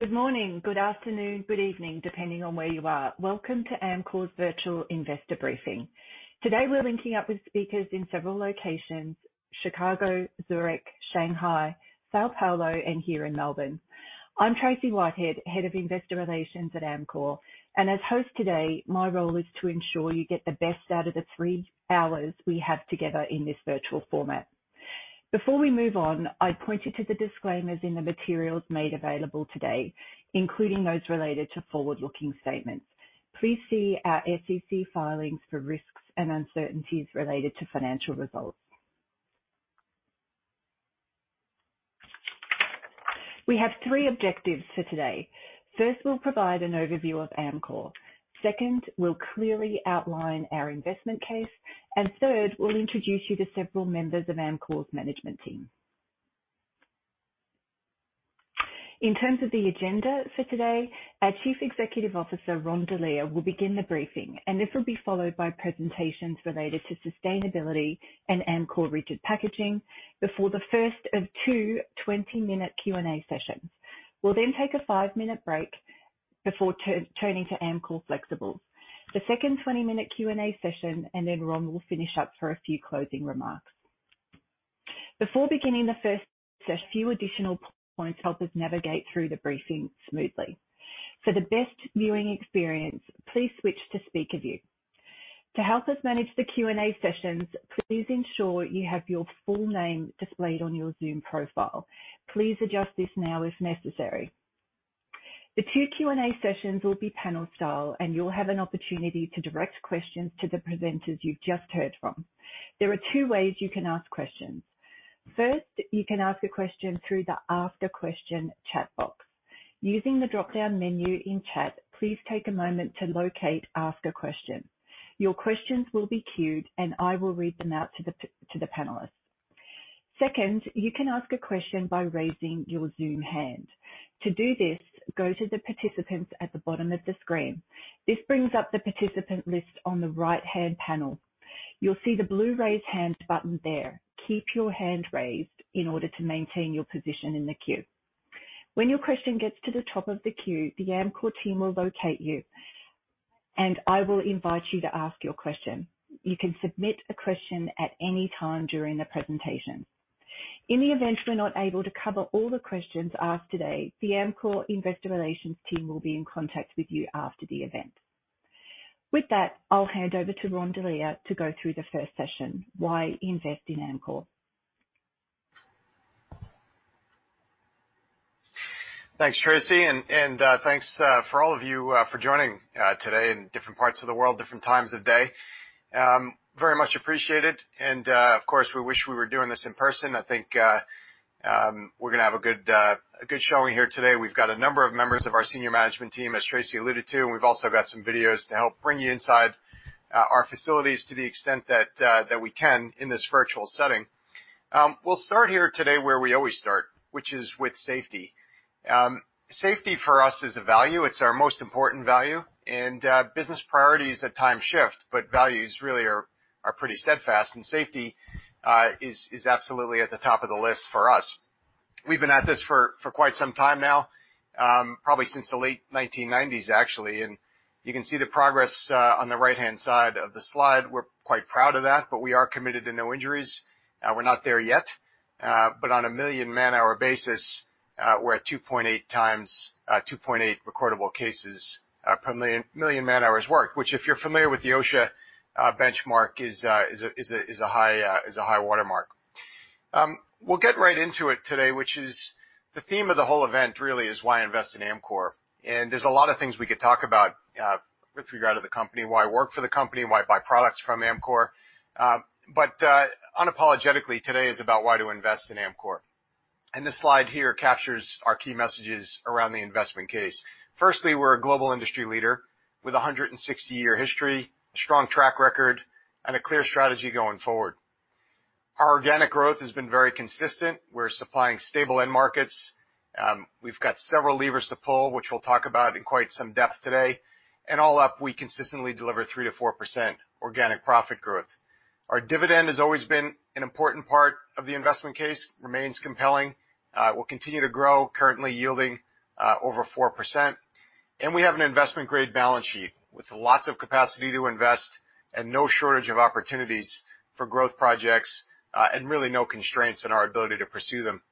Good morning, good afternoon, good evening, depending on where you are. Welcome to Amcor's virtual Investor Briefing. Today, we're linking up with speakers in several locations: Chicago, Zürich, Shanghai, São Paulo, and here in Melbourne. I'm Tracey Whitehead, head of Investor Relations at Amcor, and as host today, my role is to ensure you get the best out of the three hours we have together in this virtual format. Before we move on, I point you to the disclaimers in the materials made available today, including those related to forward-looking statements. Please see our SEC filings for risks and uncertainties related to financial results. We have three objectives for today. First, we'll provide an overview of Amcor. Second, we'll clearly outline our investment case, and third, we'll introduce you to several members of Amcor's management team. In terms of the agenda for today, our Chief Executive Officer, Ron Delia, will begin the briefing, and this will be followed by presentations related to sustainability and Amcor Rigid Packaging before the first of two 20-minute Q&A sessions. We'll then take a five-minute break before turning to Amcor Flexibles. The second 20-minute Q&A session, and then Ron will finish up for a few closing remarks. Before beginning the first, a few additional points to help us navigate through the briefing smoothly. For the best viewing experience, please switch to Speaker View. To help us manage the Q&A sessions, please ensure you have your full name displayed on your Zoom profile. Please adjust this now if necessary. The two Q&A sessions will be panel style, and you'll have an opportunity to direct questions to the presenters you've just heard from. There are two ways you can ask questions. First, you can ask a question through the Ask a Question chat box. Using the dropdown menu in Chat, please take a moment to locate Ask a Question. Your questions will be queued, and I will read them out to the panelists. Second, you can ask a question by raising your Zoom hand. To do this, go to the participants at the bottom of the screen. This brings up the participant list on the right-hand panel. You'll see the blue Raise Hand button there. Keep your hand raised in order to maintain your position in the queue. When your question gets to the top of the queue, the Amcor team will locate you, and I will invite you to ask your question. You can submit a question at any time during the presentation. In the event we're not able to cover all the questions asked today, the Amcor Investor Relations team will be in contact with you after the event. With that, I'll hand over to Ron Delia to go through the first session: Why invest in Amcor? Thanks, Tracey, and thanks for all of you for joining today in different parts of the world, different times of day. Very much appreciated, and of course, we wish we were doing this in person. I think we're gonna have a good showing here today. We've got a number of members of our senior management team, as Tracey alluded to, and we've also got some videos to help bring you inside our facilities to the extent that we can in this virtual setting. We'll start here today where we always start, which is with safety. Safety for us is a value. It's our most important value, and business priorities at times shift, but values really are pretty steadfast, and safety is absolutely at the top of the list for us. We've been at this for quite some time now, probably since the late 1990s, actually, and you can see the progress on the right-hand side of the slide. We're quite proud of that, but we are committed to no injuries. We're not there yet, but on a million-man-hour basis, we're at 2.8 recordable cases per million man-hours worked, which, if you're familiar with the OSHA benchmark, is a high-water mark. We'll get right into it today, which is the theme of the whole event, really, is: Why invest in Amcor? And there's a lot of things we could talk about with regard to the company, why work for the company, why buy products from Amcor, but unapologetically, today is about why to invest in Amcor, and this slide here captures our key messages around the investment case. Firstly, we're a global industry leader with a 160-year history, a strong track record, and a clear strategy going forward. Our organic growth has been very consistent. We're supplying stable end markets. We've got several levers to pull, which we'll talk about in quite some depth today, and all up, we consistently deliver 3%-4% organic profit growth. Our dividend has always been an important part of the investment case, remains compelling, will continue to grow, currently yielding over 4%. And we have an investment-grade balance sheet with lots of capacity to invest and no shortage of opportunities for growth projects, and really no constraints in our ability to pursue them.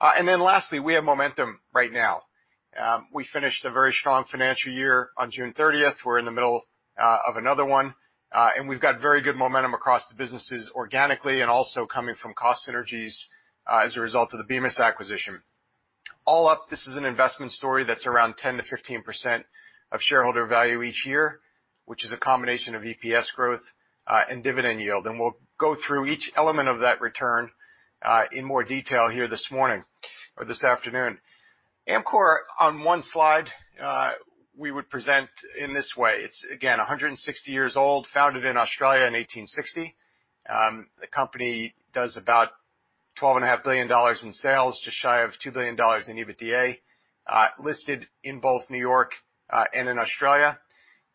And then lastly, we have momentum right now. We finished a very strong financial year on June 30th. We're in the middle of another one, and we've got very good momentum across the businesses organically and also coming from cost synergies, as a result of the Bemis acquisition. All up, this is an investment story that's around 10%-15% of shareholder value each year, which is a combination of EPS growth, and dividend yield, and we'll go through each element of that return, in more detail here this morning or this afternoon. Amcor, on one slide, we would present in this way. It's, again, 160 years old, founded in Australia in 1860. The company does about $12.5 billion in sales, just shy of $2 billion in EBITDA, listed in both New York, and in Australia,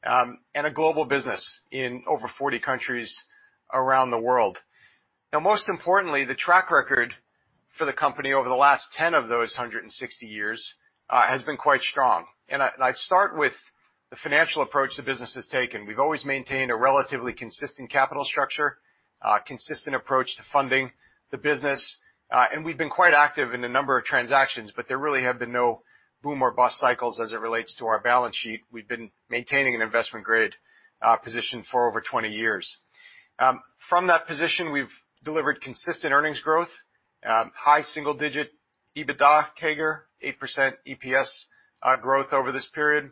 and a global business in over 40 countries around the world. Now, most importantly, the track record for the company over the last 10 of those 160 years, has been quite strong. I'd start with the financial approach the business has taken. We've always maintained a relatively consistent capital structure, consistent approach to funding the business, and we've been quite active in a number of transactions, but there really have been no boom or bust cycles as it relates to our balance sheet. We've been maintaining an investment-grade position for over 20 years. From that position, we've delivered consistent earnings growth, high single-digit EBITDA CAGR, 8% EPS growth over this period,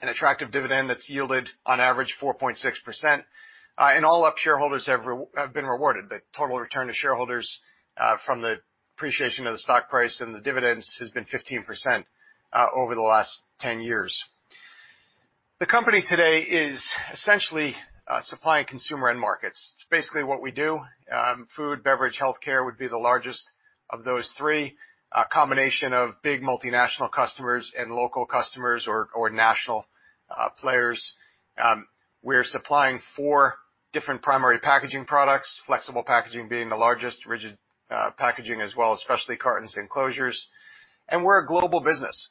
an attractive dividend that's yielded on average 4.6%. In all, our shareholders have been rewarded. The total return to shareholders from the appreciation of the stock price and the dividends has been 15% over the last 10 years. The company today is essentially supplying consumer end markets. Basically what we do, food, beverage, healthcare would be the largest of those three. A combination of big multinational customers and local customers or national players. We're supplying four different primary packaging products, flexible packaging being the largest, rigid packaging, as well as Specialty Cartons and closures, and we're a global business.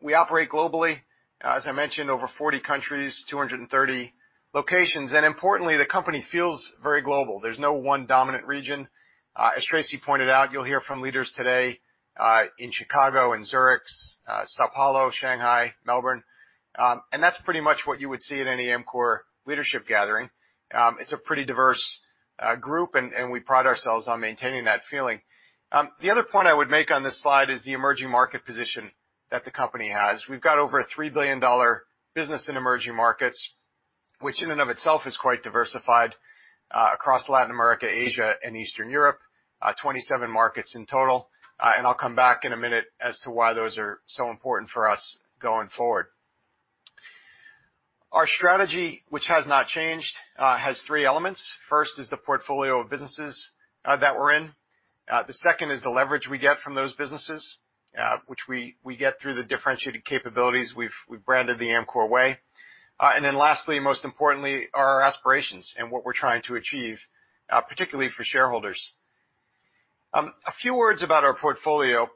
We operate globally, as I mentioned, over 40 countries, 230 locations, and importantly, the company feels very global. There's no one dominant region. As Tracey pointed out, you'll hear from leaders today in Chicago and Zürich, São Paulo, Shanghai, Melbourne, and that's pretty much what you would see at any Amcor leadership gathering. It's a pretty diverse group, and we pride ourselves on maintaining that feeling. The other point I would make on this slide is the emerging market position that the company has. We've got over a $3 billion business in emerging markets, which in and of itself is quite diversified, across Latin America, Asia, and Eastern Europe, 27 markets in total, and I'll come back in a minute as to why those are so important for us going forward. Our strategy, which has not changed, has three elements. First is the portfolio of businesses that we're in. The second is the leverage we get from those businesses, which we get through the differentiated capabilities we've branded The Amcor Way. And then lastly, and most importantly, are our aspirations and what we're trying to achieve, particularly for shareholders. A few words about our portfolio,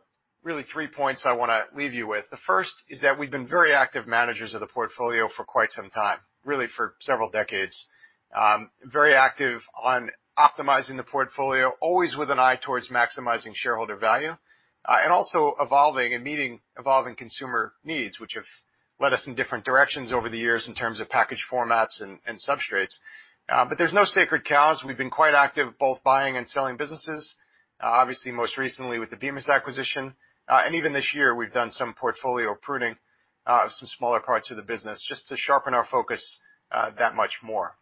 really three points I wanna leave you with. The first is that we've been very active managers of the portfolio for quite some time, really for several decades. Very active on optimizing the portfolio, always with an eye towards maximizing shareholder value, and also evolving and meeting evolving consumer needs, which have led us in different directions over the years in terms of package formats and substrates. But there's no sacred cows. We've been quite active, both buying and selling businesses, obviously, most recently with the Bemis acquisition. And even this year, we've done some portfolio pruning of some smaller parts of the business, just to sharpen our focus that much more.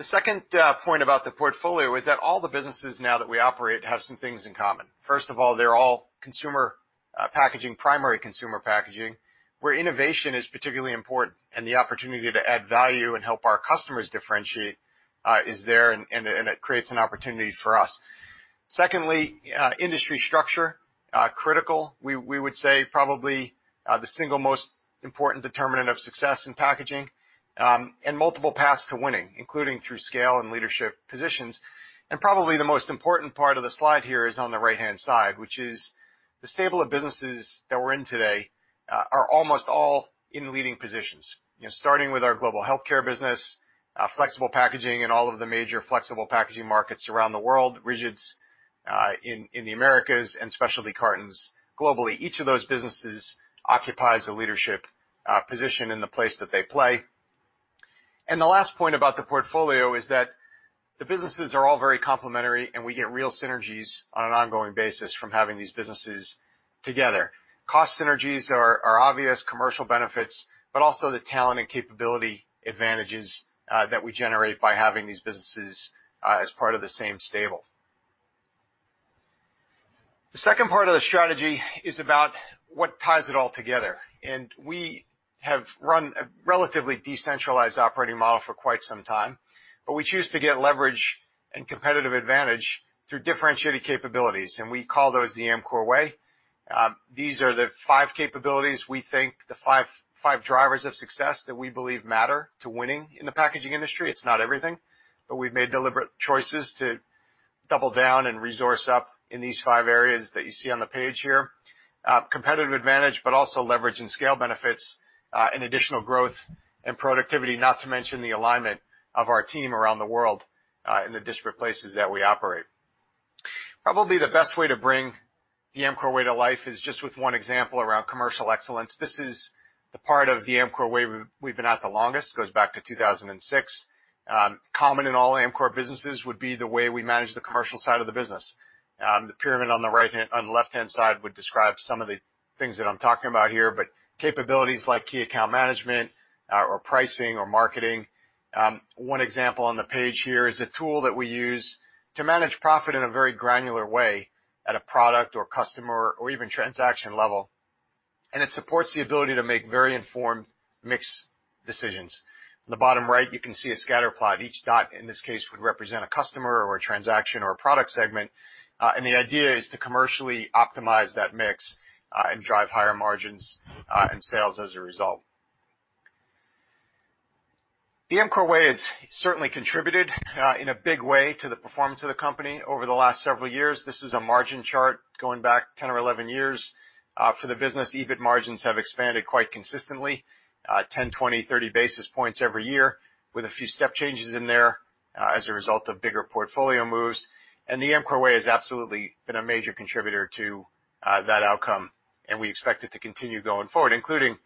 The second point about the portfolio is that all the businesses now that we operate have some things in common. First of all, they're all consumer packaging, primary consumer packaging, where innovation is particularly important, and the opportunity to add value and help our customers differentiate is there, and, and it, and it creates an opportunity for us. Secondly, industry structure, critical. We would say probably the single most important determinant of success in packaging, and multiple paths to winning, including through scale and leadership positions. And probably the most important part of the slide here is on the right-hand side, which is the stable of businesses that we're in today are almost all in leading positions. You know, starting with our global healthcare business, flexible packaging in all of the major flexible packaging markets around the world, Rigids in the Americas, and Specialty Cartons globally. Each of those businesses occupies a leadership position in the place that they play, and the last point about the portfolio is that the businesses are all very complementary, and we get real synergies on an ongoing basis from having these businesses together. Cost synergies are obvious commercial benefits, but also the talent and capability advantages that we generate by having these businesses as part of the same stable. The second part of the strategy is about what ties it all together, and we have run a relatively decentralized operating model for quite some time, but we choose to get leverage and competitive advantage through differentiated capabilities, and we call those The Amcor Way. These are the five capabilities we think the five drivers of success that we believe matter to winning in the packaging industry. It's not everything, but we've made deliberate choices to double down and resource up in these five areas that you see on the page here. Competitive advantage, but also leverage and scale benefits, and additional growth and productivity, not to mention the alignment of our team around the world, in the disparate places that we operate. Probably the best way to bring The Amcor Way to life is just with one example around Commercial Excellence. This is the part of The Amcor Way we've been at the longest, goes back to 2006. Common in all Amcor businesses would be the way we manage the commercial side of the business. The pyramid on the right hand - on the left-hand side would describe some of the things that I'm talking about here, but capabilities like key account management, or pricing, or marketing. One example on the page here is a tool that we use to manage profit in a very granular way at a product or customer or even transaction level, and it supports the ability to make very informed mix decisions. In the bottom right, you can see a scatter plot. Each dot, in this case, would represent a customer or a transaction or a product segment, and the idea is to commercially optimize that mix, and drive higher margins, and sales as a result. The Amcor Way has certainly contributed, in a big way to the performance of the company over the last several years. This is a margin chart going back 10 or 11 years. For the business, EBIT margins have expanded quite consistently, 10, 20, 30 basis points every year, with a few step changes in there, as a result of bigger portfolio moves. The Amcor Way has absolutely been a major contributor to that outcome, and we expect it to continue going forward, including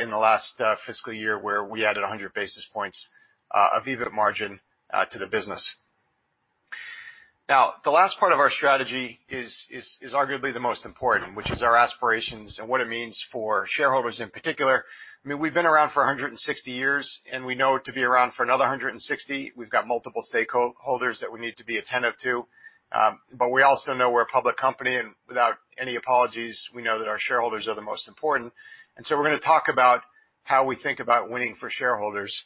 in the last fiscal year, where we added 100 basis points of EBIT margin to the business. Now, the last part of our strategy is arguably the most important, which is our aspirations and what it means for shareholders in particular. I mean, we've been around for 160 years, and we know to be around for another 160. We've got multiple stakeholders that we need to be attentive to, but we also know we're a public company, and without any apologies, we know that our shareholders are the most important, and so we're gonna talk about how we think about winning for shareholders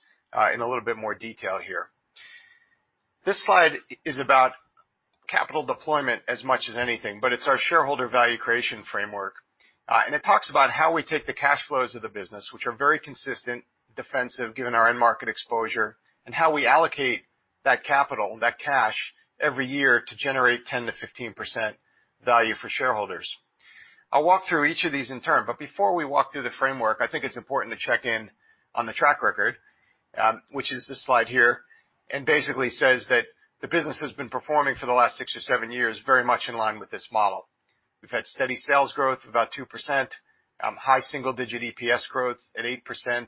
in a little bit more detail here. This slide is about capital deployment as much as anything, but it's our shareholder value creation framework, and it talks about how we take the cash flows of the business, which are very consistent, defensive, given our end market exposure, and how we allocate that capital, that cash, every year to generate 10%-15% value for shareholders. I'll walk through each of these in turn, but before we walk through the framework, I think it's important to check in on the track record, which is this slide here, and basically says that the business has been performing for the last six or seven years very much in line with this model. We've had steady sales growth of about 2%, high single digit EPS growth at 8%,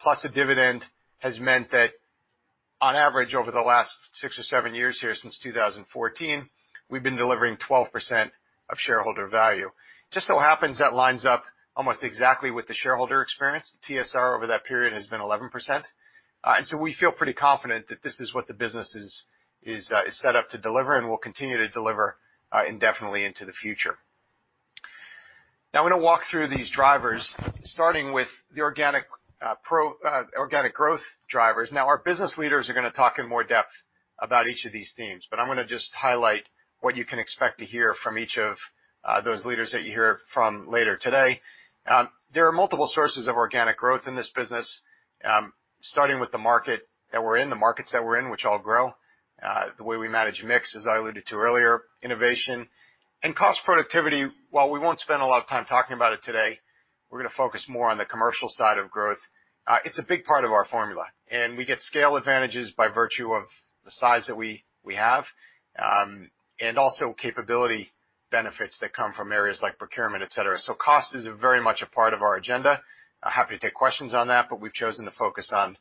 plus a dividend, has meant that on average, over the last six or seven years here since 2014, we've been delivering 12% of shareholder value. Just so happens that lines up almost exactly with the shareholder experience. TSR over that period has been 11%. And so we feel pretty confident that this is what the business is set up to deliver, and will continue to deliver indefinitely into the future. Now, I'm gonna walk through these drivers, starting with the organic growth drivers. Now, our business leaders are gonna talk in more depth about each of these themes, but I'm gonna just highlight what you can expect to hear from each of those leaders that you hear from later today. There are multiple sources of organic growth in this business, starting with the markets that we're in, which all grow, the way we manage mix, as I alluded to earlier, innovation and cost productivity, while we won't spend a lot of time talking about it today, we're gonna focus more on the commercial side of growth. It's a big part of our formula, and we get scale advantages by virtue of the size that we have, and also capability benefits that come from areas like procurement, et cetera. So cost is very much a part of our agenda. I'm happy to take questions on that, but we've chosen to focus on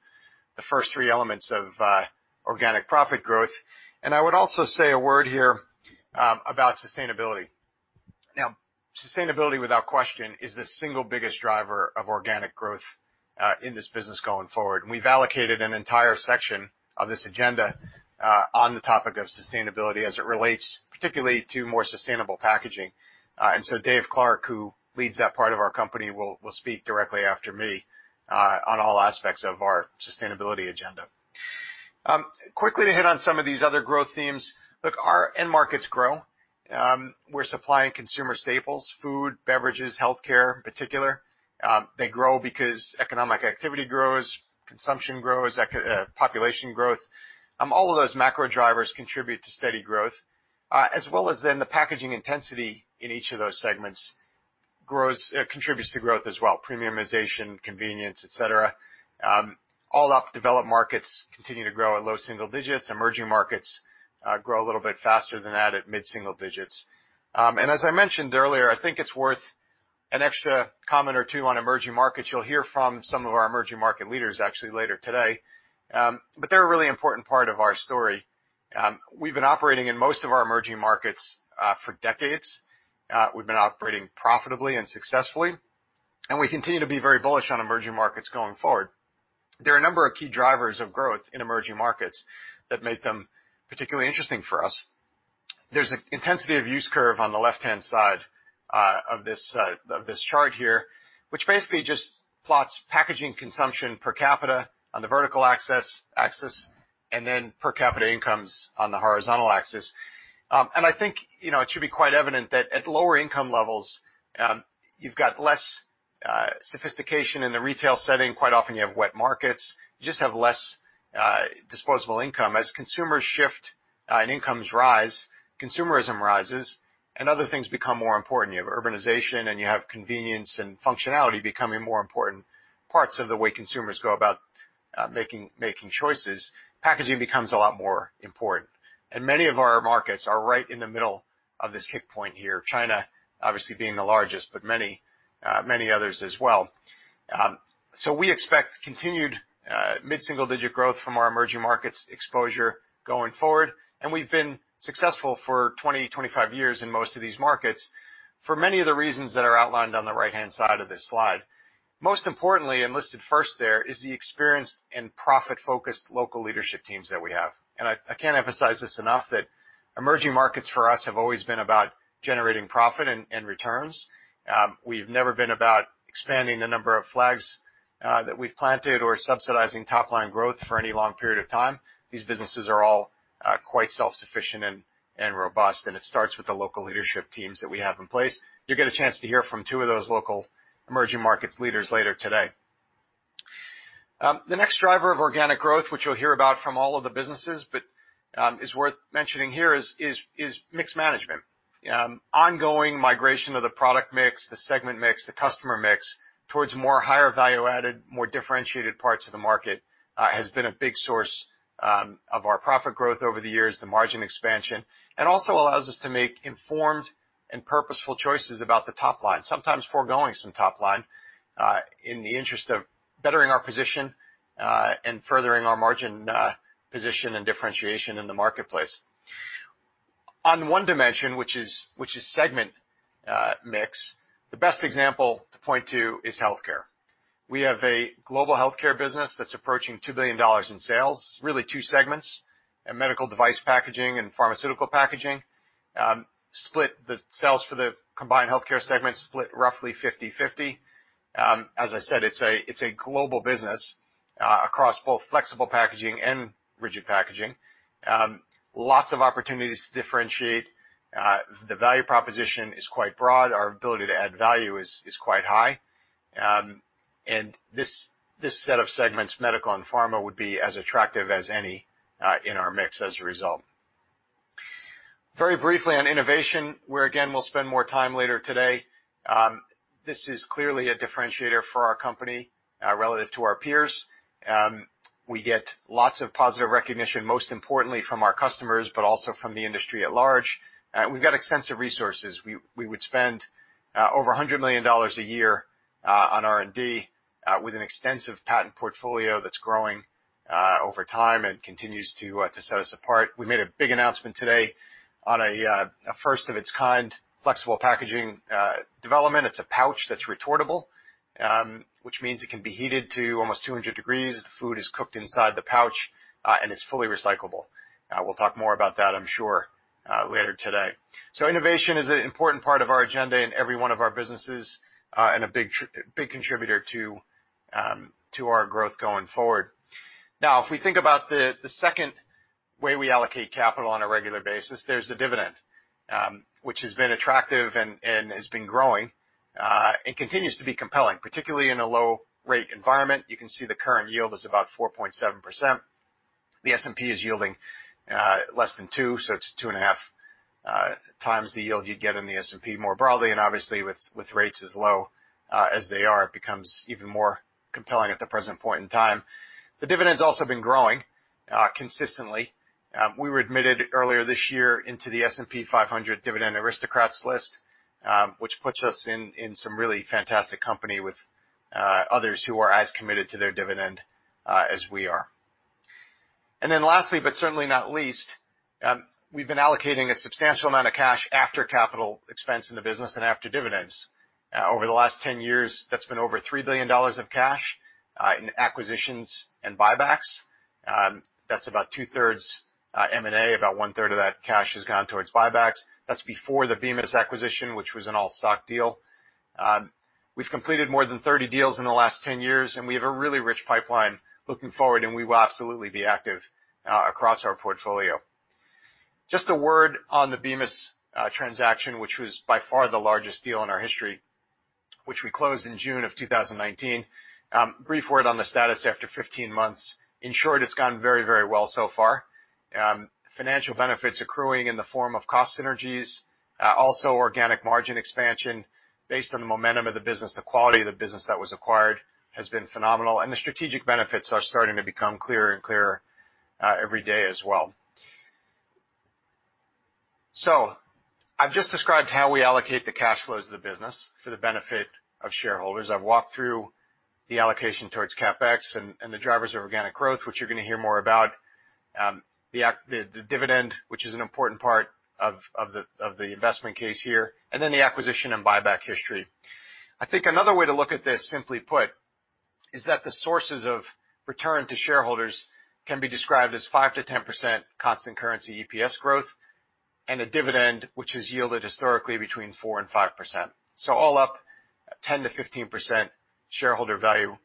the first three elements of organic profit growth. And I would also say a word here about sustainability. Now, sustainability, without question, is the single biggest driver of organic growth in this business going forward. And we've allocated an entire section of this agenda on the topic of sustainability as it relates particularly to more sustainable packaging. And so David Clark, who leads that part of our company, will speak directly after me on all aspects of our sustainability agenda. Quickly, to hit on some of these other growth themes. Look, our end markets grow. We're supplying consumer staples, food, beverages, healthcare in particular. They grow because economic activity grows, consumption grows, population growth. All of those macro drivers contribute to steady growth, as well as then the packaging intensity in each of those segments grows, contributes to growth as well, premiumization, convenience, et cetera. All up, developed markets continue to grow at low single digits. Emerging markets grow a little bit faster than that at mid-single digits, and as I mentioned earlier, I think it's worth an extra comment or two on emerging markets. You'll hear from some of our emerging market leaders actually later today, but they're a really important part of our story. We've been operating in most of our emerging markets for decades. We've been operating profitably and successfully, and we continue to be very bullish on emerging markets going forward. There are a number of key drivers of growth in emerging markets that make them particularly interesting for us. There's an intensity of use curve on the left-hand side of this chart here, which basically just plots packaging consumption per capita on the vertical axis, and then per capita incomes on the horizontal axis. And I think, you know, it should be quite evident that at lower income levels, you've got less sophistication in the retail setting. Quite often you have wet markets. You just have less disposable income. As consumers shift and incomes rise, consumerism rises, and other things become more important. You have urbanization, and you have convenience and functionality becoming more important parts of the way consumers go about making choices. Packaging becomes a lot more important, and many of our markets are right in the middle of this tipping point here, China obviously being the largest, but many others as well. So we expect continued mid-single-digit growth from our emerging markets exposure going forward, and we've been successful for 25 years in most of these markets for many of the reasons that are outlined on the right-hand side of this slide. Most importantly, and listed first there, is the experienced and profit-focused local leadership teams that we have. And I can't emphasize this enough, that emerging markets for us have always been about generating profit and returns. We've never been about expanding the number of flags that we've planted or subsidizing top-line growth for any long period of time. These businesses are all quite self-sufficient and robust, and it starts with the local leadership teams that we have in place. You'll get a chance to hear from two of those local emerging markets leaders later today. The next driver of organic growth, which you'll hear about from all of the businesses, but is worth mentioning here, is mix management. Ongoing migration of the product mix, the segment mix, the customer mix, towards more higher value-added, more differentiated parts of the market, has been a big source of our profit growth over the years, the margin expansion, and also allows us to make informed and purposeful choices about the top line, sometimes foregoing some top line in the interest of bettering our position and furthering our margin position and differentiation in the marketplace. On one dimension, which is segment mix, the best example to point to is healthcare. We have a global healthcare business that's approaching $2 billion in sales, really two segments, a medical device packaging and pharmaceutical packaging. Split the sales for the combined healthcare segment, split roughly 50-50. As I said, it's a global business across both flexible packaging and rigid packaging. Lots of opportunities to differentiate. The value proposition is quite broad. Our ability to add value is quite high. And this set of segments, medical and pharma, would be as attractive as any in our mix as a result. Very briefly on innovation, where again, we'll spend more time later today. This is clearly a differentiator for our company relative to our peers. We get lots of positive recognition, most importantly from our customers, but also from the industry at large. We've got extensive resources. We would spend over $100 million a year on R&D with an extensive patent portfolio that's growing over time and continues to set us apart. We made a big announcement today on a first of its kind flexible packaging development. It's a pouch that's retortable, which means it can be heated to almost 200 degrees. The food is cooked inside the pouch, and it's fully recyclable. We'll talk more about that, I'm sure, later today, so innovation is an important part of our agenda in every one of our businesses, and a big contributor to our growth going forward. Now, if we think about the second way we allocate capital on a regular basis, there's the dividend, which has been attractive and has been growing, and continues to be compelling, particularly in a low rate environment. You can see the current yield is about 4.7%. The S&P is yielding less than two, so it's 2.5x the yield you'd get in the S&P more broadly, and obviously, with rates as low as they are, it becomes even more compelling at the present point in time. The dividend's also been growing consistently. We were admitted earlier this year into the S&P 500 Dividend Aristocrats list, which puts us in some really fantastic company with others who are as committed to their dividend as we are. And then lastly, but certainly not least, we've been allocating a substantial amount of cash after capital expense in the business and after dividends. Over the last 10 years, that's been over $3 billion of cash in acquisitions and buybacks. That's about 2/3, M&A, about 1/3 of that cash has gone towards buybacks. That's before the Bemis acquisition, which was an all-stock deal. We've completed more than 30 deals in the last 10 years, and we have a really rich pipeline looking forward, and we will absolutely be active across our portfolio. Just a word on the Bemis transaction, which was by far the largest deal in our history, which we closed in June of 2019. Brief word on the status after 15 months. In short, it's gone very, very well so far. Financial benefits accruing in the form of cost synergies also organic margin expansion. Based on the momentum of the business, the quality of the business that was acquired has been phenomenal, and the strategic benefits are starting to become clearer and clearer every day as well. I've just described how we allocate the cash flows of the business for the benefit of shareholders. I've walked through the allocation towards CapEx and the drivers of organic growth, which you're gonna hear more about. The dividend, which is an important part of the investment case here, and then the acquisition and buyback history. I think another way to look at this, simply put, is that the sources of return to shareholders can be described as 5%-10% constant currency EPS growth, and a dividend, which has yielded historically between 4% and 5%. All up, 10-15% shareholder value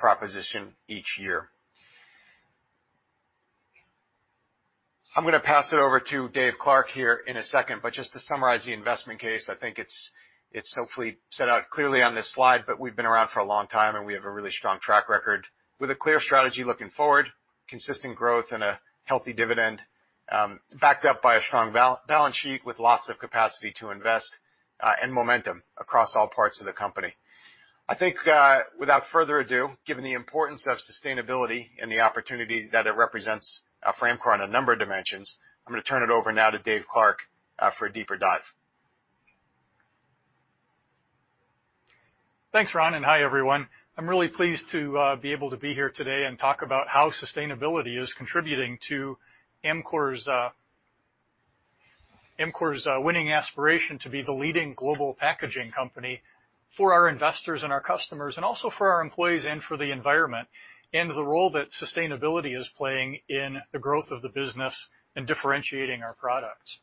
proposition each year. I'm gonna pass it over to Dave Clark here in a second, but just to summarize the investment case, I think it's hopefully set out clearly on this slide, but we've been around for a long time, and we have a really strong track record with a clear strategy looking forward, consistent growth, and a healthy dividend, backed up by a strong balance sheet with lots of capacity to invest, and momentum across all parts of the company. I think, without further ado, given the importance of sustainability and the opportunity that it represents, for Amcor on a number of dimensions, I'm gonna turn it over now to Dave Clark, for a deeper dive. Thanks, Ron, and hi, everyone. I'm really pleased to be able to be here today and talk about how sustainability is contributing to Amcor's winning aspiration to be the leading global packaging company for our investors and our customers, and also for our employees and for the environment, and the role that sustainability is playing in the growth of the business and differentiating our products.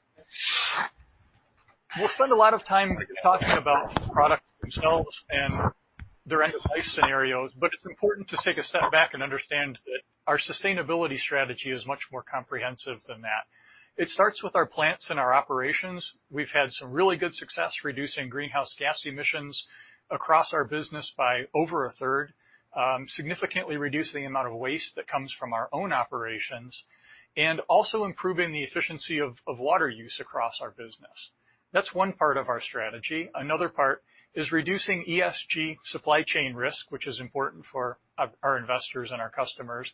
We'll spend a lot of time talking about products themselves and their end-of-life scenarios, but it's important to take a step back and understand that our sustainability strategy is much more comprehensive than that. It starts with our plants and our operations. We've had some really good success reducing greenhouse gas emissions across our business by over a third, significantly reducing the amount of waste that comes from our own operations, and also improving the efficiency of water use across our business. That's one part of our strategy. Another part is reducing ESG supply chain risk, which is important for our investors and our customers,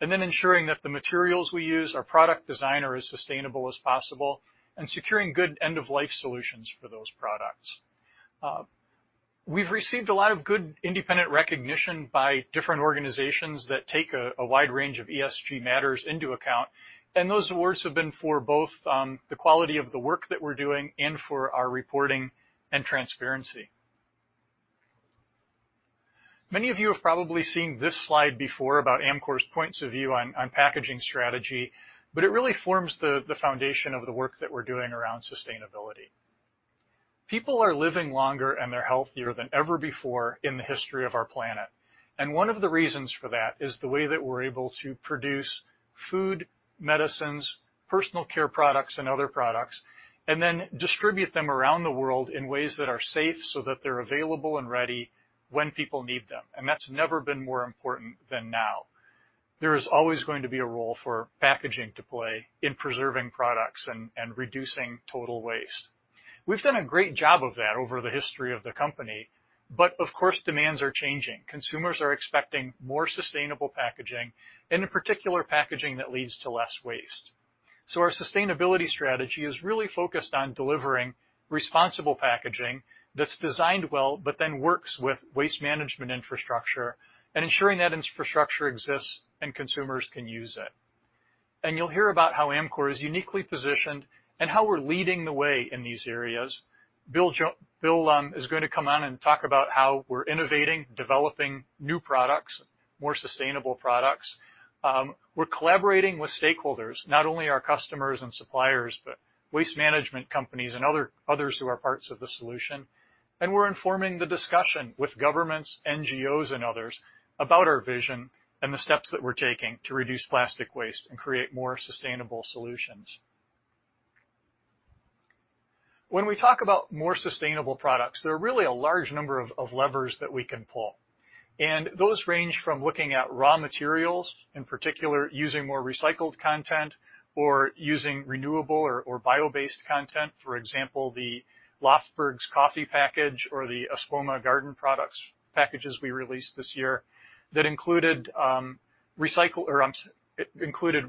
and then ensuring that the materials we use, our product design are as sustainable as possible, and securing good end-of-life solutions for those products. We've received a lot of good independent recognition by different organizations that take a wide range of ESG matters into account, and those awards have been for both, the quality of the work that we're doing and for our reporting and transparency. Many of you have probably seen this slide before about Amcor's points of view on packaging strategy, but it really forms the foundation of the work that we're doing around sustainability. People are living longer, and they're healthier than ever before in the history of our planet. And one of the reasons for that is the way that we're able to produce food, medicines, personal care products, and other products, and then distribute them around the world in ways that are safe so that they're available and ready when people need them, and that's never been more important than now. There is always going to be a role for packaging to play in preserving products and reducing total waste. We've done a great job of that over the history of the company, but of course, demands are changing. Consumers are expecting more sustainable packaging, and in particular, packaging that leads to less waste. So our sustainability strategy is really focused on delivering responsible packaging that's designed well, but then works with waste management infrastructure and ensuring that infrastructure exists and consumers can use it. And you'll hear about how Amcor is uniquely positioned and how we're leading the way in these areas. Bill is going to come on and talk about how we're innovating, developing new products, more sustainable products. We're collaborating with stakeholders, not only our customers and suppliers, but waste management companies and others who are parts of the solution. And we're informing the discussion with governments, NGOs, and others about our vision and the steps that we're taking to reduce plastic waste and create more sustainable solutions. When we talk about more sustainable products, there are really a large number of levers that we can pull. And those range from looking at raw materials, in particular, using more recycled content or using renewable or bio-based content. For example, the Löfbergs coffee package or the Espoma garden products packages we released this year that included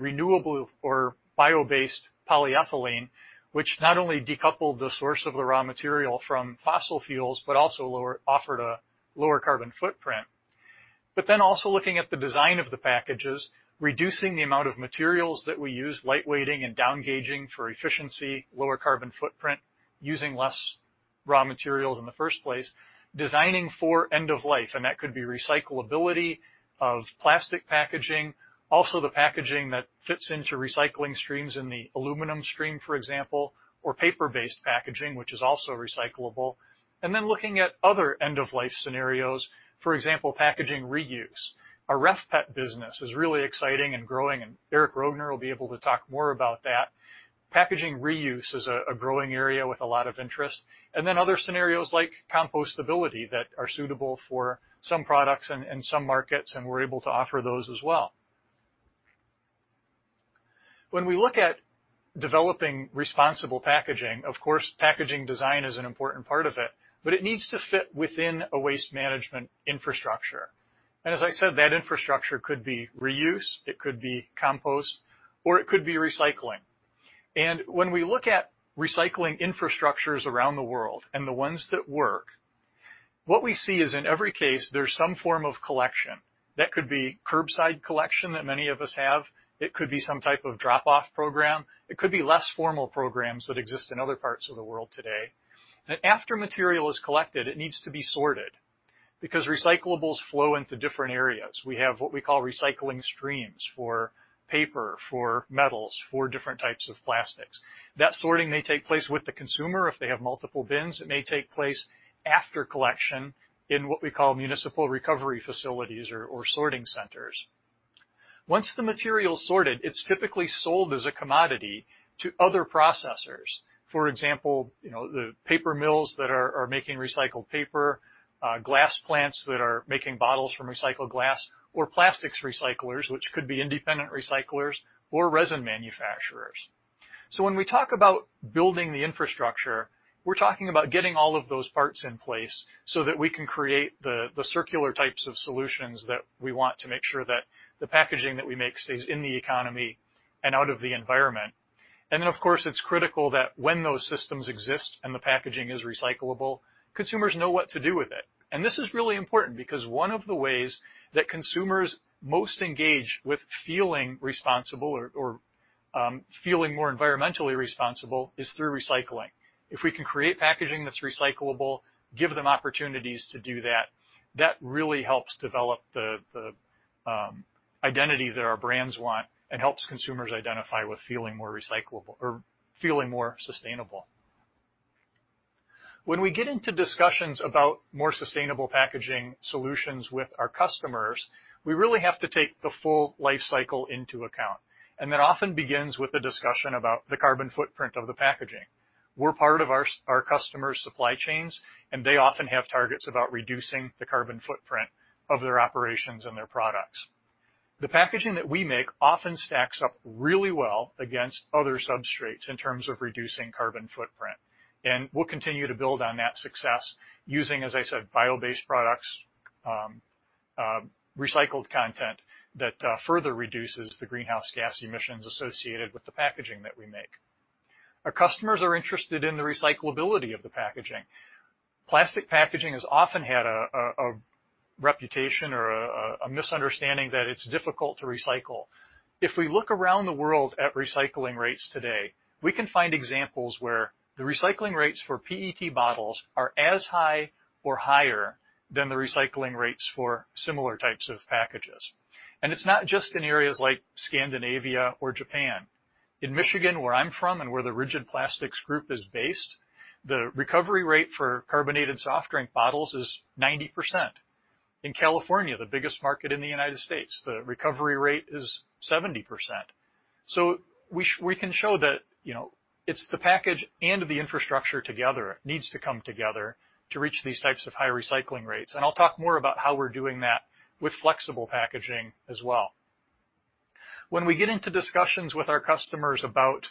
renewable or bio-based polyethylene, which not only decoupled the source of the raw material from fossil fuels, but also offered a lower carbon footprint. But then also looking at the design of the packages, reducing the amount of materials that we use, lightweighting and down gauging for efficiency, lower carbon footprint, using less raw materials in the first place, designing for end of life, and that could be recyclability of plastic packaging, also the packaging that fits into recycling streams in the aluminum stream, for example, or paper-based packaging, which is also recyclable, and then looking at other end-of-life scenarios, for example, packaging reuse. Our RefPET business is really exciting and growing, and Eric Roegner will be able to talk more about that. Packaging reuse is a growing area with a lot of interest, and then other scenarios like compostability that are suitable for some products and some markets, and we're able to offer those as well. When we look at developing responsible packaging, of course, packaging design is an important part of it, but it needs to fit within a waste management infrastructure. And as I said, that infrastructure could be reuse, it could be compost, or it could be recycling. And when we look at recycling infrastructures around the world and the ones that work, what we see is in every case, there's some form of collection. That could be curbside collection that many of us have. It could be some type of drop-off program. It could be less formal programs that exist in other parts of the world today. And after material is collected, it needs to be sorted because recyclables flow into different areas. We have what we call recycling streams for paper, for metals, for different types of plastics. That sorting may take place with the consumer if they have multiple bins. It may take place after collection in what we call municipal recovery facilities or sorting centers. Once the material is sorted, it's typically sold as a commodity to other processors. For example, you know, the paper mills that are making recycled paper, glass plants that are making bottles from recycled glass, or plastics recyclers, which could be independent recyclers or resin manufacturers. So when we talk about building the infrastructure, we're talking about getting all of those parts in place so that we can create the circular types of solutions that we want to make sure that the packaging that we make stays in the economy and out of the environment, and then, of course, it's critical that when those systems exist and the packaging is recyclable, consumers know what to do with it. This is really important because one of the ways that consumers most engage with feeling responsible or feeling more environmentally responsible is through recycling. If we can create packaging that's recyclable, give them opportunities to do that. That really helps develop the identity that our brands want and helps consumers identify with feeling more recyclable or feeling more sustainable. When we get into discussions about more sustainable packaging solutions with our customers, we really have to take the full life cycle into account. That often begins with a discussion about the carbon footprint of the packaging. We're part of our customers' supply chains, and they often have targets about reducing the carbon footprint of their operations and their products. The packaging that we make often stacks up really well against other substrates in terms of reducing carbon footprint, and we'll continue to build on that success using, as I said, bio-based products, recycled content that further reduces the greenhouse gas emissions associated with the packaging that we make. Our customers are interested in the recyclability of the packaging. Plastic packaging has often had a reputation or a misunderstanding that it's difficult to recycle. If we look around the world at recycling rates today, we can find examples where the recycling rates for PET bottles are as high or higher than the recycling rates for similar types of packages. It's not just in areas like Scandinavia or Japan. In Michigan, where I'm from and where the Rigid Plastics group is based, the recovery rate for carbonated soft drink bottles is 90%. In California, the biggest market in the United States, the recovery rate is 70%. So we can show that, you know, it's the package and the infrastructure together, needs to come together to reach these types of high recycling rates. And I'll talk more about how we're doing that with flexible packaging as well. When we get into discussions with our customers about,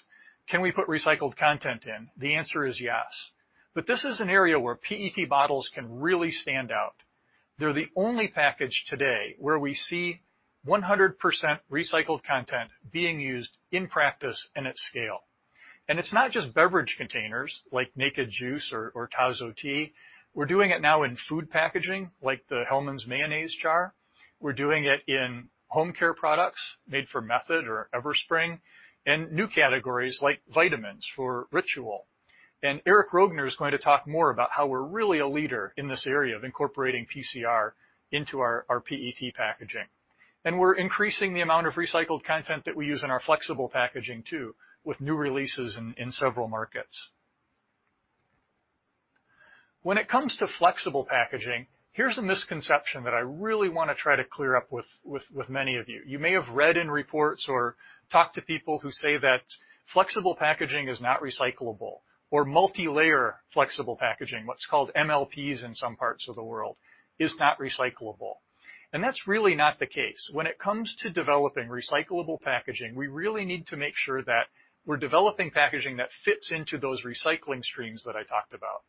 "Can we put recycled content in?" The answer is yes. But this is an area where PET bottles can really stand out. They're the only package today where we see 100% recycled content being used in practice and at scale. And it's not just beverage containers like Naked Juice or TAZO Tea. We're doing it now in food packaging, like the Hellmann's Mayonnaise jar. We're doing it in home care products made for Method or Everspring, and new categories like vitamins for Ritual. Eric Roegner is going to talk more about how we're really a leader in this area of incorporating PCR into our PET packaging. We're increasing the amount of recycled content that we use in our flexible packaging, too, with new releases in several markets. When it comes to flexible packaging, here's a misconception that I really want to try to clear up with many of you. You may have read in reports or talked to people who say that flexible packaging is not recyclable or multilayer flexible packaging, what's called MLPs in some parts of the world, is not recyclable. That's really not the case. When it comes to developing recyclable packaging, we really need to make sure that we're developing packaging that fits into those recycling streams that I talked about.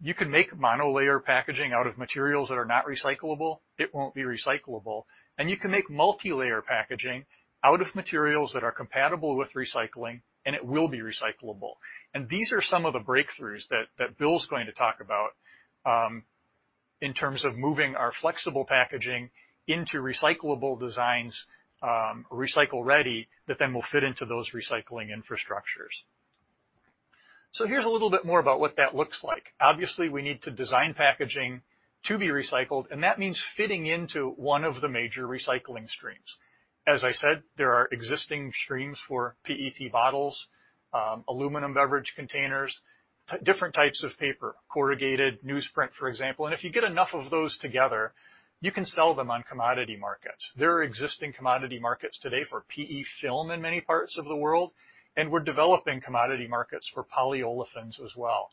You can make monolayer packaging out of materials that are not recyclable. It won't be recyclable. And you can make multilayer packaging out of materials that are compatible with recycling, and it will be recyclable. And these are some of the breakthroughs that Bill's going to talk about, in terms of moving our flexible packaging into recyclable designs, recycle-ready, that then will fit into those recycling infrastructures. So here's a little bit more about what that looks like. Obviously, we need to design packaging to be recycled, and that means fitting into one of the major recycling streams. As I said, there are existing streams for PET bottles, aluminum beverage containers, different types of paper, corrugated, newsprint, for example. And if you get enough of those together, you can sell them on commodity markets. There are existing commodity markets today for PE film in many parts of the world, and we're developing commodity markets for polyolefins as well.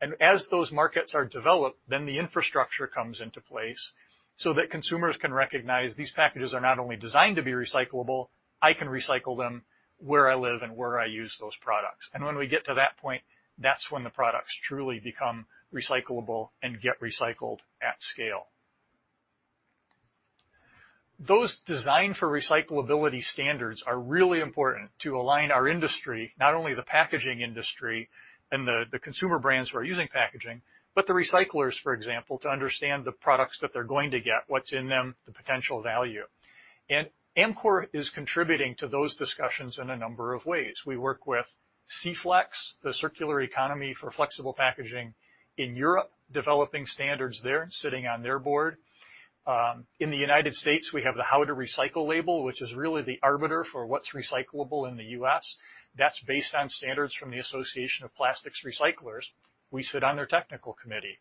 And as those markets are developed, then the infrastructure comes into place so that consumers can recognize these packages are not only designed to be recyclable, I can recycle them where I live and where I use those products. And when we get to that point, that's when the products truly become recyclable and get recycled at scale. Those designed for recyclability standards are really important to align our industry, not only the packaging industry and the consumer brands who are using packaging, but the recyclers, for example, to understand the products that they're going to get, what's in them, the potential value. And Amcor is contributing to those discussions in a number of ways. We work with CEFLEX, the Circular Economy for Flexible Packaging in Europe, developing standards there, sitting on their board. In the United States, we have the How2Recycle label, which is really the arbiter for what's recyclable in the U.S. That's based on standards from the Association of Plastics Recyclers. We sit on their technical committee.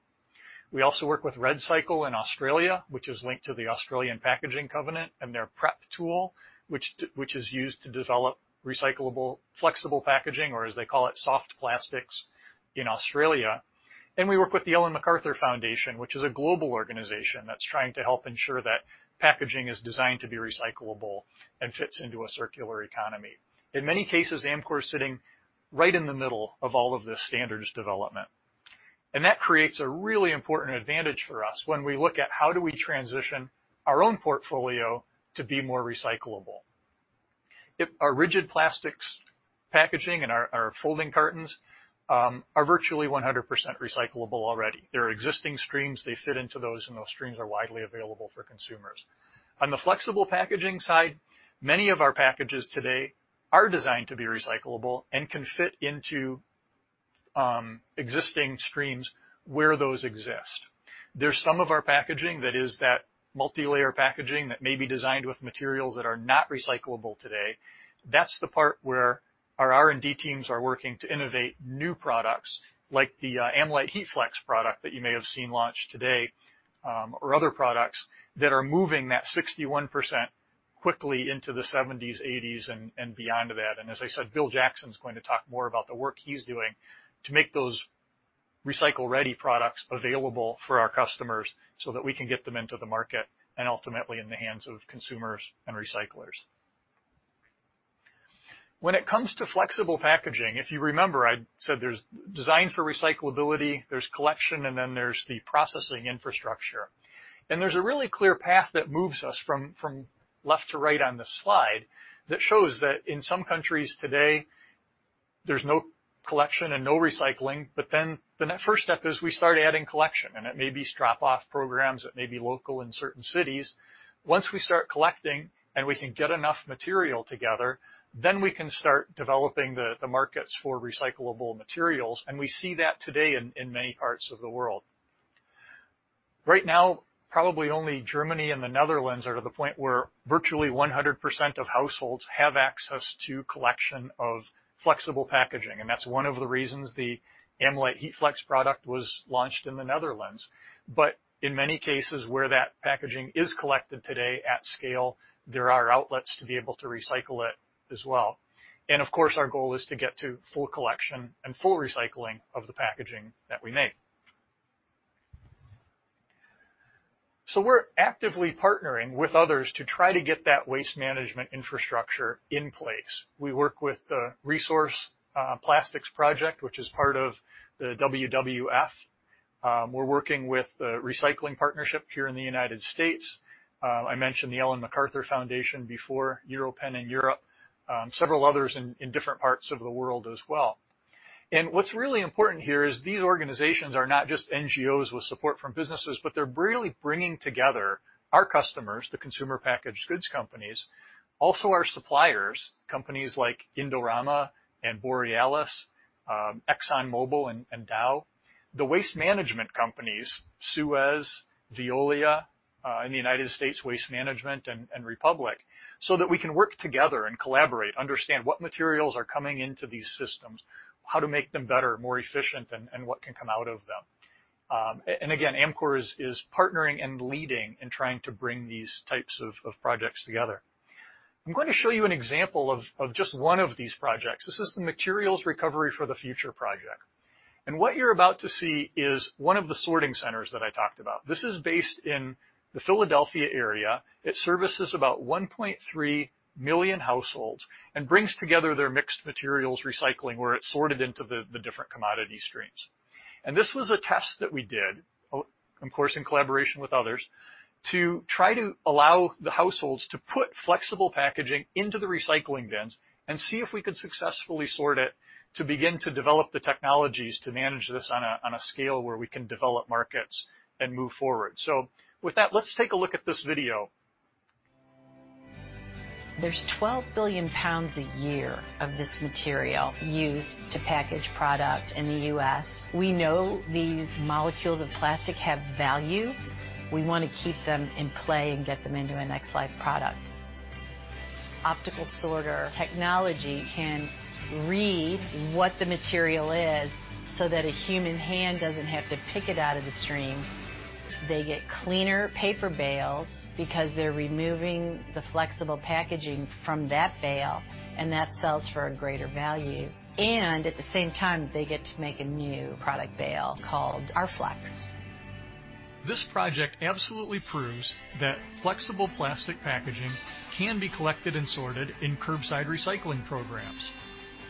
We also work with REDcycle in Australia, which is linked to the Australian Packaging Covenant and their PREP tool, which is used to develop recyclable, flexible packaging, or as they call it, soft plastics in Australia, and we work with the Ellen MacArthur Foundation, which is a global organization that's trying to help ensure that packaging is designed to be recyclable and fits into a circular economy. In many cases, Amcor is sitting right in the middle of all of this standards development, and that creates a really important advantage for us when we look at how do we transition our own portfolio to be more recyclable. If our rigid plastics packaging and our folding cartons are virtually 100% recyclable already, there are existing streams, they fit into those, and those streams are widely available for consumers. On the flexible packaging side, many of our packages today are designed to be recyclable and can fit into existing streams where those exist. There's some of our packaging that is that multilayer packaging that may be designed with materials that are not recyclable today. That's the part where our R&D teams are working to innovate new products, like the AmLite HeatFlex product that you may have seen launched today, or other products that are moving that 61% quickly into the 70s, 80s, and beyond that. As I said, Bill Jackson's going to talk more about the work he's doing to make those recycle-ready products available for our customers so that we can get them into the market and ultimately in the hands of consumers and recyclers. When it comes to flexible packaging, if you remember, I said there's design for recyclability, there's collection, and then there's the processing infrastructure. And there's a really clear path that moves us from left to right on this slide that shows that in some countries today, there's no collection and no recycling, but then the first step is we start adding collection, and it may be drop-off programs, it may be local in certain cities. Once we start collecting and we can get enough material together, then we can start developing the markets for recyclable materials, and we see that today in many parts of the world. Right now, probably only Germany and the Netherlands are to the point where virtually 100% of households have access to collection of flexible packaging, and that's one of the reasons the AmLite HeatFlex product was launched in the Netherlands, but in many cases, where that packaging is collected today at scale, there are outlets to be able to recycle it as well, and of course, our goal is to get to full collection and full recycling of the packaging that we make, so we're actively partnering with others to try to get that waste management infrastructure in place. We work with the ReSource: Plastic project, which is part of the WWF. We're working with The Recycling Partnership here in the United States. I mentioned the Ellen MacArthur Foundation before, EUROPEN in Europe, several others in different parts of the world as well. And what's really important here is these organizations are not just NGOs with support from businesses, but they're really bringing together our customers, the consumer packaged goods companies, also our suppliers, companies like Indorama and Borealis, ExxonMobil and Dow. The waste management companies, SUEZ, Veolia, in the United States, Waste Management and Republic, so that we can work together and collaborate, understand what materials are coming into these systems, how to make them better, more efficient, and what can come out of them. And again, Amcor is partnering and leading in trying to bring these types of projects together. I'm going to show you an example of just one of these projects. This is the Materials Recovery for the Future project. And what you're about to see is one of the sorting centers that I talked about. This is based in the Philadelphia area. It services about 1.3 million households and brings together their mixed materials recycling, where it's sorted into the different commodity streams. And this was a test that we did, of course, in collaboration with others, to try to allow the households to put flexible packaging into the recycling bins and see if we could successfully sort it to begin to develop the technologies to manage this on a scale where we can develop markets and move forward. So with that, let's take a look at this video. There's 12 billion lbs a year of this material used to package product in the U.S. We know these molecules of plastic have value. We want to keep them in play and get them into a next life product. Optical sorter technology can read what the material is so that a human hand doesn't have to pick it out of the stream. They get cleaner paper bales because they're removing the flexible packaging from that bale, and that sells for a greater value. And at the same time, they get to make a new product bale called rFlex. This project absolutely proves that flexible plastic packaging can be collected and sorted in curbside recycling programs.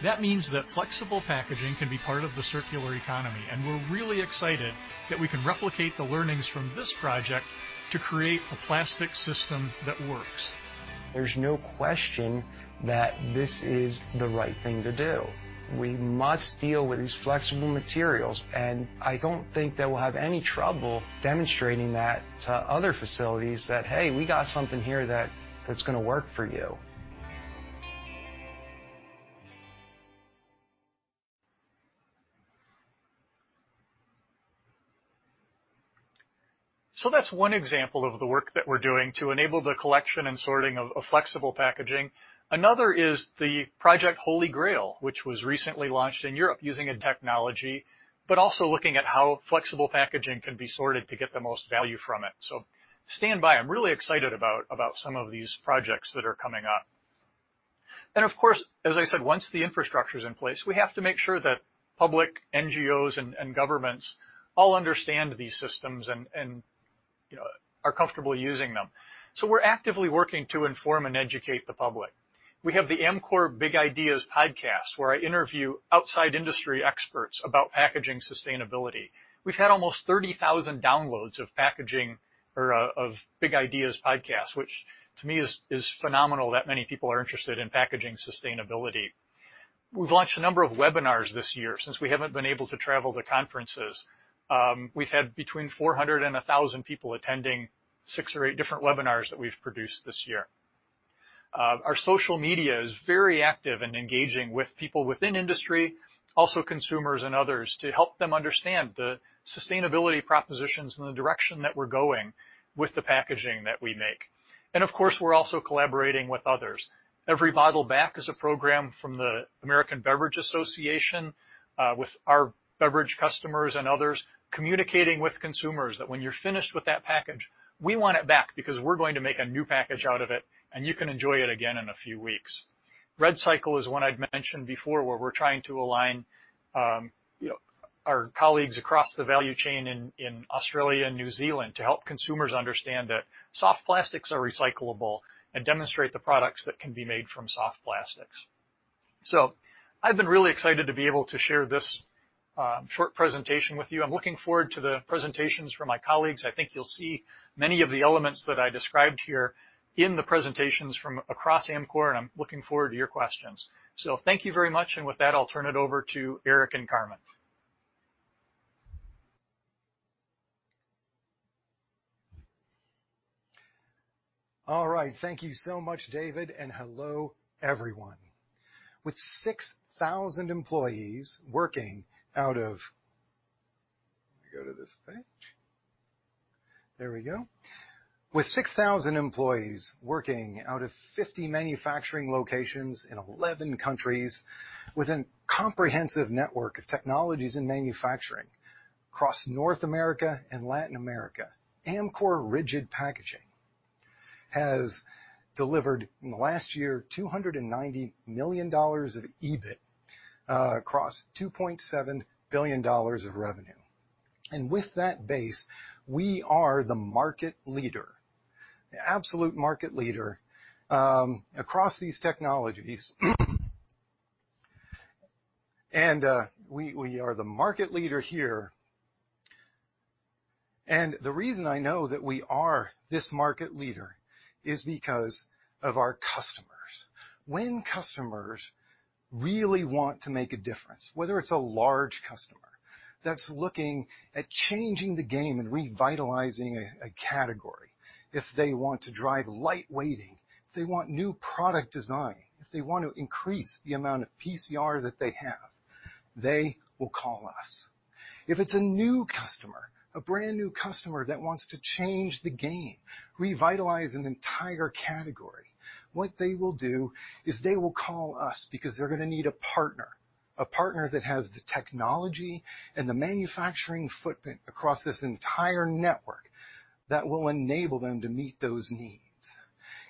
That means that flexible packaging can be part of the circular economy, and we're really excited that we can replicate the learnings from this project to create a plastic system that works. There's no question that this is the right thing to do. We must deal with these flexible materials, and I don't think that we'll have any trouble demonstrating that to other facilities that, hey, we got something here that, that's gonna work for you. That's one example of the work that we're doing to enable the collection and sorting of flexible packaging. Another is the project HolyGrail, which was recently launched in Europe using a technology, but also looking at how flexible packaging can be sorted to get the most value from it. So stand by. I'm really excited about some of these projects that are coming up. And of course, as I said, once the infrastructure is in place, we have to make sure that public, NGOs, and governments all understand these systems and, you know, are comfortable using them. So we're actively working to inform and educate the public. We have the Amcor Big Ideas Podcast, where I interview outside industry experts about packaging sustainability. We've had almost 30 thousand downloads of packaging of Big Ideas Podcasts, which to me is phenomenal that many people are interested in packaging sustainability. We've launched a number of webinars this year, since we haven't been able to travel to conferences. We've had between 400 and 1,000 people attending six or eight different webinars that we've produced this year. Our social media is very active in engaging with people within industry, also consumers and others, to help them understand the sustainability propositions and the direction that we're going with the packaging that we make. And of course, we're also collaborating with others. Every Bottle Back is a program from the American Beverage Association with our beverage customers and others, communicating with consumers that when you're finished with that package, we want it back because we're going to make a new package out of it, and you can enjoy it again in a few weeks. REDcycle is one I'd mentioned before, where we're trying to align you know our colleagues across the value chain in Australia and New Zealand to help consumers understand that soft plastics are recyclable, and demonstrate the products that can be made from soft plastics. So I've been really excited to be able to share this short presentation with you. I'm looking forward to the presentations from my colleagues. I think you'll see many of the elements that I described here in the presentations from across Amcor, and I'm looking forward to your questions. Thank you very much, and with that, I'll turn it over to Eric and Carmen. All right. Thank you so much, David, and hello, everyone. With 6,000 employees working out of 50 manufacturing locations in 11 countries, with a comprehensive network of technologies and manufacturing across North America and Latin America, Amcor Rigid Packaging has delivered, in the last year, $290 million of EBIT across $2.7 billion of revenue. And with that base, we are the market leader, the absolute market leader, across these technologies. And we are the market leader here. And the reason I know that we are this market leader is because of our customers. When customers really want to make a difference, whether it's a large customer that's looking at changing the game and revitalizing a category, if they want to drive lightweighting, if they want new product design, if they want to increase the amount of PCR that they have, they will call us. If it's a new customer, a brand-new customer that wants to change the game, revitalize an entire category, what they will do is they will call us because they're gonna need a partner. A partner that has the technology and the manufacturing footprint across this entire network that will enable them to meet those needs,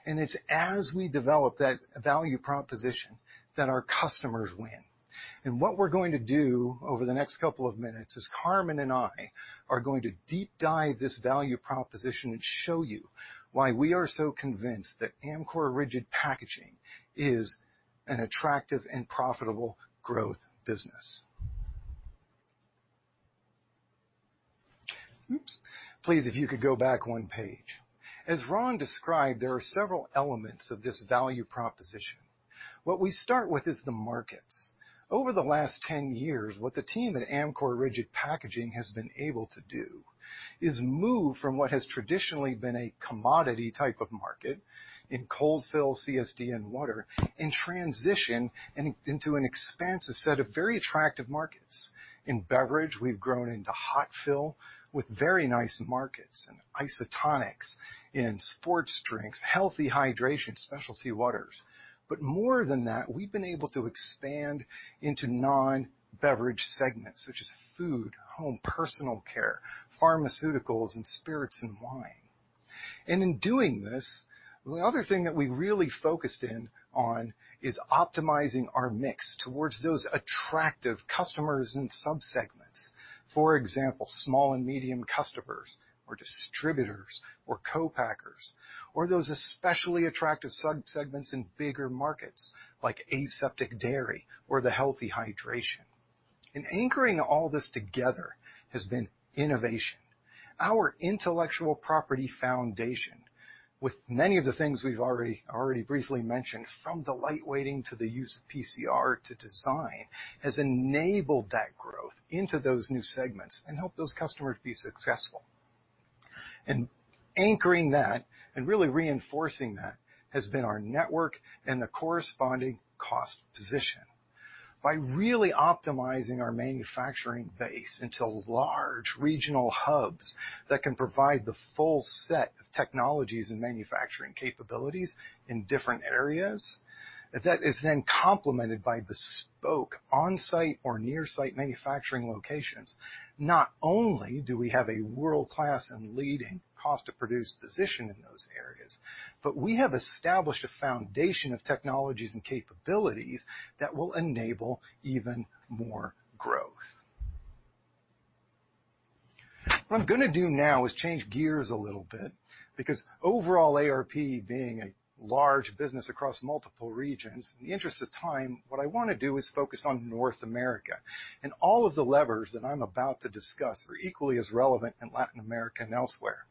and it's as we develop that value proposition, that our customers win. What we're going to do over the next couple of minutes is, Carmen and I are going to deep dive this value proposition and show you why we are so convinced that Amcor Rigid Packaging is an attractive and profitable growth business. Oops! Please, if you could go back one page. As Ron described, there are several elements of this value proposition. What we start with is the markets. Over the last 10 years, what the team at Amcor Rigid Packaging has been able to do is move from what has traditionally been a commodity type of market in cold fill, CSD, and water, and transition in, into an expansive set of very attractive markets. In Beverage, we've grown into hot fill with very nice markets, in isotonics, in sports drinks, healthy hydration, specialty waters. But more than that, we've been able to expand into non-beverage segments, such as food, home, personal care, pharmaceuticals, and spirits and wine. And in doing this, the other thing that we really focused in on is optimizing our mix towards those attractive customers and subsegments. For example, small and medium customers or distributors or co-packers, or those especially attractive subsegments in bigger markets, like aseptic dairy or the healthy hydration. And anchoring all this together has been innovation. Our intellectual property foundation, with many of the things we've already briefly mentioned, from the lightweighting to the use of PCR to design, has enabled that growth into those new segments and helped those customers be successful. And anchoring that and really reinforcing that, has been our network and the corresponding cost position. By really optimizing our manufacturing base into large regional hubs that can provide the full set of technologies and manufacturing capabilities in different areas, that is then complemented by bespoke on-site or near-site manufacturing locations, not only do we have a world-class and leading cost to produce position in those areas, but we have established a foundation of technologies and capabilities that will enable even more growth. What I'm gonna do now is change gears a little bit, because overall, ARP being a large business across multiple regions, in the interest of time, what I wanna do is focus on North America, and all of the levers that I'm about to discuss are equally as relevant in Latin America and elsewhere,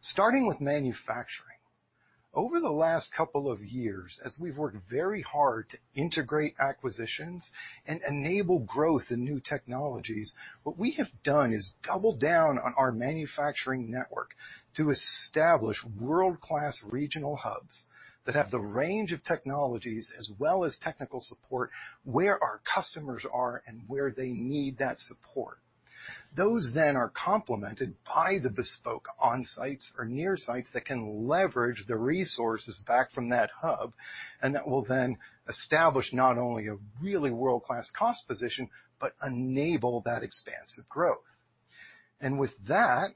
starting with manufacturing. Over the last couple of years, as we've worked very hard to integrate acquisitions and enable growth in new technologies, what we have done is double down on our manufacturing network to establish world-class regional hubs that have the range of technologies as well as technical support, where our customers are and where they need that support. Those then are complemented by the bespoke on-sites or near sites that can leverage the resources back from that hub, and that will then establish not only a really world-class cost position, but enable that expansive growth. And with that,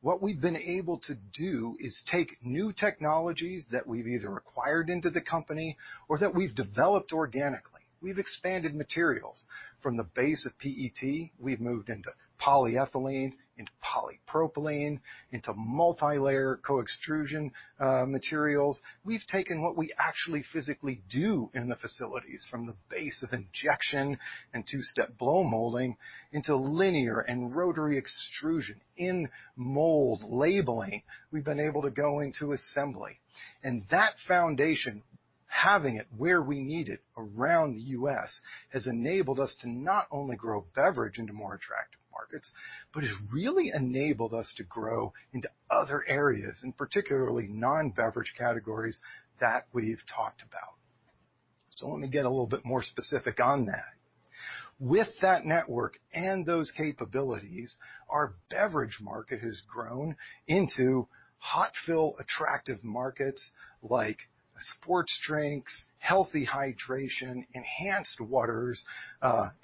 what we've been able to do is take new technologies that we've either acquired into the company or that we've developed organically. We've expanded materials from the base of PET, we've moved into polyethylene, into polypropylene, into multilayer coextrusion, materials. We've taken what we actually physically do in the facilities from the base of injection and two-step blow molding into linear and rotary extrusion. In-mold labeling, we've been able to go into assembly, and that foundation, having it where we need it around the U.S., has enabled us to not only grow beverage into more attractive markets, but it's really enabled us to grow into other areas, and particularly, non-beverage categories that we've talked about, so let me get a little bit more specific on that. With that network and those capabilities, our beverage market has grown into hot fill, attractive markets like sports drinks, healthy hydration, enhanced waters,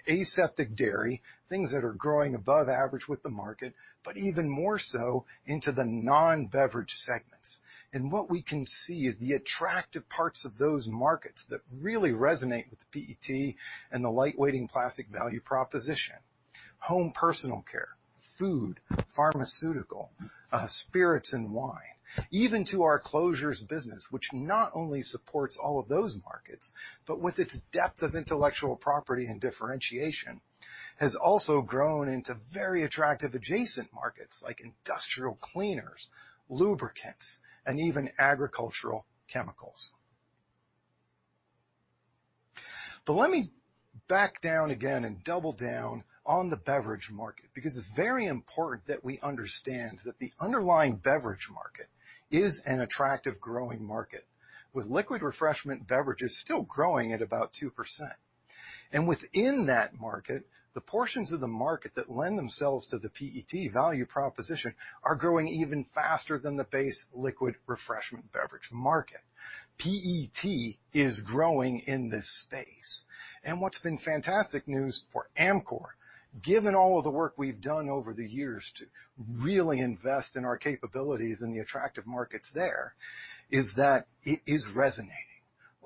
aseptic dairy, things that are growing above average with the market, but even more so into the non-beverage segments. What we can see is the attractive parts of those markets that really resonate with the PET and the lightweighting plastic value proposition. Home personal care, food, pharmaceutical, spirits and wine, even to our closures business, which not only supports all of those markets, but with its depth of intellectual property and differentiation, has also grown into very attractive adjacent markets like industrial cleaners, lubricants, and even agricultural chemicals. Let me back down again and double down on the beverage market, because it's very important that we understand that the underlying beverage market is an attractive growing market, with liquid refreshment beverages still growing at about 2%. Within that market, the portions of the market that lend themselves to the PET value proposition are growing even faster than the base liquid refreshment beverage market. PET is growing in this space, and what's been fantastic news for Amcor, given all of the work we've done over the years to really invest in our capabilities and the attractive markets there, is that it is resonating.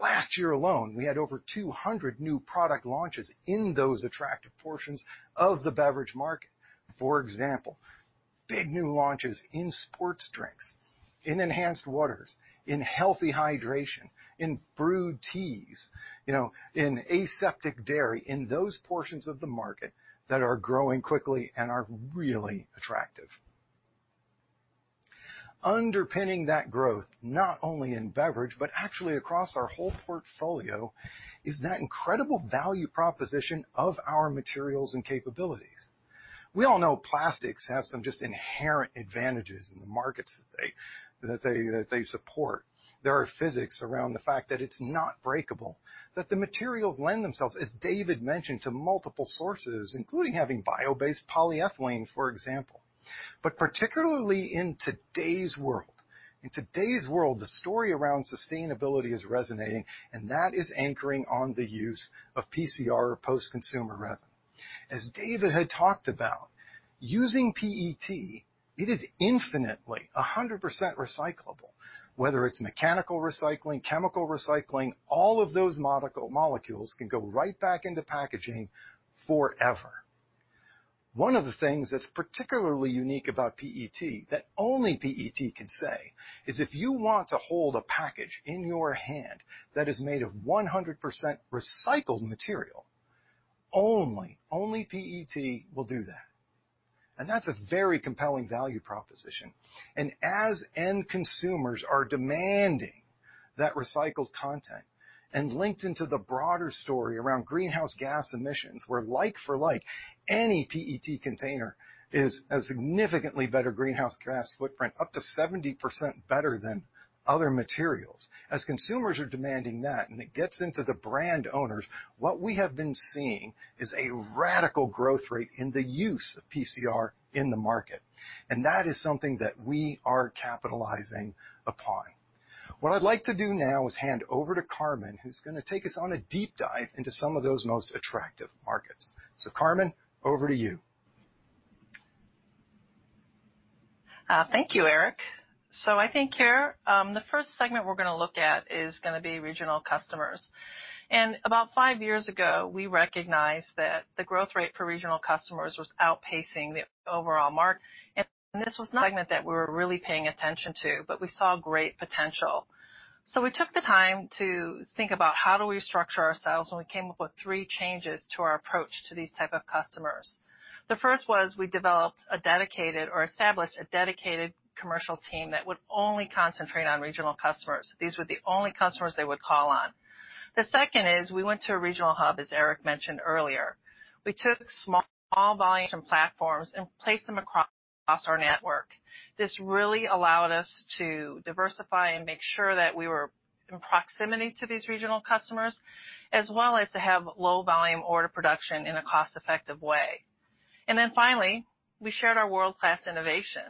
Last year alone, we had over 200 new product launches in those attractive portions of the beverage market. For example, big new launches in sports drinks, in enhanced waters, in healthy hydration, in brewed teas, you know, in aseptic dairy, in those portions of the market that are growing quickly and are really attractive. Underpinning that growth, not only in beverage, but actually across our whole portfolio, is that incredible value proposition of our materials and capabilities. We all know plastics have some just inherent advantages in the markets that they support. There are physics around the fact that it's not breakable, that the materials lend themselves, as David mentioned, to multiple sources, including having bio-based polyethylene, for example. But particularly in today's world. In today's world, the story around sustainability is resonating, and that is anchoring on the use of PCR or post-consumer resin. As David had talked about, using PET, it is infinitely 100% recyclable, whether it's mechanical recycling, chemical recycling, all of those molecules can go right back into packaging forever. One of the things that's particularly unique about PET, that only PET can say, is if you want to hold a package in your hand that is made of 100% recycled material, only, only PET will do that. And that's a very compelling value proposition. And as end consumers are demanding that recycled content and linked into the broader story around greenhouse gas emissions, where like for like, any PET container is a significantly better greenhouse gas footprint, up to 70% better than other materials. As consumers are demanding that, and it gets into the brand owners, what we have been seeing is a radical growth rate in the use of PCR in the market, and that is something that we are capitalizing upon. What I'd like to do now is hand over to Carmen, who's gonna take us on a deep dive into some of those most attractive markets. So Carmen, over to you. Thank you, Eric. So I think here, the first segment we're gonna look at is gonna be regional customers. And about five years ago, we recognized that the growth rate for regional customers was outpacing the overall market, and this was not a segment that we were really paying attention to, but we saw great potential. So we took the time to think about how do we structure ourselves, and we came up with three changes to our approach to these type of customers. The first was we developed a dedicated commercial team that would only concentrate on regional customers. These were the only customers they would call on. The second is we went to a regional hub, as Eric mentioned earlier. We took small volume platforms and placed them across our network. This really allowed us to diversify and make sure that we were in proximity to these regional customers, as well as to have low volume order production in a cost-effective way. And then finally, we shared our world-class innovation,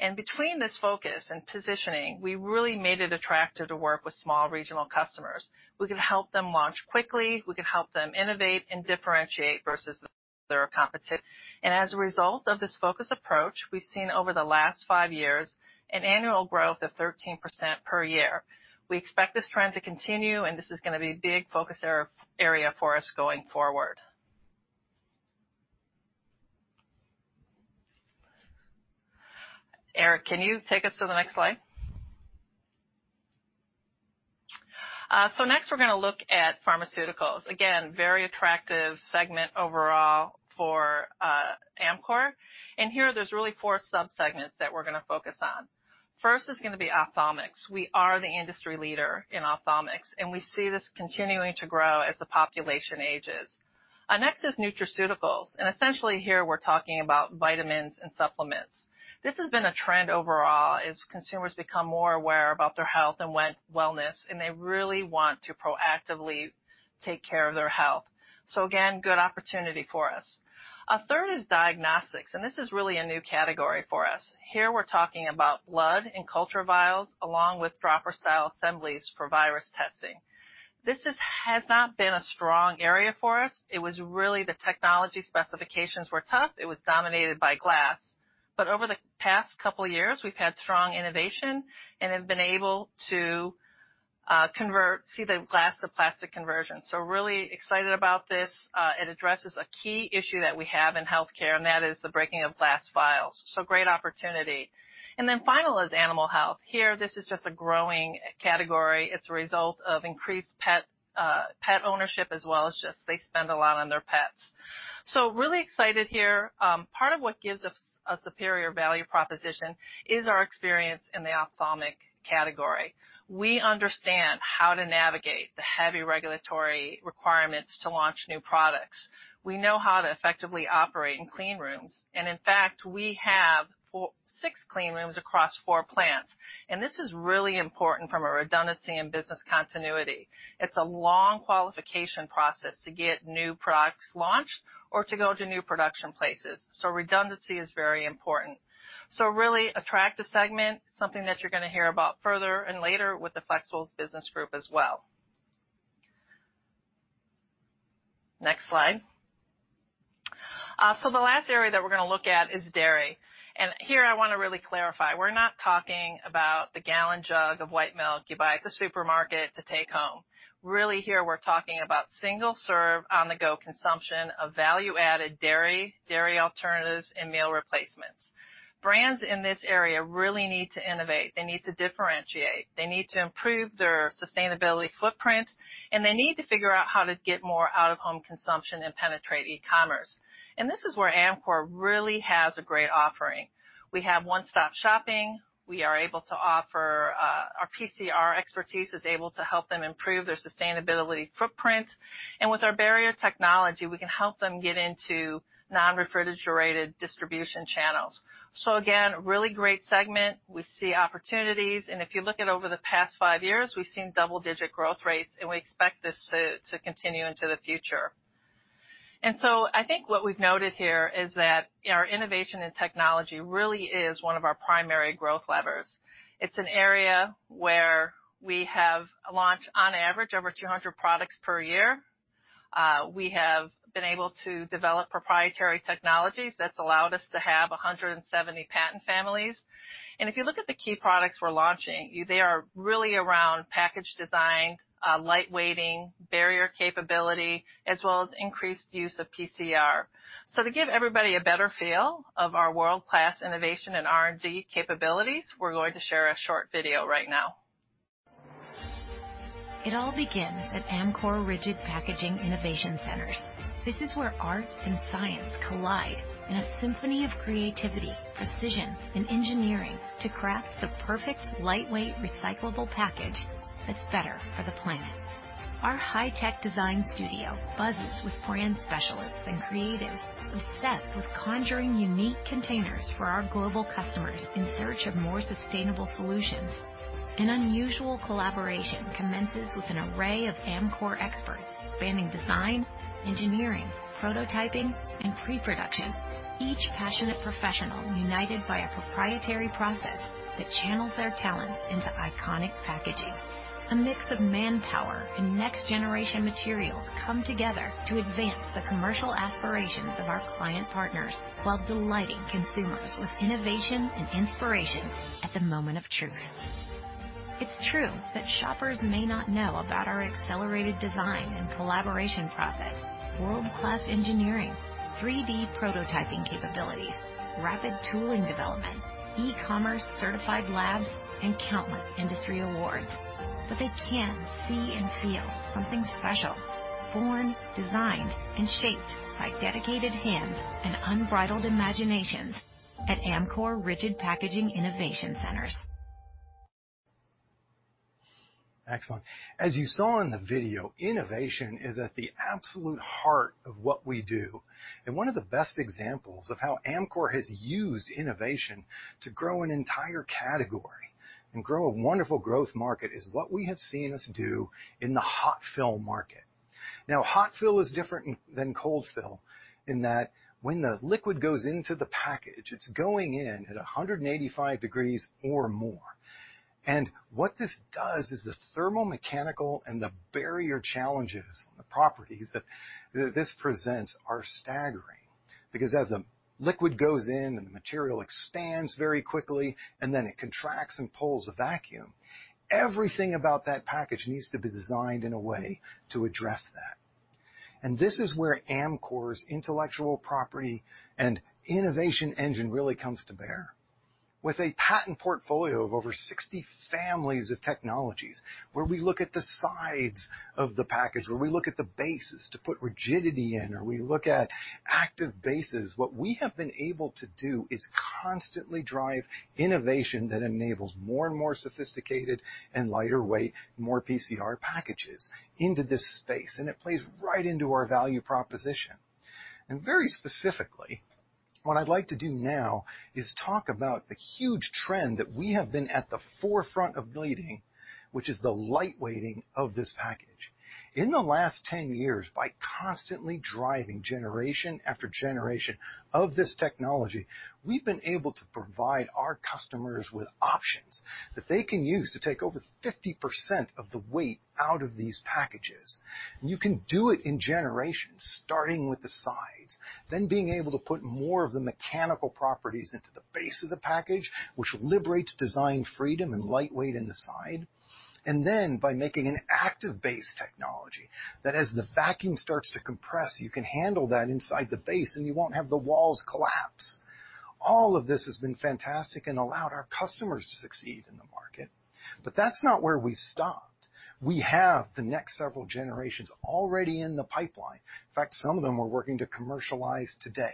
and between this focus and positioning, we really made it attractive to work with small regional customers. We could help them launch quickly. We could help them innovate and differentiate versus their competition. And as a result of this focus approach, we've seen over the last five years an annual growth of 13% per year. We expect this trend to continue, and this is gonna be a big focus area for us going forward. Eric, can you take us to the next slide? So next, we're gonna look at pharmaceuticals. Again, very attractive segment overall for Amcor. And here, there's really four sub-segments that we're gonna focus on. First is gonna be ophthalmics. We are the industry leader in ophthalmics, and we see this continuing to grow as the population ages. Our next is nutraceuticals, and essentially, here, we're talking about vitamins and supplements. This has been a trend overall as consumers become more aware about their health and wellness, and they really want to proactively take care of their health. So again, good opportunity for us. A third is diagnostics, and this is really a new category for us. Here, we're talking about blood and culture vials, along with dropper-style assemblies for virus testing. This just has not been a strong area for us. It was really the technology specifications were tough. It was dominated by glass. But over the past couple of years, we've had strong innovation and have been able to convert... See the glass-to-plastic conversion, so really excited about this. It addresses a key issue that we have in healthcare, and that is the breaking of glass vials, so great opportunity, and then final is animal health. Here, this is just a growing category. It's a result of increased pet ownership, as well as just they spend a lot on their pets, so really excited here. Part of what gives us a superior value proposition is our experience in the ophthalmic category. We understand how to navigate the heavy regulatory requirements to launch new products. We know how to effectively operate in clean rooms, and in fact, we have four to six clean rooms across four plants, and this is really important from a redundancy and business continuity. It's a long qualification process to get new products launched or to go to new production places, so redundancy is very important. So really attractive segment, something that you're gonna hear about further and later with the Flexibles business group as well. Next slide. So the last area that we're gonna look at is Dairy, and here I wanna really clarify, we're not talking about the gallon jug of white milk you buy at the supermarket to take home. Really, here, we're talking about single-serve, on-the-go consumption of value-added dairy, dairy alternatives, and meal replacements. Brands in this area really need to innovate. They need to differentiate. They need to improve their sustainability footprint, and they need to figure out how to get more out-of-home consumption and penetrate e-commerce. And this is where Amcor really has a great offering. We have one-stop shopping. We are able to offer our PCR expertise is able to help them improve their sustainability footprint, and with our barrier technology, we can help them get into non-refrigerated distribution channels, so again, really great segment. We see opportunities, and if you look at over the past five years, we've seen double-digit growth rates, and we expect this to continue into the future. And so I think what we've noted here is that our innovation and technology really is one of our primary growth levers. It's an area where we have launched, on average, over 200 products per year. We have been able to develop proprietary technologies that's allowed us to have 170 patent families. And if you look at the key products we're launching, they are really around package design, lightweighting, barrier capability, as well as increased use of PCR. So to give everybody a better feel of our world-class innovation and R&D capabilities, we're going to share a short video right now. It all begins at Amcor Rigid Packaging Innovation Centers. This is where art and science collide in a symphony of creativity, precision, and engineering to craft the perfect, lightweight, recyclable package that's better for the planet. Our high-tech design studio buzzes with brand specialists and creatives, obsessed with conjuring unique containers for our global customers in search of more sustainable solutions. An unusual collaboration commences with an array of Amcor experts spanning design, engineering, prototyping, and pre-production. Each passionate professional united by a proprietary process that channels their talents into iconic packaging. A mix of manpower and next-generation materials come together to advance the commercial aspirations of our client partners, while delighting consumers with innovation and inspiration at the moment of truth. It's true that shoppers may not know about our accelerated design and collaboration process, world-class engineering, 3D prototyping capabilities, rapid tooling development-... E-commerce certified labs, and countless industry awards. But they can see and feel something special, born, designed, and shaped by dedicated hands and unbridled imaginations at Amcor Rigid Packaging Innovation Centers. Excellent. As you saw in the video, innovation is at the absolute heart of what we do, and one of the best examples of how Amcor has used innovation to grow an entire category and grow a wonderful growth market, is what we have seen us do in the hot fill market. Now, hot fill is different than cold fill in that when the liquid goes into the package, it's going in at 185 degrees or more. And what this does is the thermomechanical and the barrier challenges, the properties that this presents are staggering, because as the liquid goes in and the material expands very quickly, and then it contracts and pulls a vacuum, everything about that package needs to be designed in a way to address that. And this is where Amcor's intellectual property and innovation engine really comes to bear. With a patent portfolio of over 60 families of technologies, where we look at the sides of the package, where we look at the bases to put rigidity in, or we look at active bases. What we have been able to do is constantly drive innovation that enables more and more sophisticated and lighter weight, more PCR packages into this space, and it plays right into our value proposition. Very specifically, what I'd like to do now is talk about the huge trend that we have been at the forefront of leading, which is the lightweighting of this package. In the last 10 years, by constantly driving generation after generation of this technology, we've been able to provide our customers with options that they can use to take over 50% of the weight out of these packages. You can do it in generations, starting with the sides, then being able to put more of the mechanical properties into the base of the package, which liberates design freedom and lightweight in the side, and then by making an active base technology, that as the vacuum starts to compress, you can handle that inside the base, and you won't have the walls collapse. All of this has been fantastic and allowed our customers to succeed in the market, but that's not where we've stopped. We have the next several generations already in the pipeline. In fact, some of them we're working to commercialize today.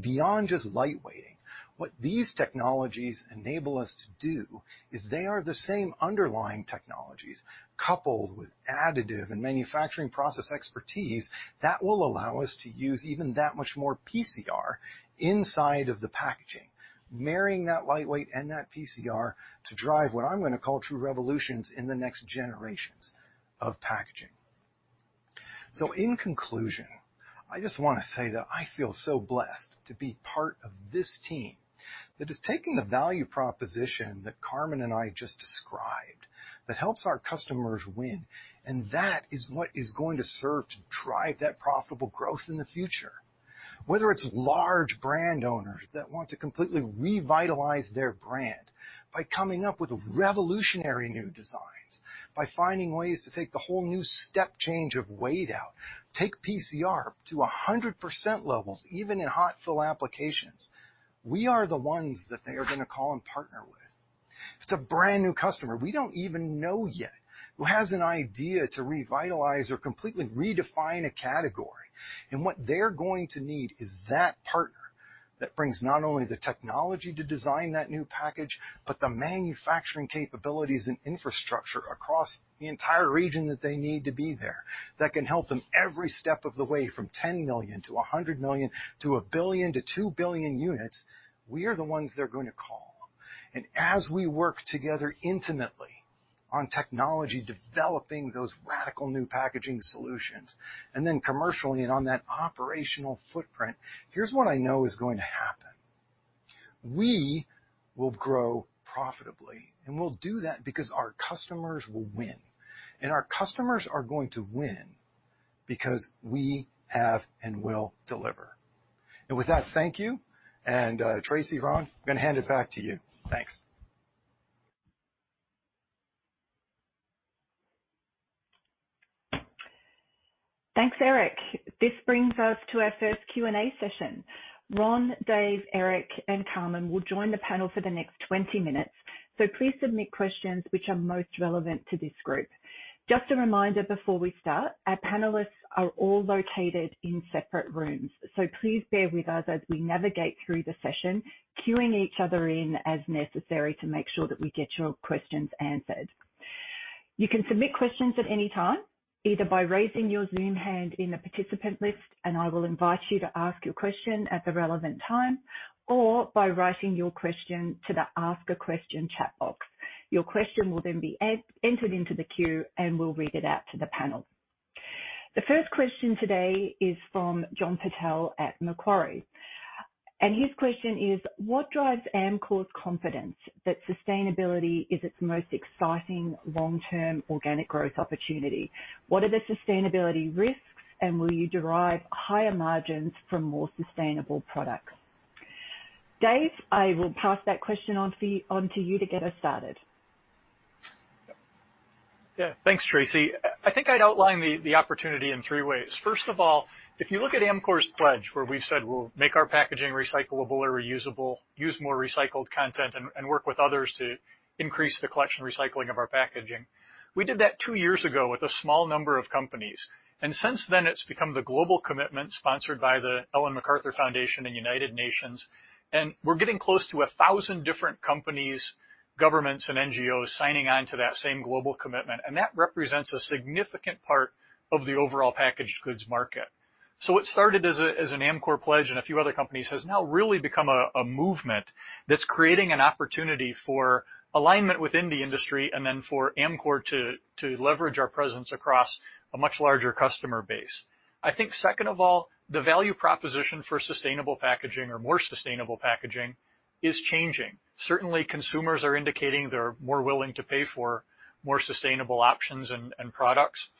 Beyond just lightweighting, what these technologies enable us to do is they are the same underlying technologies, coupled with additive manufacturing process expertise, that will allow us to use even that much more PCR inside of the packaging, marrying that light weight and that PCR to drive what I'm going to call true revolutions in the next generations of packaging. In conclusion, I just want to say that I feel so blessed to be part of this team that is taking the value proposition that Carmen and I just described, that helps our customers win, and that is what is going to serve to drive that profitable growth in the future. Whether it's large brand owners that want to completely revitalize their brand by coming up with revolutionary new designs, by finding ways to take the whole new step change of weight out, take PCR to 100% levels, even in hot fill applications. We are the ones that they are going to call and partner with. It's a brand-new customer we don't even know yet, who has an idea to revitalize or completely redefine a category. And what they're going to need is that partner, that brings not only the technology to design that new package, but the manufacturing capabilities and infrastructure across the entire region that they need to be there, that can help them every step of the way, from 10 million to 100 million, to 1 billion to 2 billion units. We are the ones they're going to call. And as we work together intimately on technology, developing those radical new packaging solutions, and then commercially and on that operational footprint, here's what I know is going to happen. We will grow profitably, and we'll do that because our customers will win, and our customers are going to win because we have and will deliver. And with that, thank you. And, Tracey, Ron, I'm going to hand it back to you. Thanks. Thanks, Eric. This brings us to our first Q&A session. Ron, Dave, Eric, and Carmen will join the panel for the next 20 minutes. So please submit questions which are most relevant to this group. Just a reminder, before we start, our panelists are all located in separate rooms, so please bear with us as we navigate through the session, queuing each other in as necessary to make sure that we get your questions answered. You can submit questions at any time, either by raising your Zoom hand in the participant list, and I will invite you to ask your question at the relevant time, or by writing your question to the Ask a Question chat box. Your question will then be entered into the queue, and we'll read it out to the panel. The first question today is from John Purtell at Macquarie, and his question is: What drives Amcor's confidence that sustainability is its most exciting long-term organic growth opportunity? What are the sustainability risks, and will you derive higher margins from more sustainable products? Dave, I will pass that question on to you to get us started. ... Yeah. Thanks, Tracey. I think I'd outline the opportunity in three ways. First of all, if you look at Amcor's pledge, where we've said we'll make our packaging recyclable or reusable, use more recycled content, and work with others to increase the collection and recycling of our packaging, we did that two years ago with a small number of companies. Since then, it's become the Global Commitment sponsored by the Ellen MacArthur Foundation and United Nations, and we're getting close to 1,000 different companies, governments, and NGOs signing on to that same Global Commitment, and that represents a significant part of the overall packaged goods market. So what started as an Amcor pledge, and a few other companies, has now really become a movement that's creating an opportunity for alignment within the industry, and then for Amcor to leverage our presence across a much larger customer base. I think second of all, the value proposition for sustainable packaging or more sustainable packaging is changing. Certainly, consumers are indicating they're more willing to pay for more sustainable options and products.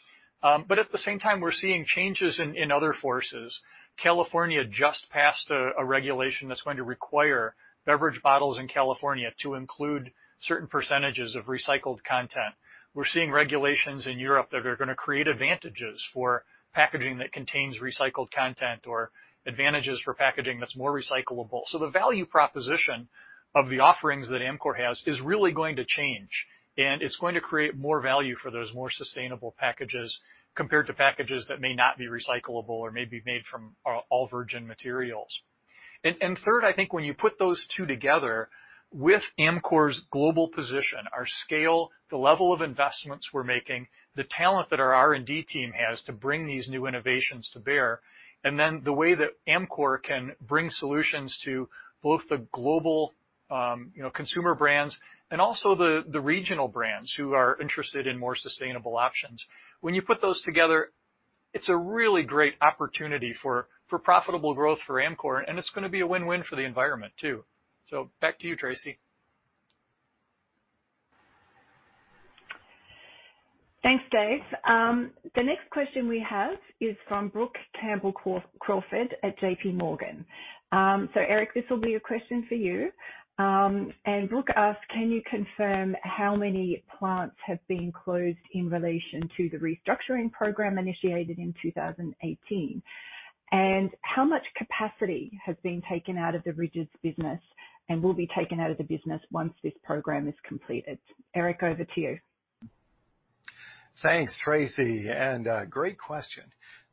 But at the same time, we're seeing changes in other forces. California just passed a regulation that's going to require beverage bottles in California to include certain percentages of recycled content. We're seeing regulations in Europe that are gonna create advantages for packaging that contains recycled content or advantages for packaging that's more recyclable. So the value proposition of the offerings that Amcor has is really going to change, and it's going to create more value for those more sustainable packages compared to packages that may not be recyclable or may be made from all virgin materials. And third, I think when you put those two together, with Amcor's global position, our scale, the level of investments we're making, the talent that our R&D team has to bring these new innovations to bear, and then the way that Amcor can bring solutions to both the global, you know, consumer brands and also the regional brands who are interested in more sustainable options. When you put those together, it's a really great opportunity for profitable growth for Amcor, and it's gonna be a win-win for the environment, too. So back to you, Tracey. Thanks, Dave. The next question we have is from Brook Campbell-Crawford at JPMorgan. So Eric, this will be a question for you. And Brook asks: "Can you confirm how many plants have been closed in relation to the restructuring program initiated in 2018? And how much capacity has been taken out of the Rigids business and will be taken out of the business once this program is completed?" Eric, over to you. Thanks, Tracey, and great question.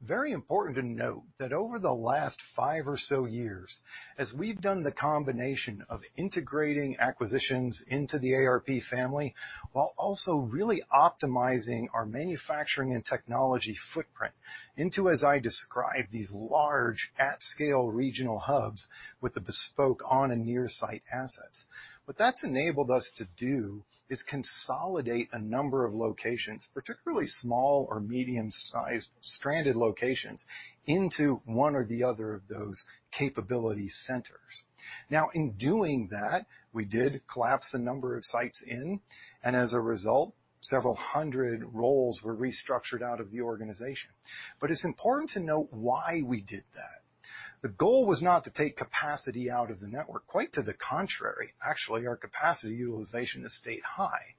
Very important to note that over the last five or so years, as we've done the combination of integrating acquisitions into the ARP family, while also really optimizing our manufacturing and technology footprint into, as I described, these large, at-scale regional hubs with the bespoke on and near site assets. What that's enabled us to do is consolidate a number of locations, particularly small or medium-sized stranded locations, into one or the other of those capability centers. Now, in doing that, we did collapse a number of sites in, and as a result, several hundred roles were restructured out of the organization. But it's important to note why we did that. The goal was not to take capacity out of the network. Quite to the contrary, actually, our capacity utilization has stayed high.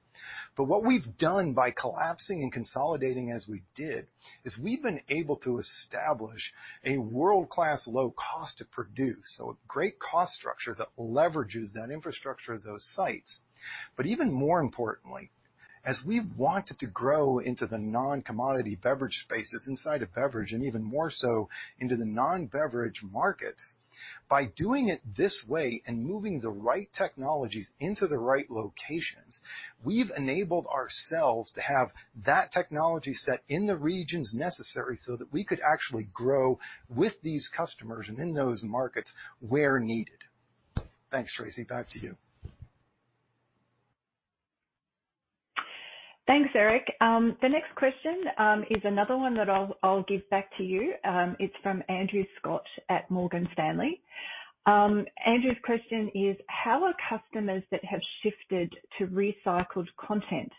But what we've done by collapsing and consolidating as we did, is we've been able to establish a world-class low cost to produce, so a great cost structure that leverages that infrastructure of those sites. But even more importantly, as we've wanted to grow into the non-commodity beverage spaces inside of beverage, and even more so into the non-beverage markets, by doing it this way and moving the right technologies into the right locations, we've enabled ourselves to have that technology set in the regions necessary so that we could actually grow with these customers and in those markets where needed. Thanks, Tracey. Back to you. Thanks, Eric. The next question is another one that I'll give back to you. It's from Andrew Scott at Morgan Stanley. Andrew's question is: How are customers that have shifted to recycled content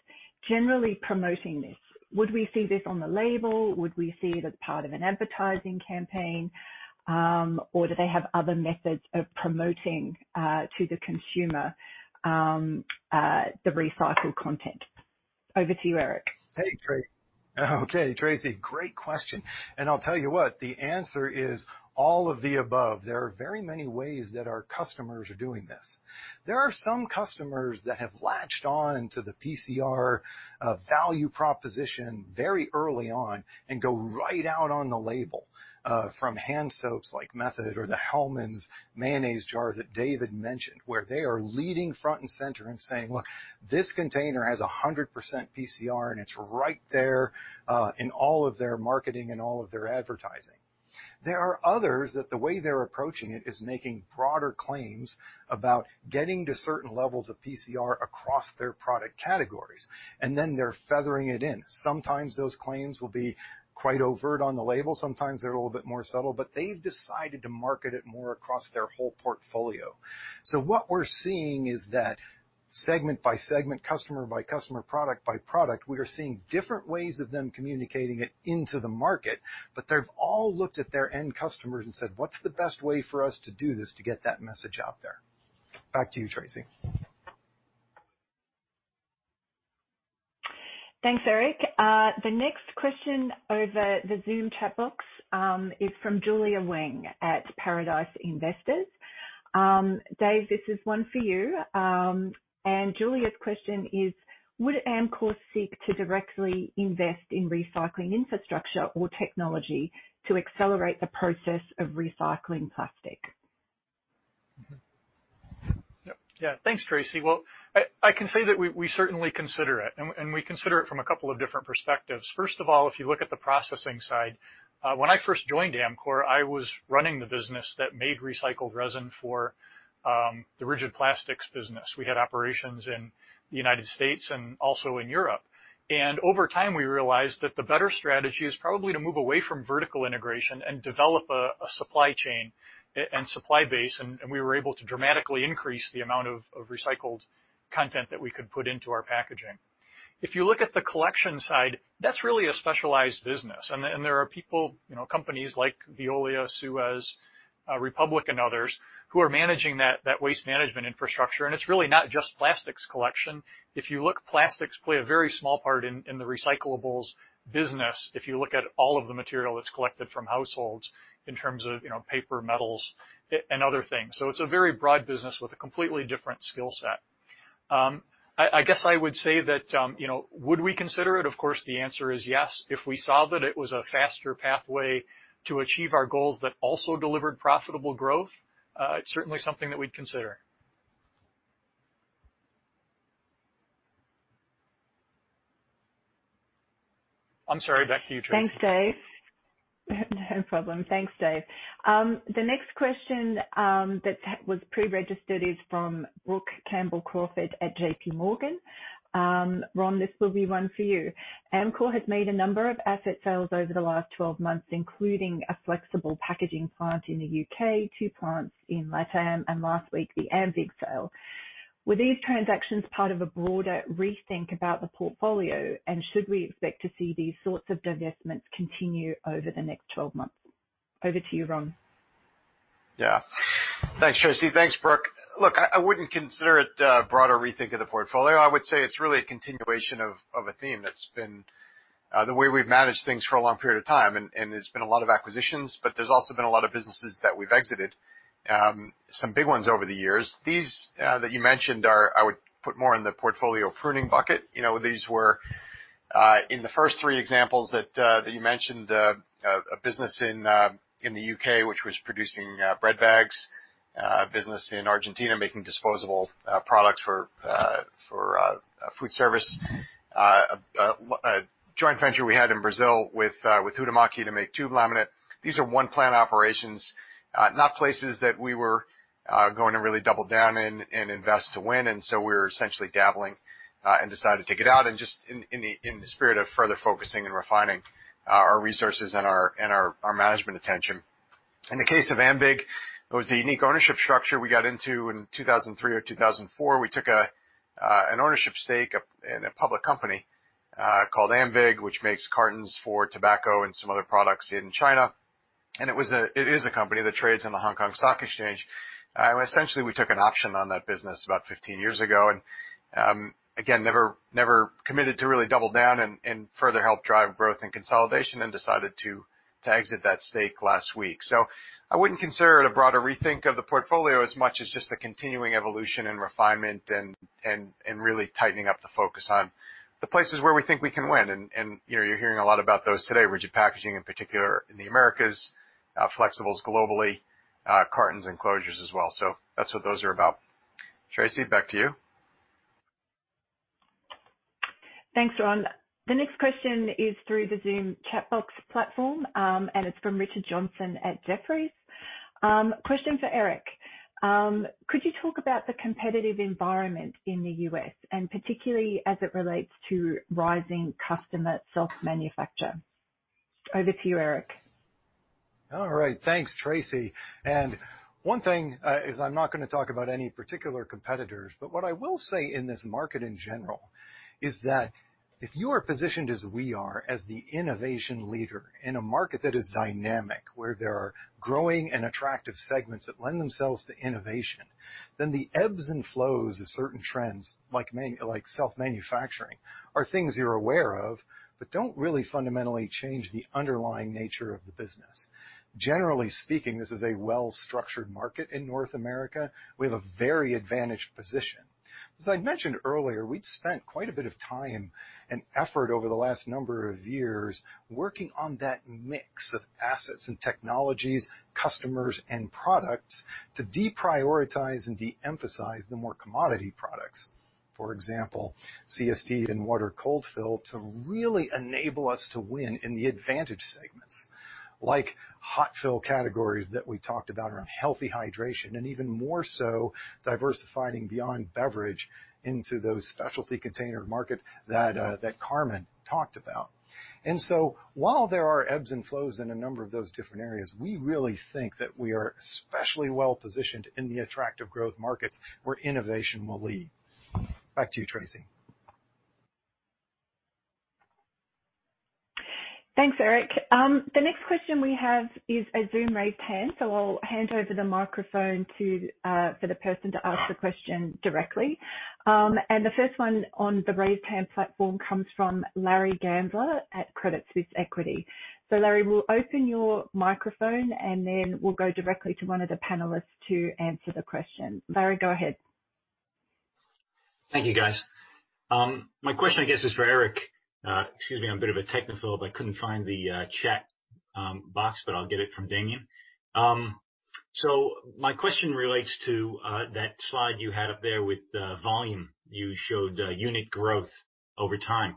generally promoting this? Would we see this on the label? Would we see it as part of an advertising campaign, or do they have other methods of promoting to the consumer the recycled content? Over to you, Eric. Thanks, Tracey. Okay, Tracey, great question. And I'll tell you what, the answer is all of the above. There are very many ways that our customers are doing this. There are some customers that have latched on to the PCR value proposition very early on and go right out on the label from hand soaps like Method or the Hellmann's mayonnaise jar that David mentioned, where they are leading front and center and saying: Look, this container has 100% PCR, and it's right there in all of their marketing and all of their advertising. There are others that the way they're approaching it is making broader claims about getting to certain levels of PCR across their product categories, and then they're feathering it in. Sometimes those claims will be quite overt on the label, sometimes they're a little bit more subtle, but they've decided to market it more across their whole portfolio. So what we're seeing is that segment by segment, customer by customer, product by product, we are seeing different ways of them communicating it into the market, but they've all looked at their end customers and said: "What's the best way for us to do this to get that message out there?"... Back to you, Tracey. Thanks, Eric. The next question over the Zoom chat box is from Julia Weng at Paradice Investment. Dave, this is one for you. And Julia's question is: Would Amcor seek to directly invest in recycling infrastructure or technology to accelerate the process of recycling plastic? Mm-hmm. Yep. Yeah. Thanks, Tracey. I can say that we certainly consider it, and we consider it from a couple of different perspectives. First of all, if you look at the processing side, when I first joined Amcor, I was running the business that made recycled resin for the rigid plastics business. We had operations in the United States and also in Europe. Over time, we realized that the better strategy is probably to move away from vertical integration and develop a supply chain and supply base, and we were able to dramatically increase the amount of recycled content that we could put into our packaging. If you look at the collection side, that's really a specialized business, and and there are people, you know, companies like Veolia, SUEZ, Republic, and others, who are managing that waste management infrastructure, and it's really not just plastics collection. If you look, plastics play a very small part in the recyclables business, if you look at all of the material that's collected from households in terms of, you know, paper, metals, and other things. So it's a very broad business with a completely different skill set. I guess I would say that, you know, would we consider it? Of course, the answer is yes. If we saw that it was a faster pathway to achieve our goals that also delivered profitable growth, it's certainly something that we'd consider. I'm sorry, back to you, Tracey. Thanks, Dave. No problem. Thanks, Dave. The next question that was pre-registered is from Brook Campbell-Crawford at JPMorgan. Ron, this will be one for you. Amcor has made a number of asset sales over the last 12 months, including a flexible packaging plant in the U.K., two plants in LatAm, and last week, the AMVIG sale. Were these transactions part of a broader rethink about the portfolio, and should we expect to see these sorts of divestments continue over the next 12 months? Over to you, Ron. Yeah. Thanks, Tracey. Thanks, Brook. Look, I wouldn't consider it a broader rethink of the portfolio. I would say it's really a continuation of a theme that's been the way we've managed things for a long period of time, and there's been a lot of acquisitions, but there's also been a lot of businesses that we've exited, some big ones over the years. These that you mentioned are... I would put more in the portfolio pruning bucket. You know, these were in the first three examples that you mentioned, a business in the U.K., which was producing bread bags, business in Argentina, making disposable products for food service, a joint venture we had in Brazil with Huhtamaki to make tube laminate. These are one-plant operations, not places that we were going to really double down in and invest to win, and so we're essentially dabbling and decided to get out and just in the spirit of further focusing and refining our resources and our management attention. In the case of AMVIG, it was a unique ownership structure we got into in 2003 or 2004. We took an ownership stake in a public company called AMVIG, which makes cartons for tobacco and some other products in China. It is a company that trades on the Hong Kong Stock Exchange. Essentially, we took an option on that business about 15 years ago, and again, never committed to really double down and further help drive growth and consolidation and decided to exit that stake last week. So I wouldn't consider it a broader rethink of the portfolio as much as just a continuing evolution and refinement and really tightening up the focus on the places where we think we can win, and you know, you're hearing a lot about those today, Rigid Packaging, in particular in the Americas, Flexibles globally, cartons and closures as well. So that's what those are about. Tracey, back to you. Thanks, Ron. The next question is through the Zoom chat box platform, and it's from Richard Johnson at Jefferies. Question for Eric. Could you talk about the competitive environment in the U.S., and particularly as it relates to rising customer self-manufacture? Over to you, Eric. All right. Thanks, Tracey. And one thing is I'm not gonna talk about any particular competitors, but what I will say in this market in general is that if you are positioned as we are, as the innovation leader in a market that is dynamic, where there are growing and attractive segments that lend themselves to innovation, then the ebbs and flows of certain trends, like self-manufacturing, are things you're aware of, but don't really fundamentally change the underlying nature of the business. Generally speaking, this is a well-structured market in North America. We have a very advantaged position. As I mentioned earlier, we'd spent quite a bit of time and effort over the last number of years working on that mix of assets and technologies, customers, and products to deprioritize and de-emphasize the more commodity products. For example, CSD and water cold fill, to really enable us to win in the advantage segments, like hot fill categories that we talked about around healthy hydration, and even more so, diversifying beyond beverage into those specialty container markets that Carmen talked about. And so while there are ebbs and flows in a number of those different areas, we really think that we are especially well positioned in the attractive growth markets, where innovation will lead. Back to you, Tracey.... Thanks, Eric. The next question we have is a Zoom raised hand, so I'll hand over the microphone to for the person to ask the question directly. And the first one on the raised hand platform comes from Larry Gandler at Credit Suisse equity. So, Larry, we'll open your microphone, and then we'll go directly to one of the panelists to answer the question. Larry, go ahead. Thank you, guys. My question, I guess, is for Eric. Excuse me, I'm a bit of a technophobe. I couldn't find the chat box, but I'll get it from Damien. So my question relates to that slide you had up there with volume. You showed unit growth over time.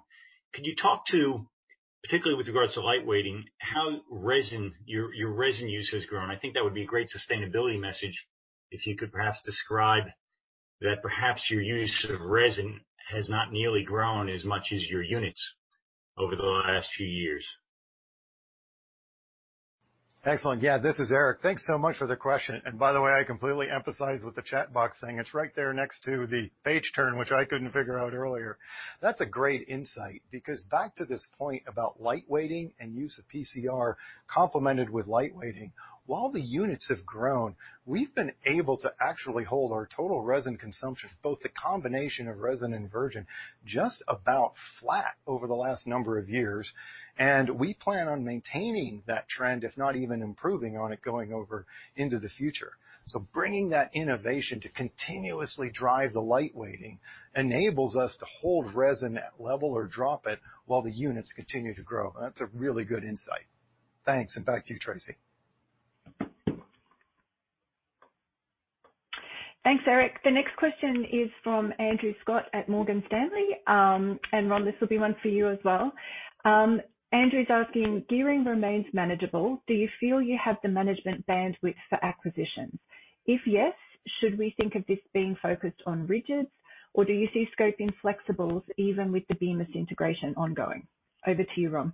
Could you talk to, particularly with regards to lightweighting, how resin, your, your resin use has grown? I think that would be a great sustainability message, if you could perhaps describe that your use of resin has not nearly grown as much as your units over the last few years. Excellent. Yeah, this is Eric. Thanks so much for the question, and by the way, I completely empathize with the chat box thing. It's right there next to the page turn, which I couldn't figure out earlier. That's a great insight, because back to this point about lightweighting and use of PCR complemented with lightweighting, while the units have grown, we've been able to actually hold our total resin consumption, both the combination of resin and virgin, just about flat over the last number of years. And we plan on maintaining that trend, if not even improving on it, going over into the future. So bringing that innovation to continuously drive the lightweighting enables us to hold resin at level or drop it while the units continue to grow. That's a really good insight. Thanks, and back to you, Tracey. Thanks, Eric. The next question is from Andrew Scott at Morgan Stanley. And Ron, this will be one for you as well. Andrew's asking, "Gearing remains manageable. Do you feel you have the management bandwidth for acquisitions? If yes, should we think of this being focused on Rigids, or do you see scoping Flexibles, even with the Bemis integration ongoing?" Over to you, Ron.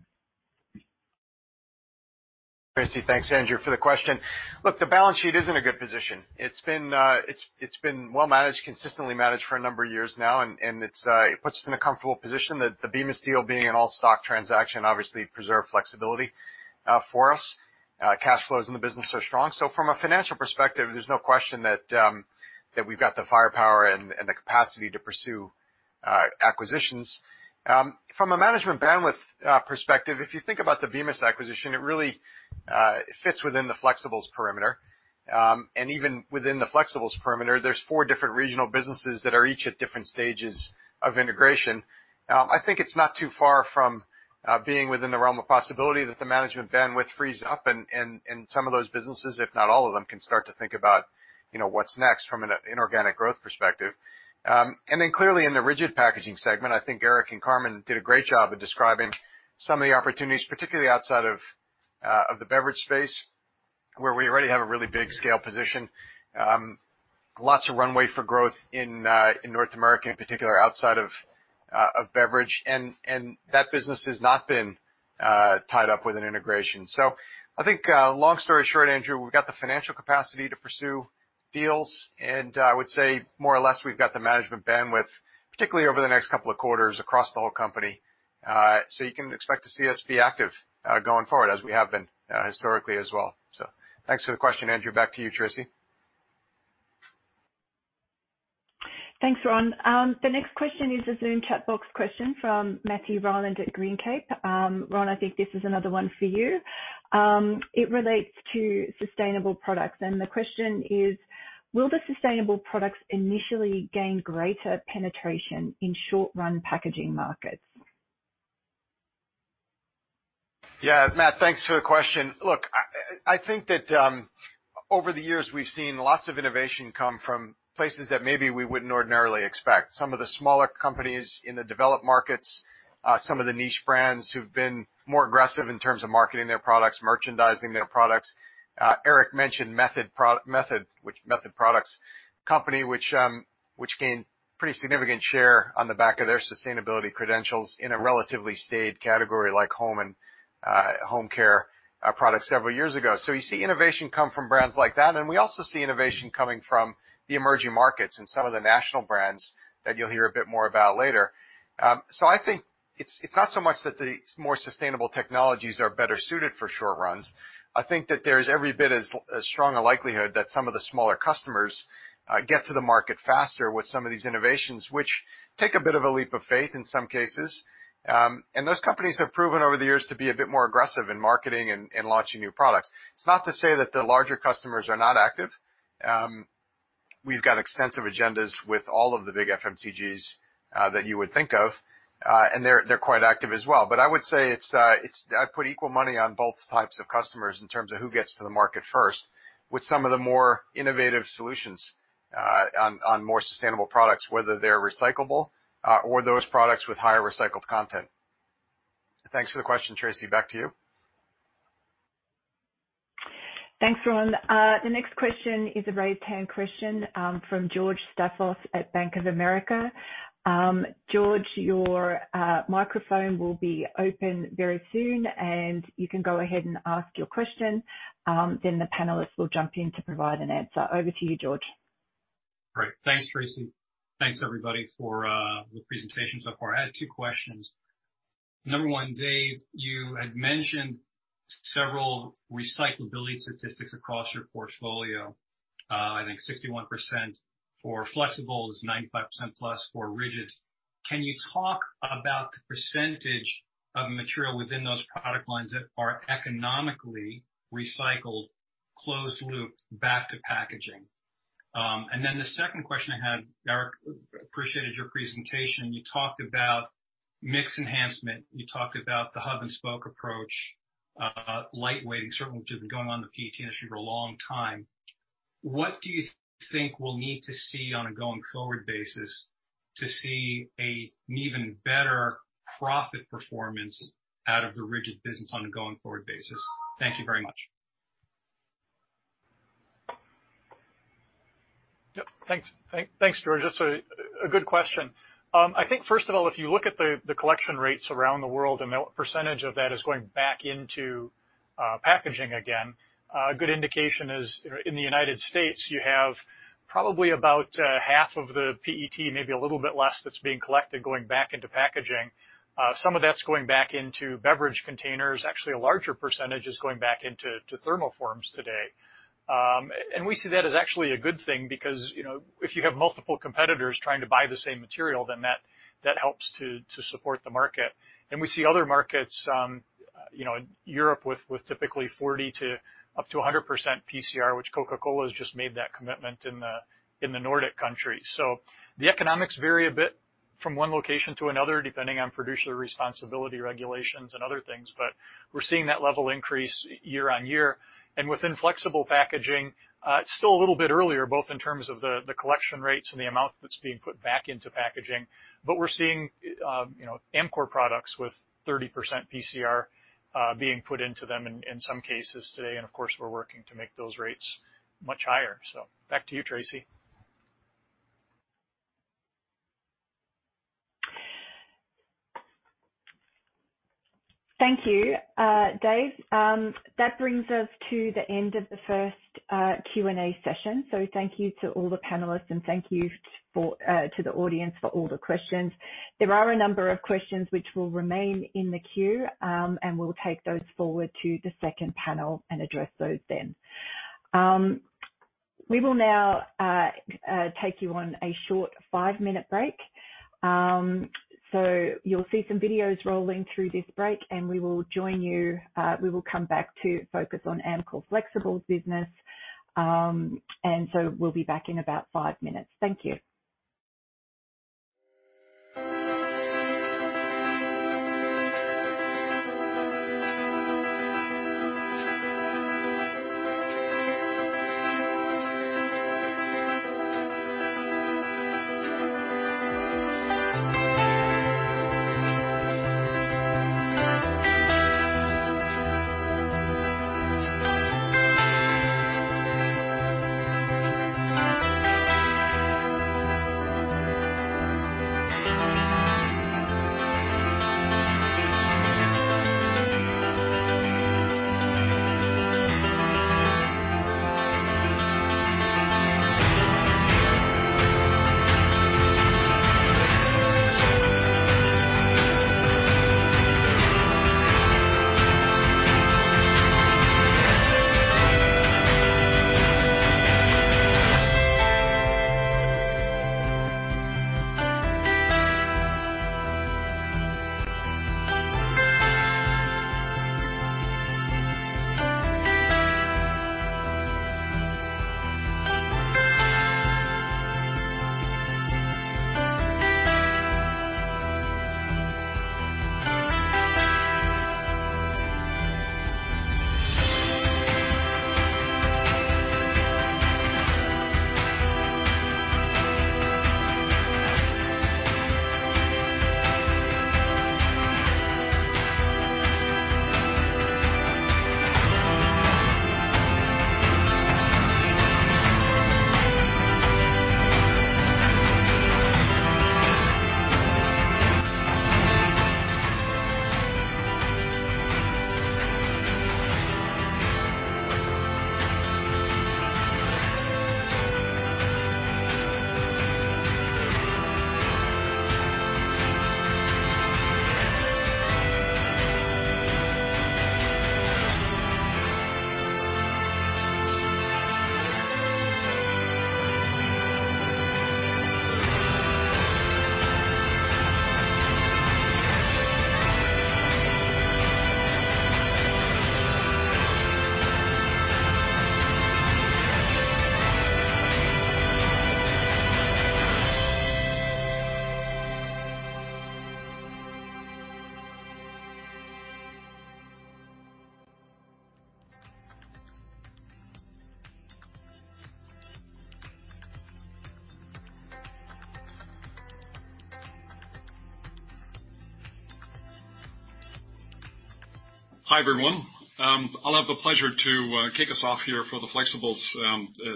Tracey, thanks, Andrew, for the question. Look, the balance sheet is in a good position. It's been well managed, consistently managed for a number of years now, and it puts us in a comfortable position that the Bemis deal being an all-stock transaction obviously preserved flexibility for us. Cash flows in the business are strong. So from a financial perspective, there's no question that we've got the firepower and the capacity to pursue acquisitions. From a management bandwidth perspective, if you think about the Bemis acquisition, it really fits within the Flexibles perimeter. And even within the Flexibles perimeter, there's four different regional businesses that are each at different stages of integration. I think it's not too far from being within the realm of possibility that the management bandwidth frees up and some of those businesses, if not all of them, can start to think about, you know, what's next from an inorganic growth perspective, and then clearly in the rigid packaging segment, I think Eric and Carmen did a great job of describing some of the opportunities, particularly outside of the beverage space, where we already have a really big scale position. Lots of runway for growth in North America, in particular, outside of beverage, and that business has not been tied up with an integration. So I think, long story short, Andrew, we've got the financial capacity to pursue deals, and I would say more or less, we've got the management bandwidth, particularly over the next couple of quarters across the whole company. So you can expect to see us be active, going forward as we have been, historically as well. So thanks for the question, Andrew. Back to you, Tracey. Thanks, Ron. The next question is a Zoom chat box question from Matthew Ryland at Greencape. Ron, I think this is another one for you. It relates to sustainable products, and the question is: Will the sustainable products initially gain greater penetration in short-run packaging markets? Yeah, Matt, thanks for the question. Look, I think that over the years, we've seen lots of innovation come from places that maybe we wouldn't ordinarily expect. Some of the smaller companies in the developed markets, some of the niche brands who've been more aggressive in terms of marketing their products, merchandising their products. Eric mentioned Method Products company, which gained pretty significant share on the back of their sustainability credentials in a relatively staid category like home and home care products several years ago. You see innovation come from brands like that, and we also see innovation coming from the emerging markets and some of the national brands that you'll hear a bit more about later. I think it's not so much that the more sustainable technologies are better suited for short runs. I think that there's every bit as strong a likelihood that some of the smaller customers get to the market faster with some of these innovations, which take a bit of a leap of faith in some cases. Those companies have proven over the years to be a bit more aggressive in marketing and launching new products. It's not to say that the larger customers are not active. We've got extensive agendas with all of the big FMCGs that you would think of, and they're quite active as well. But I would say I'd put equal money on both types of customers in terms of who gets to the market first, with some of the more innovative solutions on more sustainable products, whether they're recyclable or those products with higher recycled content. Thanks for the question, Tracey. Back to you. Thanks, Ron. The next question is a raised hand question, from George Staphos at Bank of America. George, your microphone will be open very soon, and you can go ahead and ask your question, then the panelists will jump in to provide an answer. Over to you, George.... Great. Thanks, Tracey. Thanks, everybody, for the presentation so far. I had two questions. Number one, Dave, you had mentioned several recyclability statistics across your portfolio. I think 61% for Flexibles, 95%+ for Rigids. Can you talk about the percentage of material within those product lines that are economically recycled, closed loop, back to packaging? And then the second question I had, Eric, appreciated your presentation. You talked about mix enhancement. You talked about the hub and spoke approach, lightweighting, certainly, which has been going on in the PET industry for a long time. What do you think we'll need to see on a going forward basis to see a, an even better profit performance out of the Rigid business on a going forward basis? Thank you very much. Yep. Thanks, George. That's a good question. I think first of all, if you look at the collection rates around the world, and the percentage of that is going back into packaging again, a good indication is in the United States. You have probably about half of the PET, maybe a little bit less, that's being collected, going back into packaging. Some of that's going back into beverage containers. Actually, a larger percentage is going back into thermoforms today, and we see that as actually a good thing because, you know, if you have multiple competitors trying to buy the same material, then that helps to support the market. We see other markets, you know, in Europe with typically 40%-100% PCR, which Coca-Cola has just made that commitment in the Nordic countries. The economics vary a bit from one location to another, depending on producer responsibility, regulations, and other things, but we're seeing that level increase year on year. Within flexible packaging, it's still a little bit earlier, both in terms of the collection rates and the amount that's being put back into packaging. But we're seeing, you know, Amcor products with 30% PCR being put into them in some cases today. Of course, we're working to make those rates much higher. Back to you, Tracey. Thank you, Dave. That brings us to the end of the first Q&A session. So thank you to all the panelists, and thank you to the audience for all the questions. There are a number of questions which will remain in the queue, and we'll take those forward to the second panel and address those then. We will now take you on a short five-minute break. So you'll see some videos rolling through this break, and we will join you. We will come back to focus on Amcor Flexibles business. And so we'll be back in about five minutes. Thank you. Hi, everyone. I'll have the pleasure to kick us off here for the Flexibles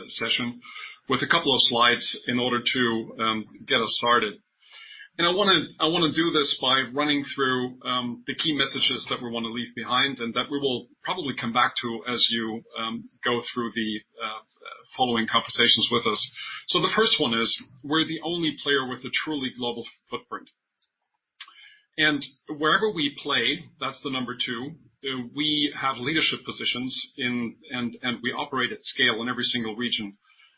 session with a couple of slides in order to get us started.... And I wanna, I wanna do this by running through the key messages that we want to leave behind, and that we will probably come back to as you go through the following conversations with us. So the first one is, we're the only player with a truly global footprint. And wherever we play, that's the number two, we have leadership positions in, and, and we operate at scale in every single region.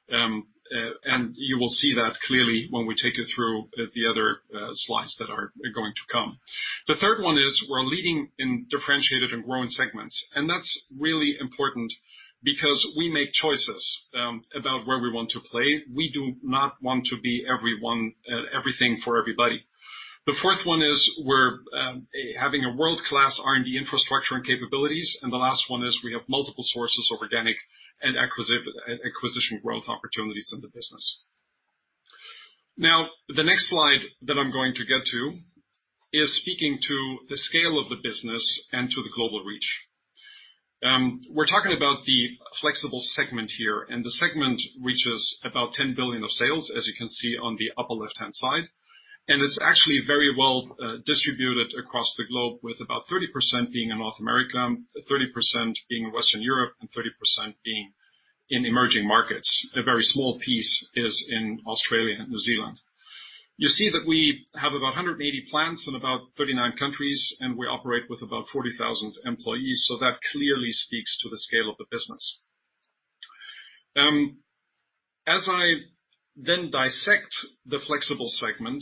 And you will see that clearly when we take you through the other slides that are going to come. The third one is we're leading in differentiated and growing segments, and that's really important because we make choices about where we want to play. We do not want to be everyone, everything for everybody. The fourth one is we're having a world-class R&D infrastructure and capabilities, and the last one is we have multiple sources of organic and acquisition growth opportunities in the business. Now, the next slide that I'm going to get to is speaking to the scale of the business and to the global reach. We're talking about the Flexibles segment here, and the segment reaches about $10 billion of sales, as you can see on the upper left-hand side. And it's actually very well distributed across the globe, with about 30% being in North America, 30% being in Western Europe, and 30% being in emerging markets. A very small piece is in Australia and New Zealand. You see that we have about 180 plants in about 39 countries, and we operate with about 40,000 employees, so that clearly speaks to the scale of the business. As I then dissect the Flexibles segment,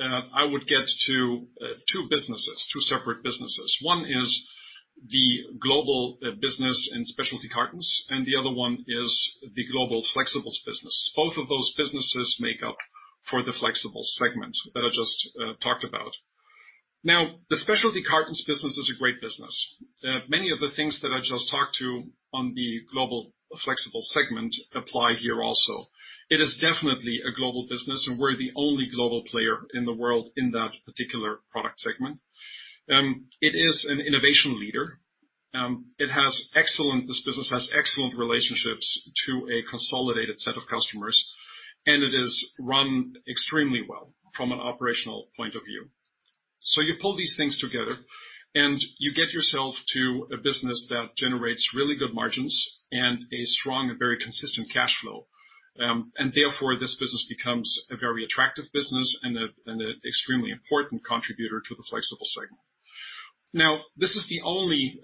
I would get to two businesses, two separate businesses. One is the global business and Specialty Cartons, and the other one is the Global Flexibles business. Both of those businesses make up for the Flexibles segment that I just talked about. Now, the Specialty Cartons business is a great business. Many of the things that I just talked to on the global Flexibles segment apply here also. It is definitely a global business, and we're the only global player in the world in that particular product segment. It is an innovation leader. This business has excellent relationships to a consolidated set of customers, and it is run extremely well from an operational point of view, so you pull these things together, and you get yourself to a business that generates really good margins and a strong and very consistent cash flow, and therefore, this business becomes a very attractive business and an extremely important contributor to the Flexibles segment. Now, this is the only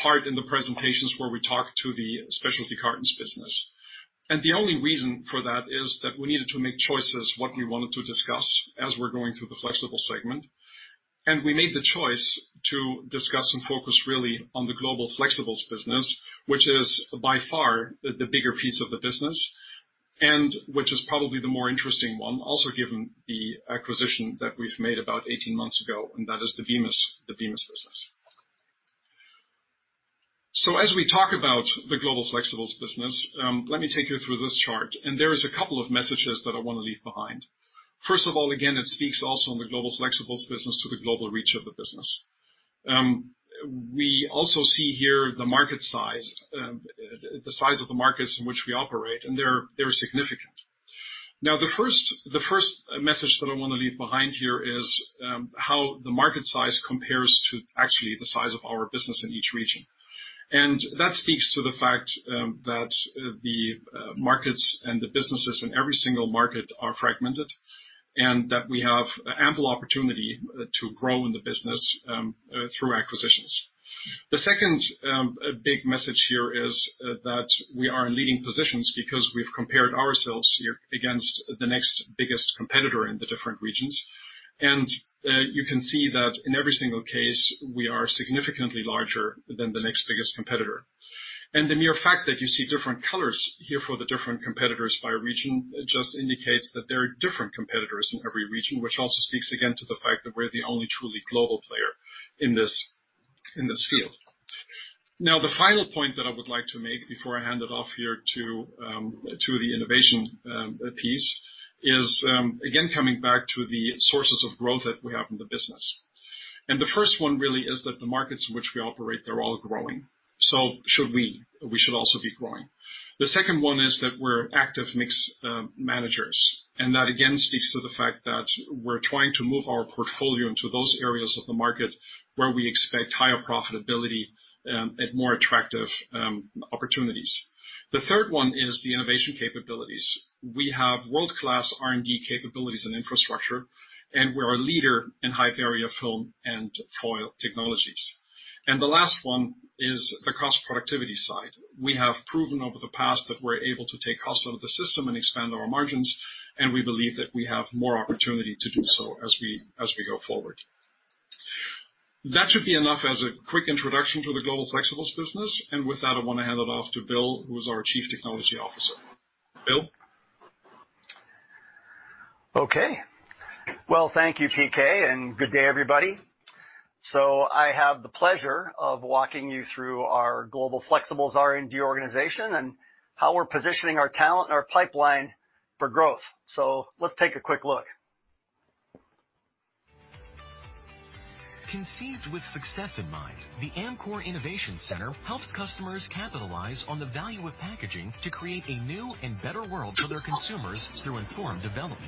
part in the presentations where we talk to the Specialty Cartons business, and the only reason for that is that we needed to make choices what we wanted to discuss as we're going through the Flexibles segment. And we made the choice to discuss and focus really on the Global Flexibles business, which is by far the bigger piece of the business, and which is probably the more interesting one, also given the acquisition that we've made about eighteen months ago, and that is the Bemis business. So as we talk about the Global Flexibles business, let me take you through this chart, and there is a couple of messages that I want to leave behind. First of all, again, it speaks also in the Global Flexibles business to the global reach of the business. We also see here the market size, the size of the markets in which we operate, and they're significant. Now, the first message that I want to leave behind here is how the market size compares to actually the size of our business in each region. And that speaks to the fact that the markets and the businesses in every single market are fragmented, and that we have ample opportunity to grow in the business through acquisitions. The second big message here is that we are in leading positions because we've compared ourselves here against the next biggest competitor in the different regions. And you can see that in every single case, we are significantly larger than the next biggest competitor. And the mere fact that you see different colors here for the different competitors by region, it just indicates that there are different competitors in every region, which also speaks again to the fact that we're the only truly global player in this field. Now, the final point that I would like to make before I hand it off here to the innovation piece is, again, coming back to the sources of growth that we have in the business. The first one really is that the markets in which we operate, they're all growing, so should we, we should also be growing. The second one is that we're active mix managers, and that, again, speaks to the fact that we're trying to move our portfolio into those areas of the market where we expect higher profitability at more attractive opportunities. The third one is the innovation capabilities. We have world-class R&D capabilities and infrastructure, and we're a leader in high-barrier film and foil technologies. The last one is the cost productivity side. We have proven over the past that we're able to take costs out of the system and expand our margins, and we believe that we have more opportunity to do so as we go forward. That should be enough as a quick introduction to the Global Flexibles business. With that, I want to hand it off to Bill, who is our Chief Technology Officer. Bill? Okay. Well, thank you, P.K., and good day, everybody. So I have the pleasure of walking you through our Global Flexibles R&D organization and how we're positioning our talent and our pipeline for growth. So let's take a quick look. ...Conceived with success in mind, the Amcor Innovation Center helps customers capitalize on the value of packaging to create a new and better world for their consumers through informed development.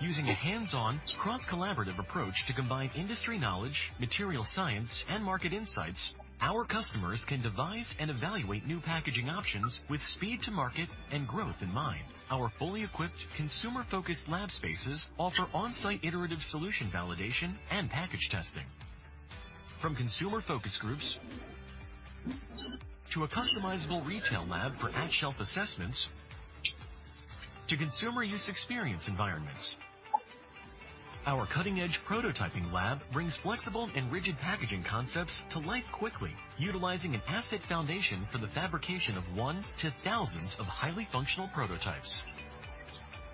Using a hands-on, cross-collaborative approach to combine industry knowledge, material science, and market insights, our customers can devise and evaluate new packaging options with speed to market and growth in mind. Our fully equipped, consumer-focused lab spaces offer on-site iterative solution validation and package testing, from consumer focus groups, to a customizable retail lab for at-shelf assessments, to consumer use experience environments. Our cutting-edge prototyping lab brings flexible and rigid packaging concepts to life quickly, utilizing an asset foundation for the fabrication of one to thousands of highly functional prototypes.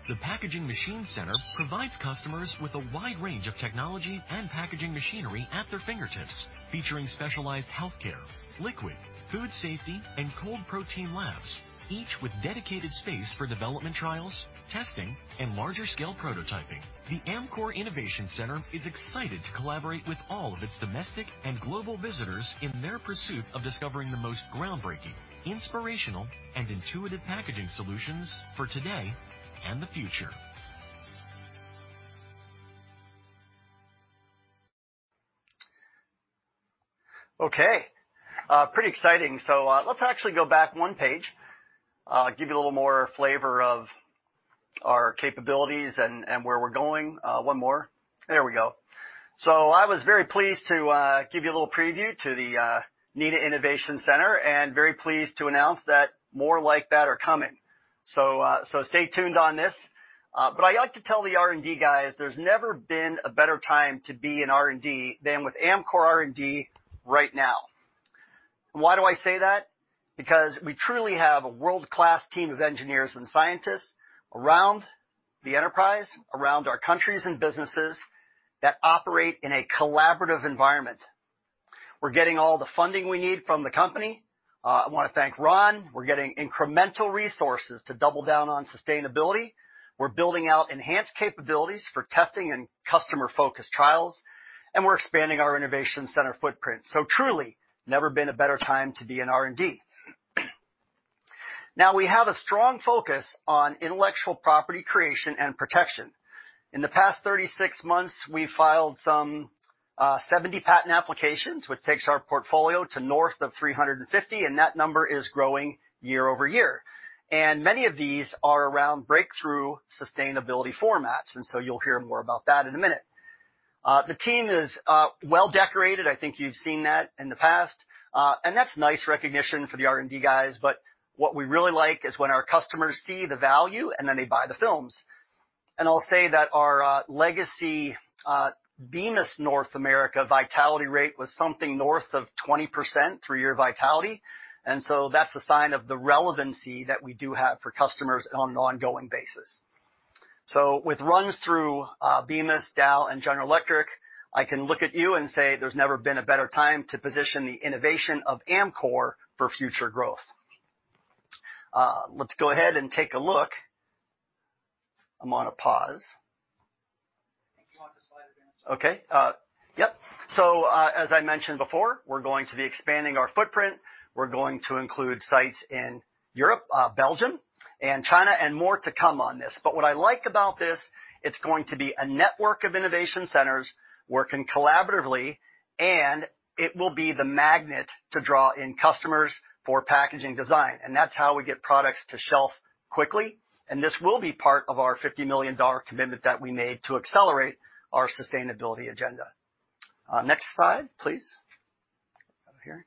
The Packaging Machine Center provides customers with a wide range of technology and packaging machinery at their fingertips, featuring specialized healthcare, liquid, food safety, and cold protein labs, each with dedicated space for development trials, testing, and larger scale prototyping. The Amcor Innovation Center is excited to collaborate with all of its domestic and global visitors in their pursuit of discovering the most groundbreaking, inspirational, and intuitive packaging solutions for today and the future. Okay, pretty exciting. So, let's actually go back one page, give you a little more flavor of our capabilities and where we're going. One more. There we go. So I was very pleased to give you a little preview to the Neenah Innovation Center, and very pleased to announce that more like that are coming. So, stay tuned on this. But I like to tell the R&D guys, there's never been a better time to be in R&D than with Amcor R&D right now. Why do I say that? Because we truly have a world-class team of engineers and scientists around the enterprise, around our countries and businesses, that operate in a collaborative environment. We're getting all the funding we need from the company. I wanna thank Ron. We're getting incremental resources to double down on sustainability. We're building out enhanced capabilities for testing and customer-focused trials, and we're expanding our innovation center footprint so truly, never been a better time to be in R&D. Now, we have a strong focus on intellectual property creation and protection. In the past 36 months, we've filed some 70 patent applications, which takes our portfolio to north of 350, and that number is growing year over year and many of these are around breakthrough sustainability formats, and so you'll hear more about that in a minute. The team is well-decorated. I think you've seen that in the past and that's nice recognition for the R&D guys, but what we really like is when our customers see the value and then they buy the films. And I'll say that our legacy Bemis North America vitality rate was something north of 20%, three-year vitality, and so that's a sign of the relevancy that we do have for customers on an ongoing basis. So with runs through Bemis, Dow, and General Electric, I can look at you and say there's never been a better time to position the innovation of Amcor for future growth. Let's go ahead and take a look. I'm on a pause. You want the slide advance? Okay, yep. So, as I mentioned before, we're going to be expanding our footprint. We're going to include sites in Europe, Belgium, and China, and more to come on this. But what I like about this, it's going to be a network of innovation centers working collaboratively, and it will be the magnet to draw in customers for packaging design, and that's how we get products to shelf quickly. And this will be part of our $50 million commitment that we made to accelerate our sustainability agenda. Next slide, please. Here.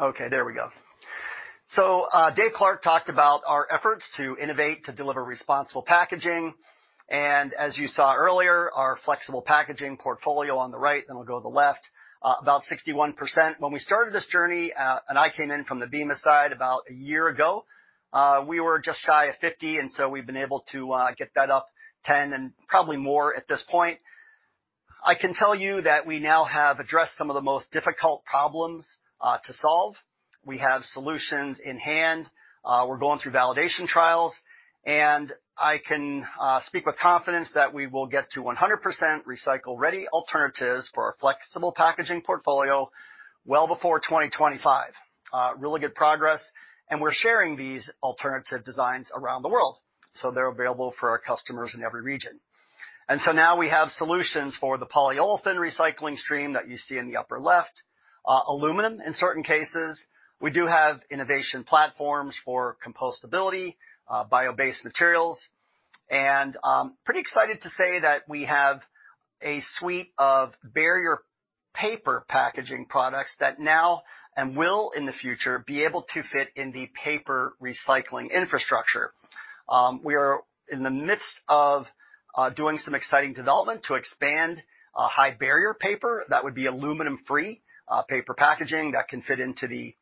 Okay, there we go. So, Dave Clark talked about our efforts to innovate, to deliver responsible packaging. And as you saw earlier, our flexible packaging portfolio on the right, and we'll go to the left, about 61%. When we started this journey, and I came in from the Bemis side about a year ago, we were just shy of 50%, and so we've been able to get that up 10% and probably more at this point. I can tell you that we now have addressed some of the most difficult problems to solve. We have solutions in hand. We're going through validation trials, and I can speak with confidence that we will get to 100% recycle-ready alternatives for our flexible packaging portfolio well before 2025. Really good progress, and we're sharing these alternative designs around the world, so they're available for our customers in every region. And so now we have solutions for the polyolefin recycling stream that you see in the upper left, aluminum in certain cases. We do have innovation platforms for compostability, bio-based materials, and pretty excited to say that we have a suite of barrier paper packaging products that now, and will in the future, be able to fit in the paper recycling infrastructure. We are in the midst of doing some exciting development to expand a high barrier paper that would be aluminum-free, paper packaging that can fit into the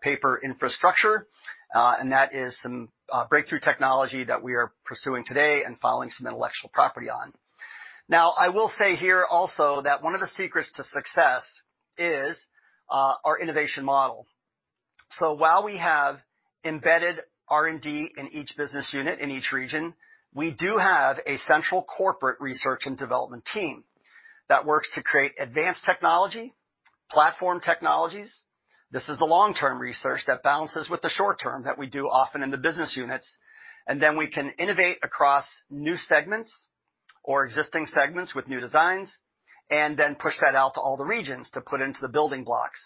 paper infrastructure, and that is some breakthrough technology that we are pursuing today and filing some intellectual property on. Now, I will say here also that one of the secrets to success is our innovation model, while we have embedded R&D in each business unit, in each region, we do have a central corporate Research and Development team that works to create advanced technology, platform technologies. This is the long-term research that balances with the short term that we do often in the business units, and then we can innovate across new segments or existing segments with new designs, and then push that out to all the regions to put into the building blocks.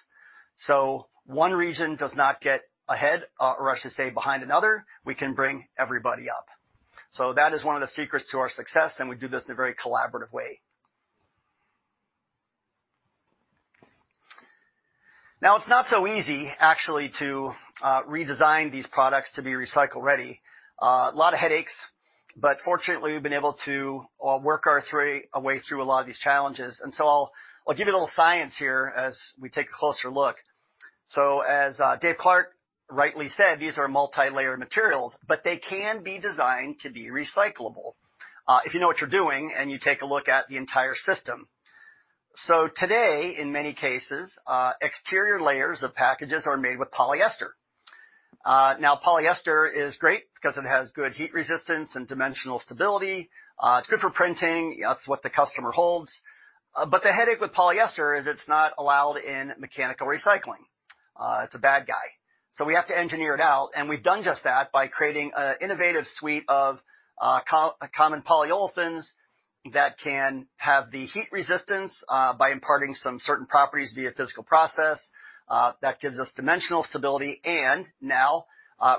So one region does not get ahead, or I should say, behind another. We can bring everybody up. So that is one of the secrets to our success, and we do this in a very collaborative way. Now, it's not so easy, actually, to redesign these products to be recycle-ready. A lot of headaches, but fortunately, we've been able to work our way through a lot of these challenges. And so I'll give you a little science here as we take a closer look. So, as Dave Clark rightly said, these are multilayer materials, but they can be designed to be recyclable if you know what you're doing and you take a look at the entire system. Today, in many cases, exterior layers of packages are made with polyester. Now, polyester is great because it has good heat resistance and dimensional stability. It's good for printing, that's what the customer holds. But the headache with polyester is it's not allowed in mechanical recycling. It's a bad guy, so we have to engineer it out, and we've done just that by creating an innovative suite of common polyolefins that can have the heat resistance by imparting some certain properties via physical process that gives us dimensional stability and now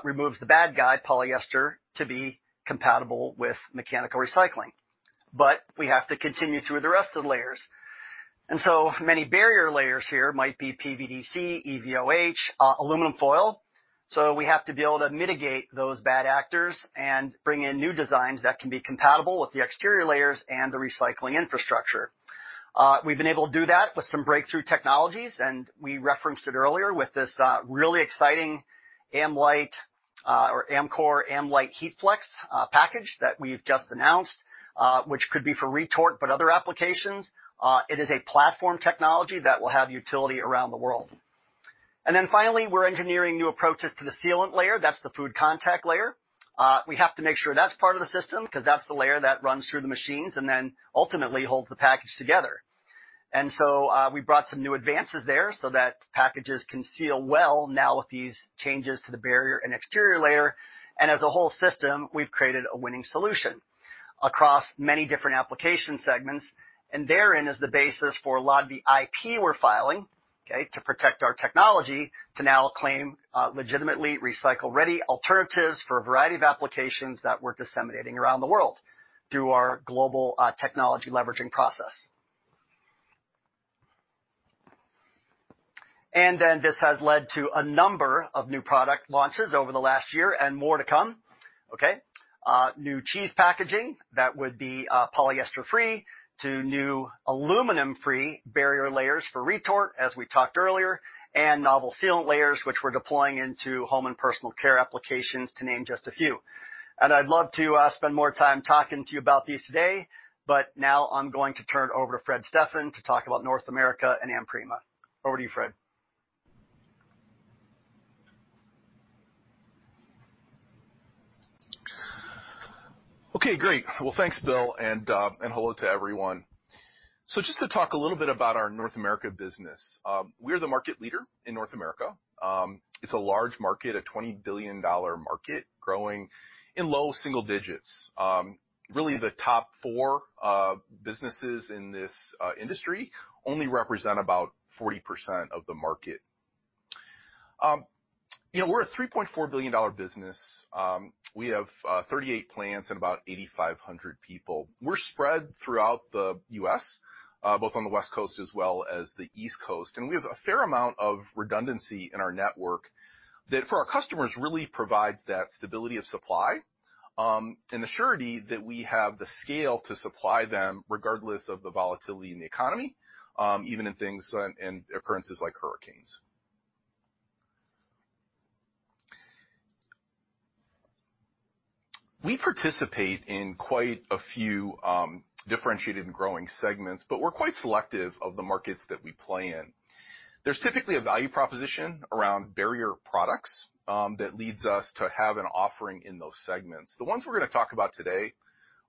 removes the bad guy, polyester, to be compatible with mechanical recycling. But we have to continue through the rest of the layers. And so many barrier layers here might be PVDC, EVOH, aluminum foil, so we have to be able to mitigate those bad actors and bring in new designs that can be compatible with the exterior layers and the recycling infrastructure. We've been able to do that with some breakthrough technologies, and we referenced it earlier with this, really exciting AmLite, or Amcor AmLite HeatFlex, package that we've just announced, which could be for retort, but other applications. It is a platform technology that will have utility around the world. And then finally, we're engineering new approaches to the sealant layer. That's the food contact layer. We have to make sure that's part of the system, 'cause that's the layer that runs through the machines and then ultimately holds the package together. And so, we brought some new advances there so that packages can seal well now with these changes to the barrier and exterior layer, and as a whole system, we've created a winning solution across many different application segments, and therein is the basis for a lot of the IP we're filing, okay? To protect our technology, to now claim legitimately recycle-ready alternatives for a variety of applications that we're disseminating around the world through our global technology leveraging process. And then, this has led to a number of new product launches over the last year and more to come, okay? New cheese packaging that would be polyester-free, to new aluminum-free barrier layers for retort, as we talked earlier, and novel sealant layers, which we're deploying into home and personal care applications, to name just a few. And I'd love to spend more time talking to you about these today, but now I'm going to turn it over to Fred Stephan to talk about North America and AmPrima. Over to you, Fred. Okay, great! Well, thanks, Bill, and, and hello to everyone. So just to talk a little bit about our North America business. We're the market leader in North America. It's a large market, a $20 billion market, growing in low single digits. Really the top four businesses in this industry only represent about 40% of the market. You know, we're a $3.4 billion business. We have 38 plants and about 8,500 people. We're spread throughout the U.S., both on the West Coast as well as the East Coast, and we have a fair amount of redundancy in our network that, for our customers, really provides that stability of supply, and the surety that we have the scale to supply them, regardless of the volatility in the economy, even in things and occurrences like hurricanes. We participate in quite a few differentiated and growing segments, but we're quite selective of the markets that we play in. There's typically a value proposition around barrier products that leads us to have an offering in those segments. The ones we're gonna talk about today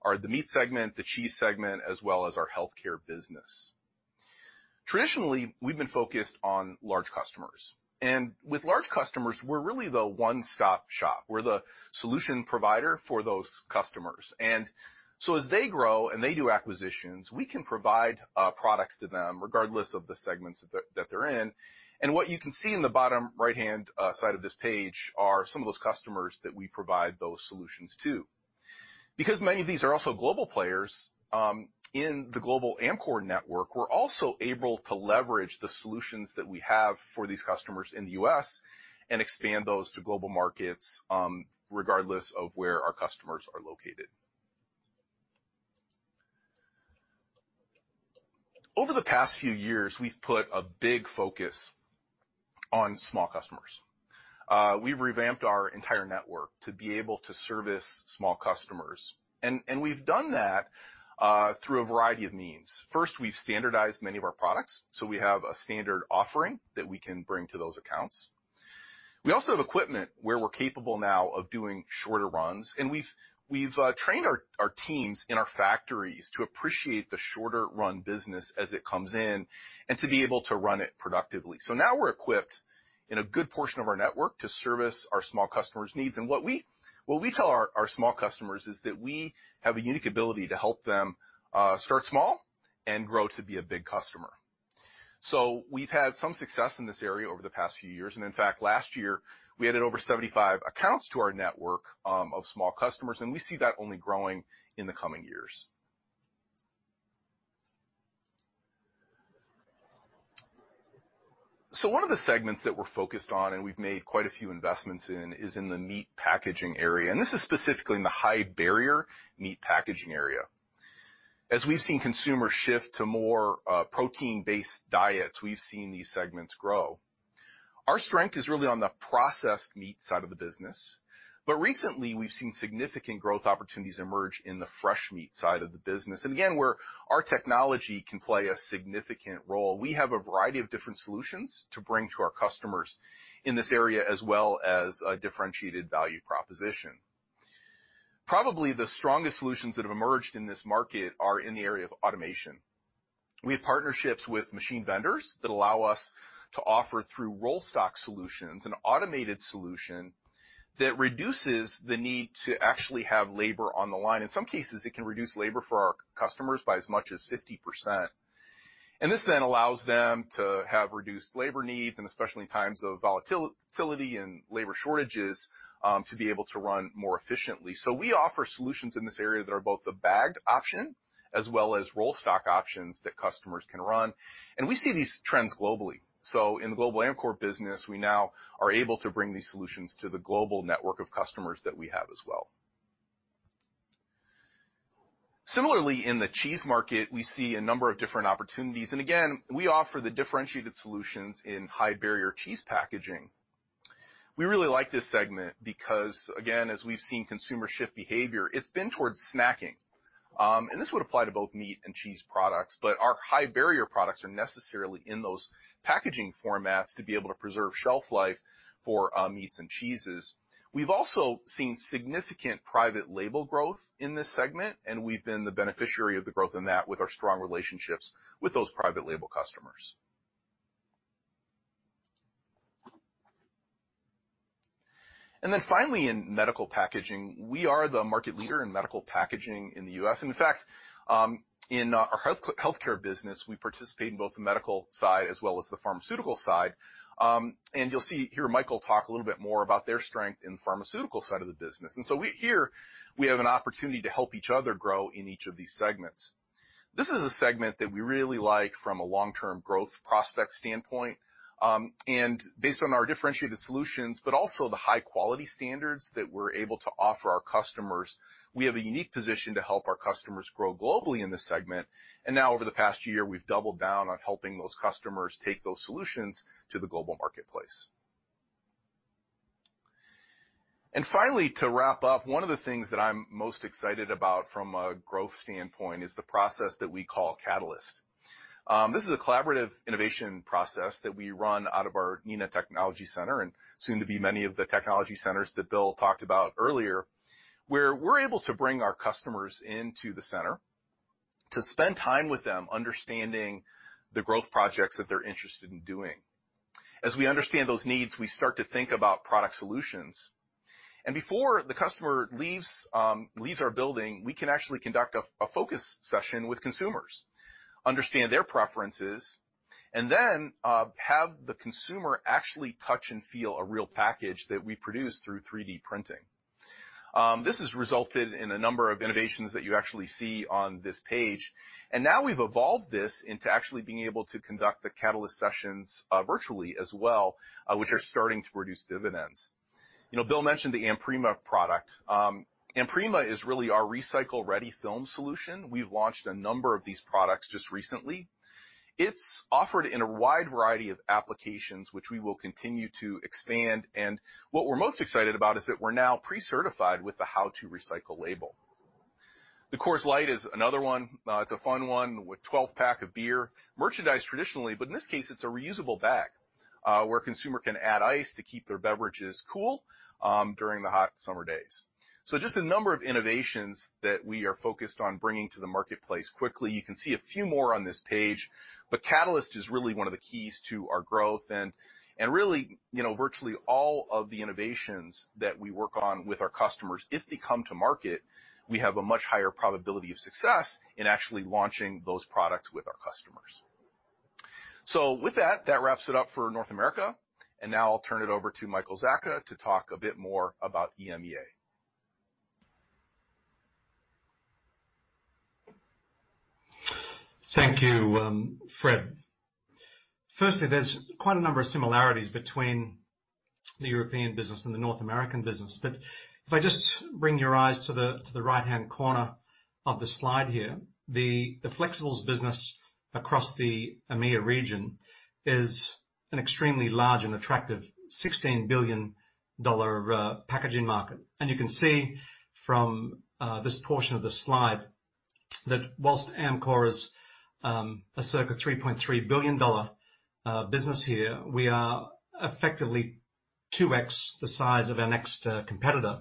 are the meat segment, the cheese segment, as well as our healthcare business. Traditionally, we've been focused on large customers, and with large customers, we're really the one-stop shop. We're the solution provider for those customers. And so as they grow and they do acquisitions, we can provide products to them, regardless of the segments that they're in. And what you can see in the bottom right-hand side of this page are some of those customers that we provide those solutions to. Because many of these are also global players in the global Amcor network, we're also able to leverage the solutions that we have for these customers in the U.S. and expand those to global markets, regardless of where our customers are located. Over the past few years, we've put a big focus on small customers. We've revamped our entire network to be able to service small customers, and we've done that through a variety of means. First, we've standardized many of our products, so we have a standard offering that we can bring to those accounts. We also have equipment where we're capable now of doing shorter runs, and we've trained our teams in our factories to appreciate the shorter run business as it comes in, and to be able to run it productively, so now we're equipped in a good portion of our network to service our small customers' needs, and what we tell our small customers is that we have a unique ability to help them start small and grow to be a big customer, so we've had some success in this area over the past few years, and in fact, last year, we added over seventy-five accounts to our network of small customers, and we see that only growing in the coming years. One of the segments that we're focused on, and we've made quite a few investments in, is in the meat packaging area, and this is specifically in the high barrier meat packaging area. As we've seen consumers shift to more protein-based diets, we've seen these segments grow. Our strength is really on the processed meat side of the business, but recently, we've seen significant growth opportunities emerge in the fresh meat side of the business, and again, where our technology can play a significant role. We have a variety of different solutions to bring to our customers in this area, as well as a differentiated value proposition. Probably, the strongest solutions that have emerged in this market are in the area of automation. We have partnerships with machine vendors that allow us to offer, through roll stock solutions, an automated solution that reduces the need to actually have labor on the line. In some cases, it can reduce labor for our customers by as much as 50%, and this then allows them to have reduced labor needs, and especially in times of volatility and labor shortages, to be able to run more efficiently, so we offer solutions in this area that are both a bagged option as well as roll stock options that customers can run, and we see these trends globally, so in the global Amcor business, we now are able to bring these solutions to the global network of customers that we have as well. Similarly, in the cheese market, we see a number of different opportunities, and again, we offer the differentiated solutions in high-barrier cheese packaging. We really like this segment because, again, as we've seen consumer shift behavior, it's been towards snacking. And this would apply to both meat and cheese products, but our high-barrier products are necessarily in those packaging formats to be able to preserve shelf life for meats and cheeses. We've also seen significant private label growth in this segment, and we've been the beneficiary of the growth in that with our strong relationships with those private label customers. And then finally, in medical packaging, we are the market leader in medical packaging in the U.S. And in fact, in our healthcare business, we participate in both the medical side as well as the pharmaceutical side. And you'll hear Michael talk a little bit more about their strength in the pharmaceutical side of the business. And so we here, we have an opportunity to help each other grow in each of these segments. This is a segment that we really like from a long-term growth prospect standpoint, and based on our differentiated solutions, but also the high-quality standards that we're able to offer our customers, we have a unique position to help our customers grow globally in this segment. And now, over the past year, we've doubled down on helping those customers take those solutions to the global marketplace. And finally, to wrap up, one of the things that I'm most excited about from a growth standpoint is the process that we call Catalyst. This is a collaborative innovation process that we run out of our Neenah Technology Center, and soon to be many of the technology centers that Bill talked about earlier, where we're able to bring our customers into the center to spend time with them, understanding the growth projects that they're interested in doing. As we understand those needs, we start to think about product solutions. And before the customer leaves our building, we can actually conduct a focus session with consumers, understand their preferences, and then have the consumer actually touch and feel a real package that we produce through 3D printing. This has resulted in a number of innovations that you actually see on this page. And now we've evolved this into actually being able to conduct the Catalyst sessions virtually as well, which are starting to produce dividends. You know, Bill mentioned the AmPrima product. AmPrima is really our recycle-ready film solution. We've launched a number of these products just recently. It's offered in a wide variety of applications, which we will continue to expand, and what we're most excited about is that we're now pre-certified with the How2Recycle label. The Coors Light is another one. It's a fun one, with 12-pack of beer, merchandised traditionally, but in this case, it's a reusable bag, where a consumer can add ice to keep their beverages cool, during the hot summer days. So just a number of innovations that we are focused on bringing to the marketplace quickly. You can see a few more on this page, but Catalyst is really one of the keys to our growth and, and really, you know, virtually all of the innovations that we work on with our customers, if they come to market, we have a much higher probability of success in actually launching those products with our customers. So with that, that wraps it up for North America, and now I'll turn it over to Michael Zacka to talk a bit more about EMEA. Thank you, Fred. First, there's quite a number of similarities between the European business and the North American business, but if I just bring your eyes to the right-hand corner of the slide here, the Flexibles business across the EMEA region is an extremely large and attractive $16 billion packaging market. And you can see from this portion of the slide that while Amcor is a circa $3.3 billion business here, we are effectively 2x the size of our next competitor.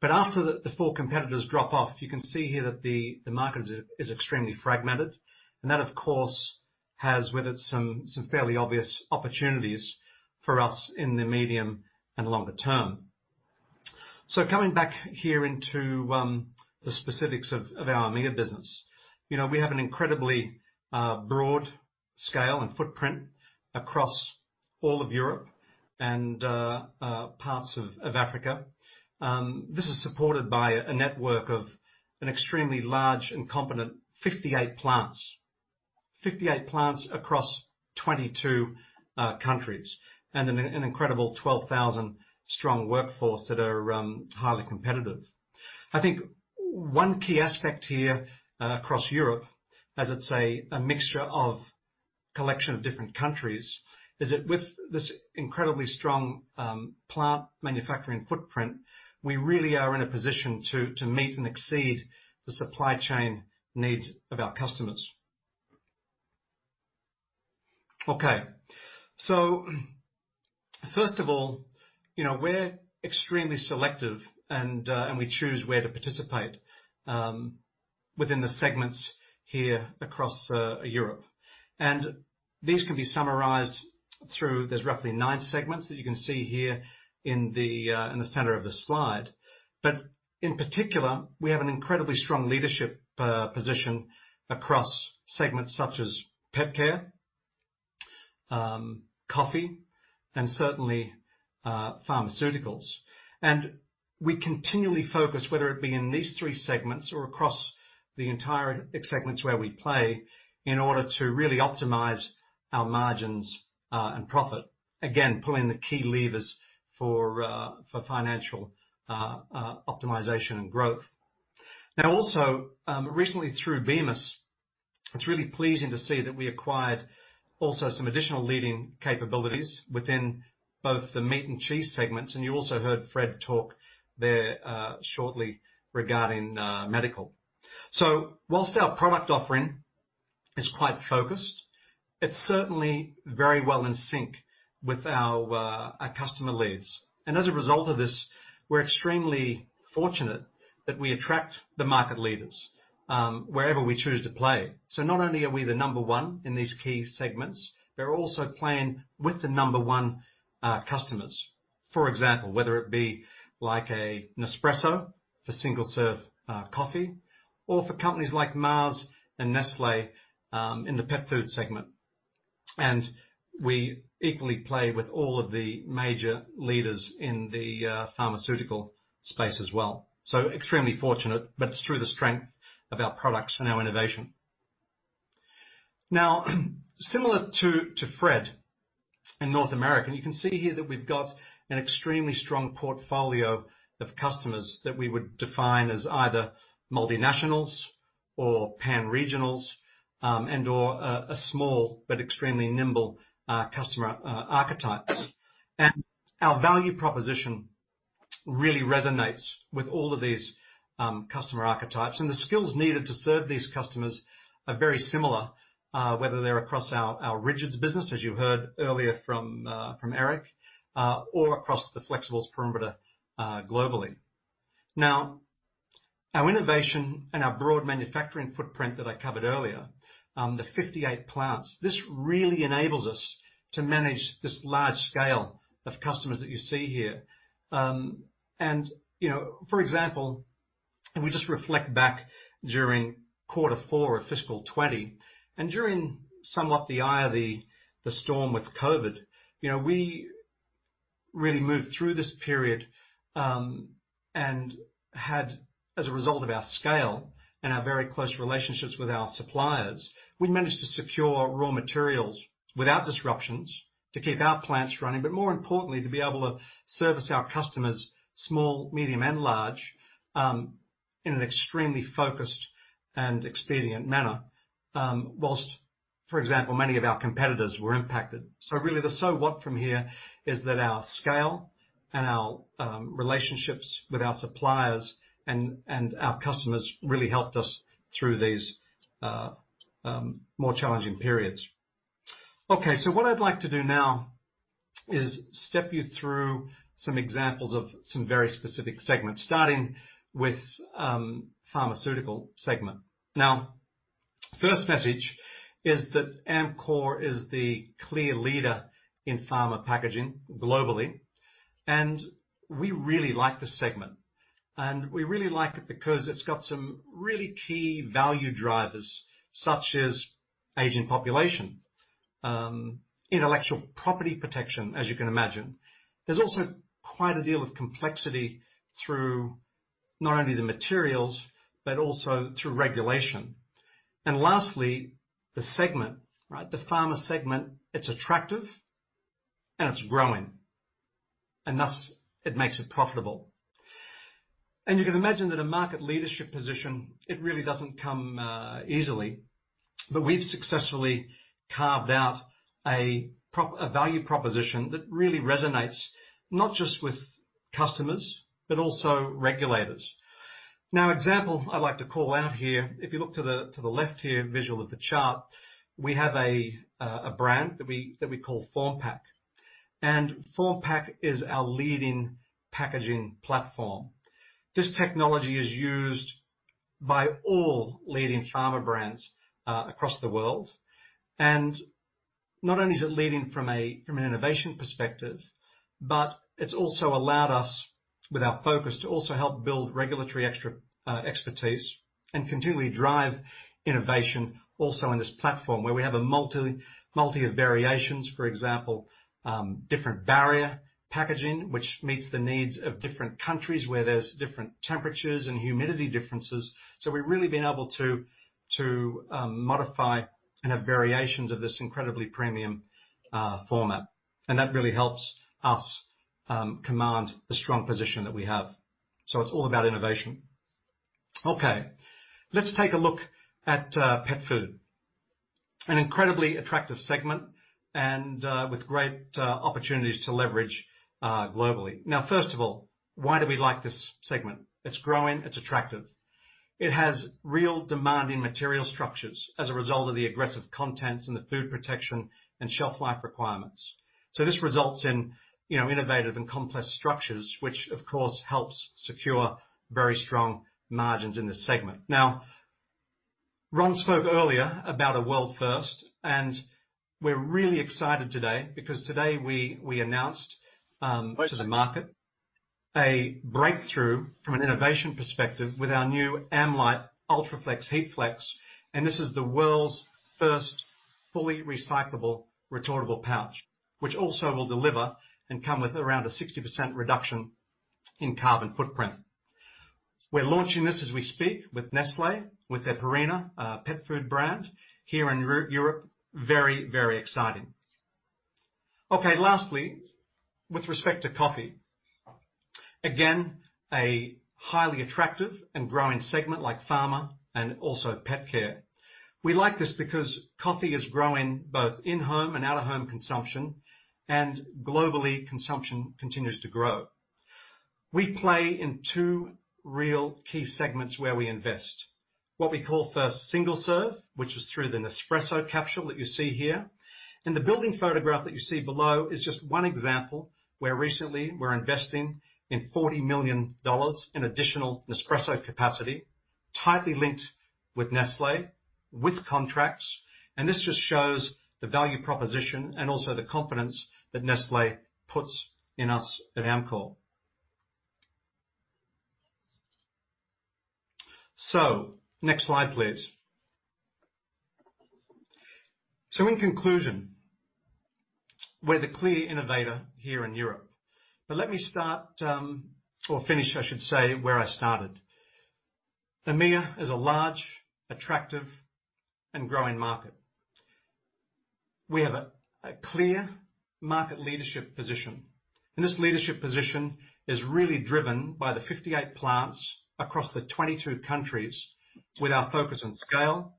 But after the four competitors drop off, you can see here that the market is extremely fragmented, and that, of course, has with it some fairly obvious opportunities for us in the medium and longer term. Coming back here into the specifics of our EMEA business, you know, we have an incredibly broad scale and footprint across all of Europe and parts of Africa. This is supported by a network of an extremely large and competent 58 plants. 58 plants across 22 countries, and an incredible 12,000 strong workforce that are highly competitive. I think one key aspect here across Europe, as it's a mixture of collection of different countries, is that with this incredibly strong plant manufacturing footprint, we really are in a position to meet and exceed the supply chain needs of our customers. Okay, so first of all, you know, we're extremely selective, and we choose where to participate within the segments here across Europe. And these can be summarized through... There's roughly nine segments that you can see here in the, in the center of the slide, but in particular, we have an incredibly strong leadership position across segments such as pet care, coffee, and certainly, pharmaceuticals, and we continually focus, whether it be in these three segments or across the entire segments where we play, in order to really optimize our margins, and profit, again, pulling the key levers for financial optimization and growth. Now also, recently through Bemis, it's really pleasing to see that we acquired also some additional leading capabilities within both the meat and cheese segments, and you also heard Fred talk there, shortly regarding, medical, so while our product offering is quite focused, it's certainly very well in sync with our customer needs. As a result of this, we're extremely fortunate that we attract the market leaders wherever we choose to play. Not only are we the number one in these key segments, we're also playing with the number one customers. For example, whether it be like a Nespresso for single-serve coffee, or for companies like Mars and Nestlé in the pet food segment. We equally play with all of the major leaders in the pharmaceutical space as well. Extremely fortunate, but it's through the strength of our products and our innovation. Now, similar to Fred in North America, and you can see here that we've got an extremely strong portfolio of customers that we would define as either multinationals or pan-regionals and/or a small but extremely nimble customer archetypes. And our value proposition really resonates with all of these customer archetypes, and the skills needed to serve these customers are very similar, whether they're across our Rigid business, as you heard earlier from Eric, or across the Flexibles perimeter globally. Now, our innovation and our broad manufacturing footprint that I covered earlier, the 58 plants, this really enables us to manage this large scale of customers that you see here. And, you know, for example, if we just reflect back during quarter four of fiscal 2020, and during somewhat the eye of the storm with COVID, you know, we really moved through this period and had, as a result of our scale and our very close relationships with our suppliers, we managed to secure raw materials without disruptions to keep our plants running, but more importantly, to be able to service our customers, small, medium, and large, in an extremely focused and expedient manner, while, for example, many of our competitors were impacted. So really, the so what from here is that our scale and our relationships with our suppliers and our customers really helped us through these more challenging periods. Okay, so what I'd like to do now is step you through some examples of some very specific segments, starting with pharmaceutical segment. Now, first message is that Amcor is the clear leader in pharma packaging globally, and we really like this segment. And we really like it because it's got some really key value drivers, such as aging population, intellectual property protection, as you can imagine. There's also quite a deal of complexity through not only the materials but also through regulation. And lastly, the segment, right? The pharma segment, it's attractive, and it's growing, and thus it makes it profitable. And you can imagine that a market leadership position, it really doesn't come easily. But we've successfully carved out a value proposition that really resonates, not just with customers, but also regulators. Now, for example I'd like to call out here, if you look to the left here, visual of the chart, we have a brand that we call Formpack, and Formpack is our leading packaging platform. This technology is used by all leading pharma brands across the world. It is leading from an innovation perspective. It has also allowed us, with our focus, to help build regulatory expertise and continually drive innovation in this platform, where we have a multitude of variations, for example, different barrier packaging, which meets the needs of different countries, where there are different temperatures and humidity differences. We have really been able to modify and have variations of this incredibly premium format, and that really helps us command the strong position that we have. It's all about innovation. Okay, let's take a look at pet food, an incredibly attractive segment and with great opportunities to leverage globally. Now, first of all, why do we like this segment? It's growing. It's attractive. It has real demand in material structures as a result of the aggressive contents and the food protection and shelf life requirements. This results in, you know, innovative and complex structures, which, of course, helps secure very strong margins in this segment. Now, Ron spoke earlier about a world first, and we're really excited today because today we announced to the market a breakthrough from an innovation perspective with our new AmLite Ultra/HeatFlex, and this is the world's first fully recyclable, retortable pouch, which also will deliver and come with around a 60% reduction in carbon footprint. We're launching this as we speak, with Nestlé, with their Purina, pet food brand here in Europe. Very, very exciting. Okay, lastly, with respect to coffee. Again, a highly attractive and growing segment like pharma and also pet care. We like this because coffee is growing, both in-home and out-of-home consumption, and globally, consumption continues to grow. We play in two real key segments where we invest: what we call first single-serve, which is through the Nespresso capsule that you see here. And the building photograph that you see below is just one example where recently we're investing in $40 million in additional Nespresso capacity, tightly linked with Nestlé, with contracts, and this just shows the value proposition and also the confidence that Nestlé puts in us at Amcor. Next slide, please. In conclusion, we're the clear innovator here in Europe. But let me start, or finish, I should say, where I started. EMEA is a large, attractive, and growing market. We have a clear market leadership position, and this leadership position is really driven by the 58 plants across the 22 countries with our focus on scale,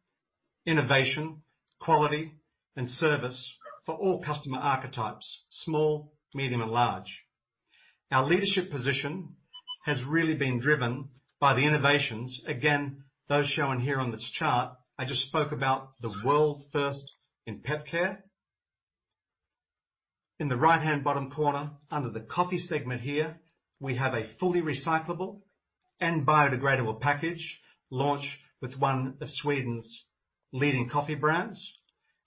innovation, quality, and service for all customer archetypes: small, medium, and large. Our leadership position has really been driven by the innovations, again, those shown here on this chart. I just spoke about the world first in pet care. In the right-hand bottom corner, under the coffee segment here, we have a fully recyclable and biodegradable package launch with one of Sweden's leading coffee brands.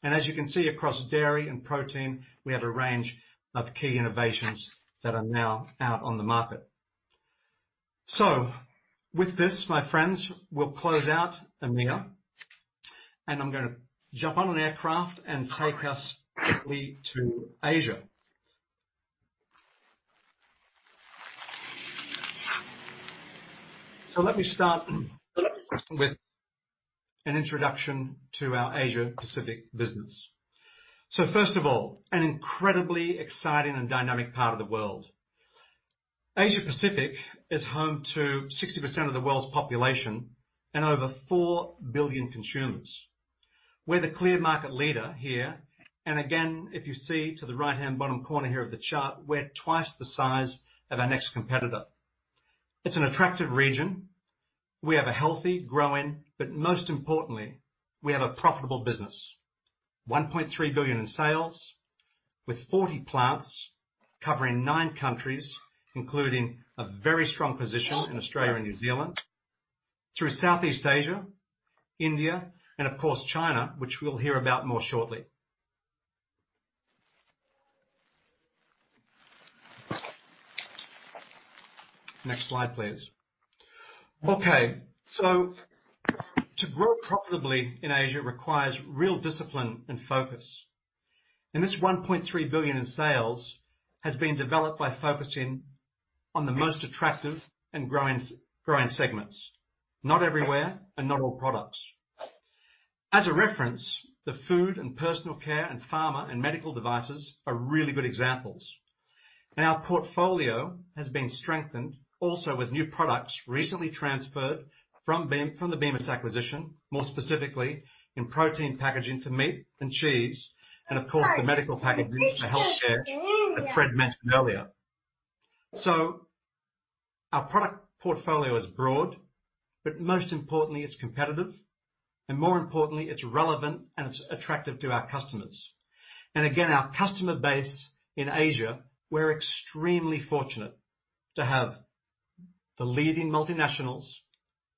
And as you can see across dairy and protein, we have a range of key innovations that are now out on the market. With this, my friends, we'll close out EMEA, and I'm gonna jump on an aircraft and take us quickly to Asia. Let me start with an introduction to our Asia Pacific business. First of all, an incredibly exciting and dynamic part of the world. Asia Pacific is home to 60% of the world's population and over 4 billion consumers. We're the clear market leader here, and again, if you see to the right-hand bottom corner here of the chart, we're twice the size of our next competitor. It's an attractive region. We have a healthy, growing, but most importantly, we have a profitable business. $1.3 billion in sales, with 40 plants covering 9 countries, including a very strong position in Australia and New Zealand, through Southeast Asia, India, and of course, China, which we'll hear about more shortly. Next slide, please. Okay, so to grow profitably in Asia requires real discipline and focus, and this $1.3 billion in sales has been developed by focusing on the most attractive and growing segments, not everywhere and not all products. As a reference, the food and personal care, and pharma and medical devices are really good examples.... And our portfolio has been strengthened also with new products recently transferred from the Bemis acquisition, more specifically in protein packaging for meat and cheese, and of course, the medical packaging for healthcare that Fred mentioned earlier. Our product portfolio is broad, but most importantly, it's competitive, and more importantly, it's relevant and it's attractive to our customers. And again, our customer base in Asia, we're extremely fortunate to have the leading multinationals,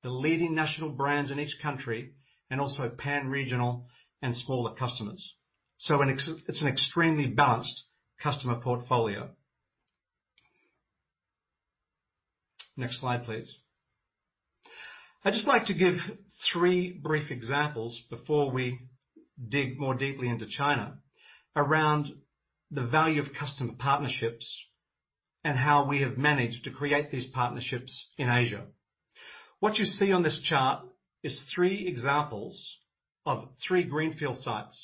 the leading national brands in each country, and also pan-regional and smaller customers. It's an extremely balanced customer portfolio. Next slide, please. I'd just like to give three brief examples before we dig more deeply into China, around the value of customer partnerships and how we have managed to create these partnerships in Asia. What you see on this chart is three examples of three greenfield sites.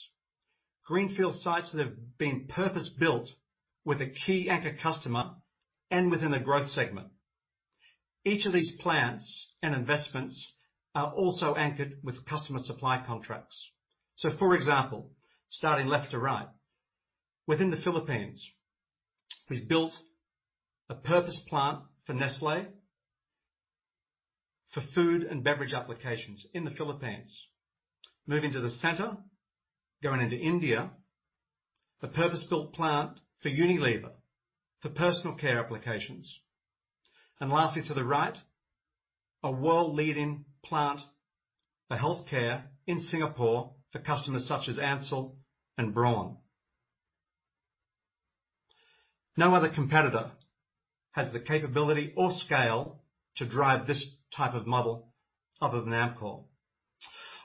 Greenfield sites that have been purpose-built with a key anchor customer and within a growth segment. Each of these plants and investments are also anchored with customer supply contracts. So for example, starting left to right, within the Philippines, we've built a purpose plant for Nestlé, for food and beverage applications in the Philippines. Moving to the center, going into India, a purpose-built plant for Unilever, for personal care applications. And lastly, to the right, a world-leading plant for healthcare in Singapore, for customers such as Ansell and Braun. No other competitor has the capability or scale to drive this type of model other than Amcor.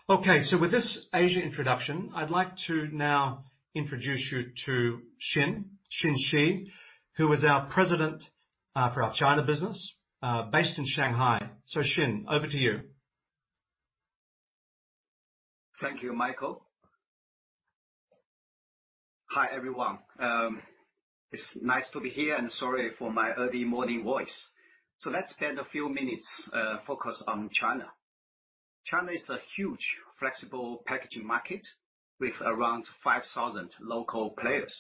Okay, so with this Asia introduction, I'd like to now introduce you to Xin She, who is our president for our China business, based in Shanghai. So Xin, over to you. Thank you, Michael. Hi, everyone. It's nice to be here, and sorry for my early morning voice. So let's spend a few minutes focused on China. China is a huge flexible packaging market with around five thousand local players.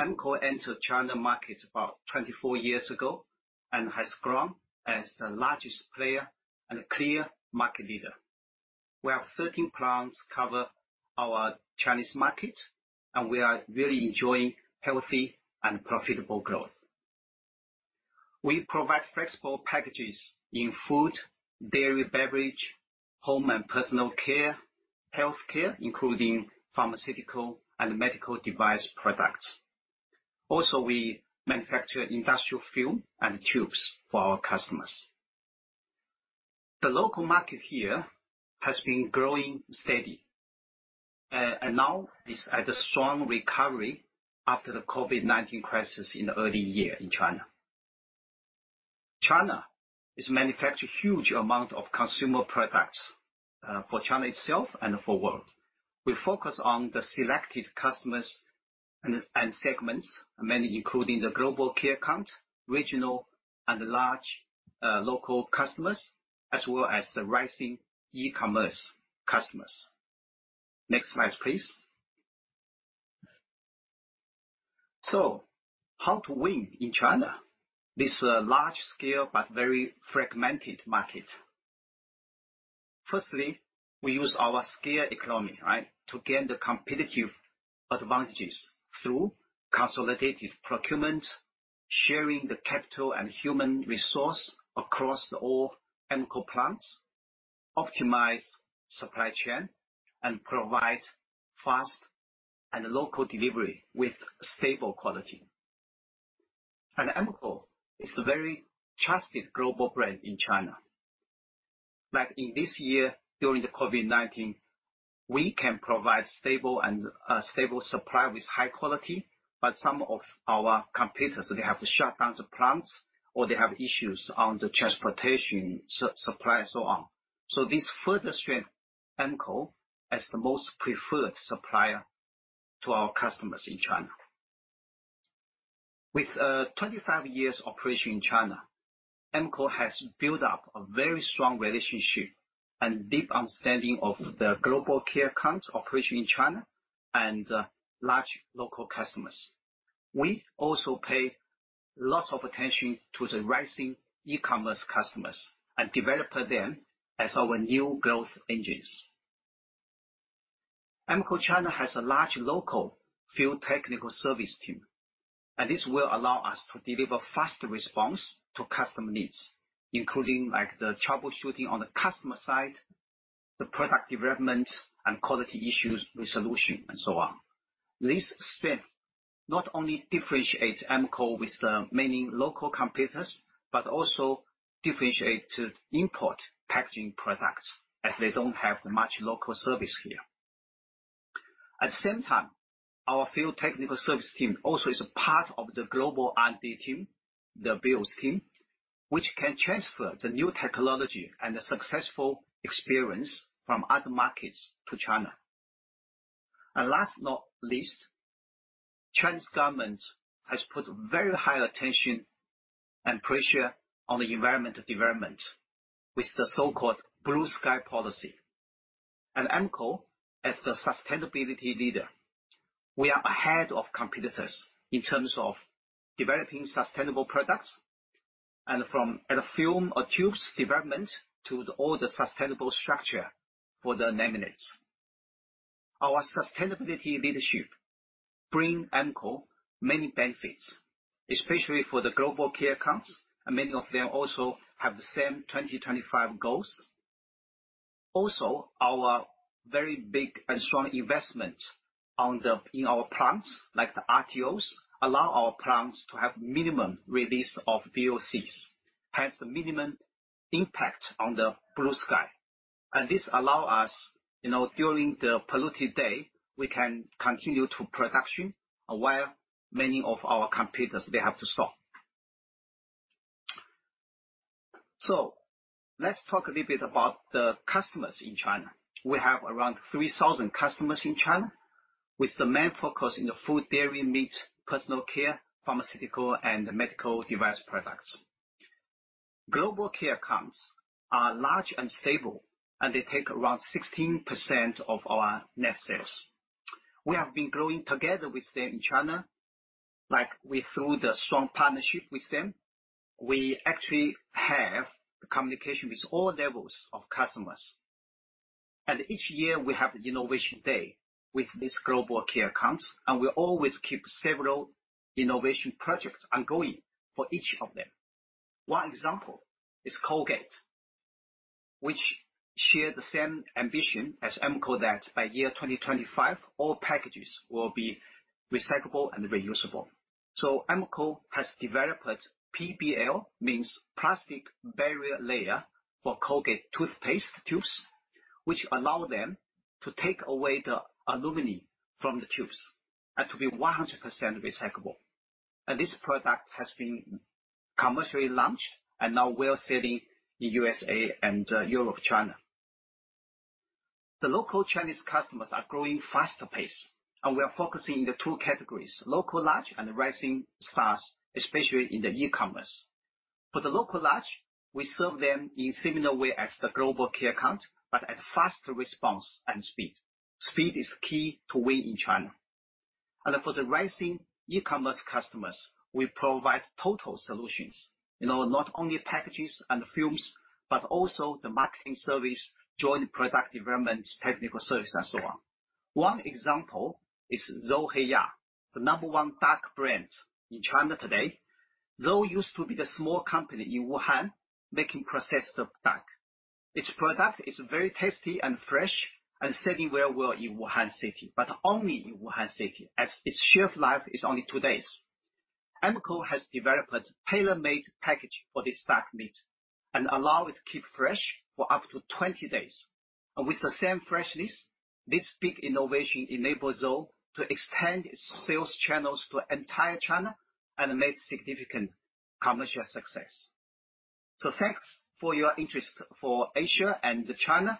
Amcor entered China market about 24 years ago and has grown as the largest player and a clear market leader. We have 13 plants cover our Chinese market, and we are really enjoying healthy and profitable growth. We provide flexible packages in food, dairy, beverage, home and personal care, healthcare, including pharmaceutical and medical device products. Also, we manufacture industrial film and tubes for our customers. The local market here has been growing steady, and now is at a strong recovery after the COVID-19 crisis in the early year in China. China is manufacture huge amount of consumer products for China itself and for world. We focus on the selected customers and segments, mainly including the global key account, regional and large local customers, as well as the rising e-commerce customers. Next slide, please. How to win in China, this large scale but very fragmented market? Firstly, we use our scale economy, right, to gain the competitive advantages through consolidated procurement, sharing the capital and human resource across all Amcor plants, optimize supply chain, and provide fast and local delivery with stable quality. Amcor is a very trusted global brand in China. Like, in this year, during the COVID-19, we can provide stable and stable supply with high quality, but some of our competitors, they have to shut down the plants or they have issues on the transportation supply and so on. This further strengthen Amcor as the most preferred supplier to our customers in China. With 25 years operation in China, Amcor has built up a very strong relationship and deep understanding of the global key accounts operation in China and large local customers. We also pay lots of attention to the rising e-commerce customers and develop them as our new growth engines. Amcor China has a large local field technical service team, and this will allow us to deliver fast response to customer needs, including, like, the troubleshooting on the customer side, the product development and quality issues, resolution, and so on. This strength not only differentiates Amcor with the many local competitors, but also differentiate import packaging products, as they don't have much local service here. At the same time, our field technical service team also is a part of the global R&D team, the builds team, which can transfer the new technology and the successful experience from other markets to China. And last but not least, Chinese government has put very high attention and pressure on the environmental development with the so-called Blue Sky policy. And Amcor, as the sustainability leader, we are ahead of competitors in terms of developing sustainable products and from at a film or tubes development to all the sustainable structure for the laminates. Our sustainability leadership bring Amcor many benefits, especially for the global key accounts, and many of them also have the same 2025 goals. Also, our very big and strong investment on the, in our plants, like the RTOs, allow our plants to have minimum release of VOCs, hence the minimum impact on the Blue Sky. This allows us, you know, during the polluted day, we can continue to production, while many of our competitors, they have to stop. Let's talk a little bit about the customers in China. We have around 3,000 customers in China, with the main focus in the food, dairy, meat, personal care, pharmaceutical, and medical device products. Global key accounts are large and stable, and they take around 16% of our net sales. We have been growing together with them in China, like, through the strong partnership with them. We actually have communication with all levels of customers, and each year we have innovation day with these global key accounts, and we always keep several innovation projects ongoing for each of them. One example is Colgate, which shares the same ambition as Amcor, that by 2025, all packages will be recyclable and reusable. Amcor has developed PBL, means Plastic Barrier Layer, for Colgate toothpaste tubes, which allow them to take away the aluminum from the tubes and to be 100% recyclable. This product has been commercially launched and now well selling in U.S.A. and Europe, China. The local Chinese customers are growing faster pace, and we are focusing in the two categories, local, large, and rising stars, especially in the e-commerce. For the local large, we serve them in similar way as the global key account, but at faster response and speed. Speed is key to win in China. For the rising e-commerce customers, we provide total solutions, you know, not only packages and films, but also the marketing service, joint product developments, technical service, and so on. One example is Zhou Hei Ya, the number one duck brand in China today. Zhou used to be the small company in Wuhan making processed duck. Its product is very tasty and fresh, and selling very well in Wuhan City, but only in Wuhan City, as its shelf life is only two days. Amcor has developed a tailor-made package for this duck meat and allow it to keep fresh for up to 20 days. And with the same freshness, this big innovation enables Zhou to extend its sales channels to entire China and made significant commercial success. Thanks for your interest for Asia and China,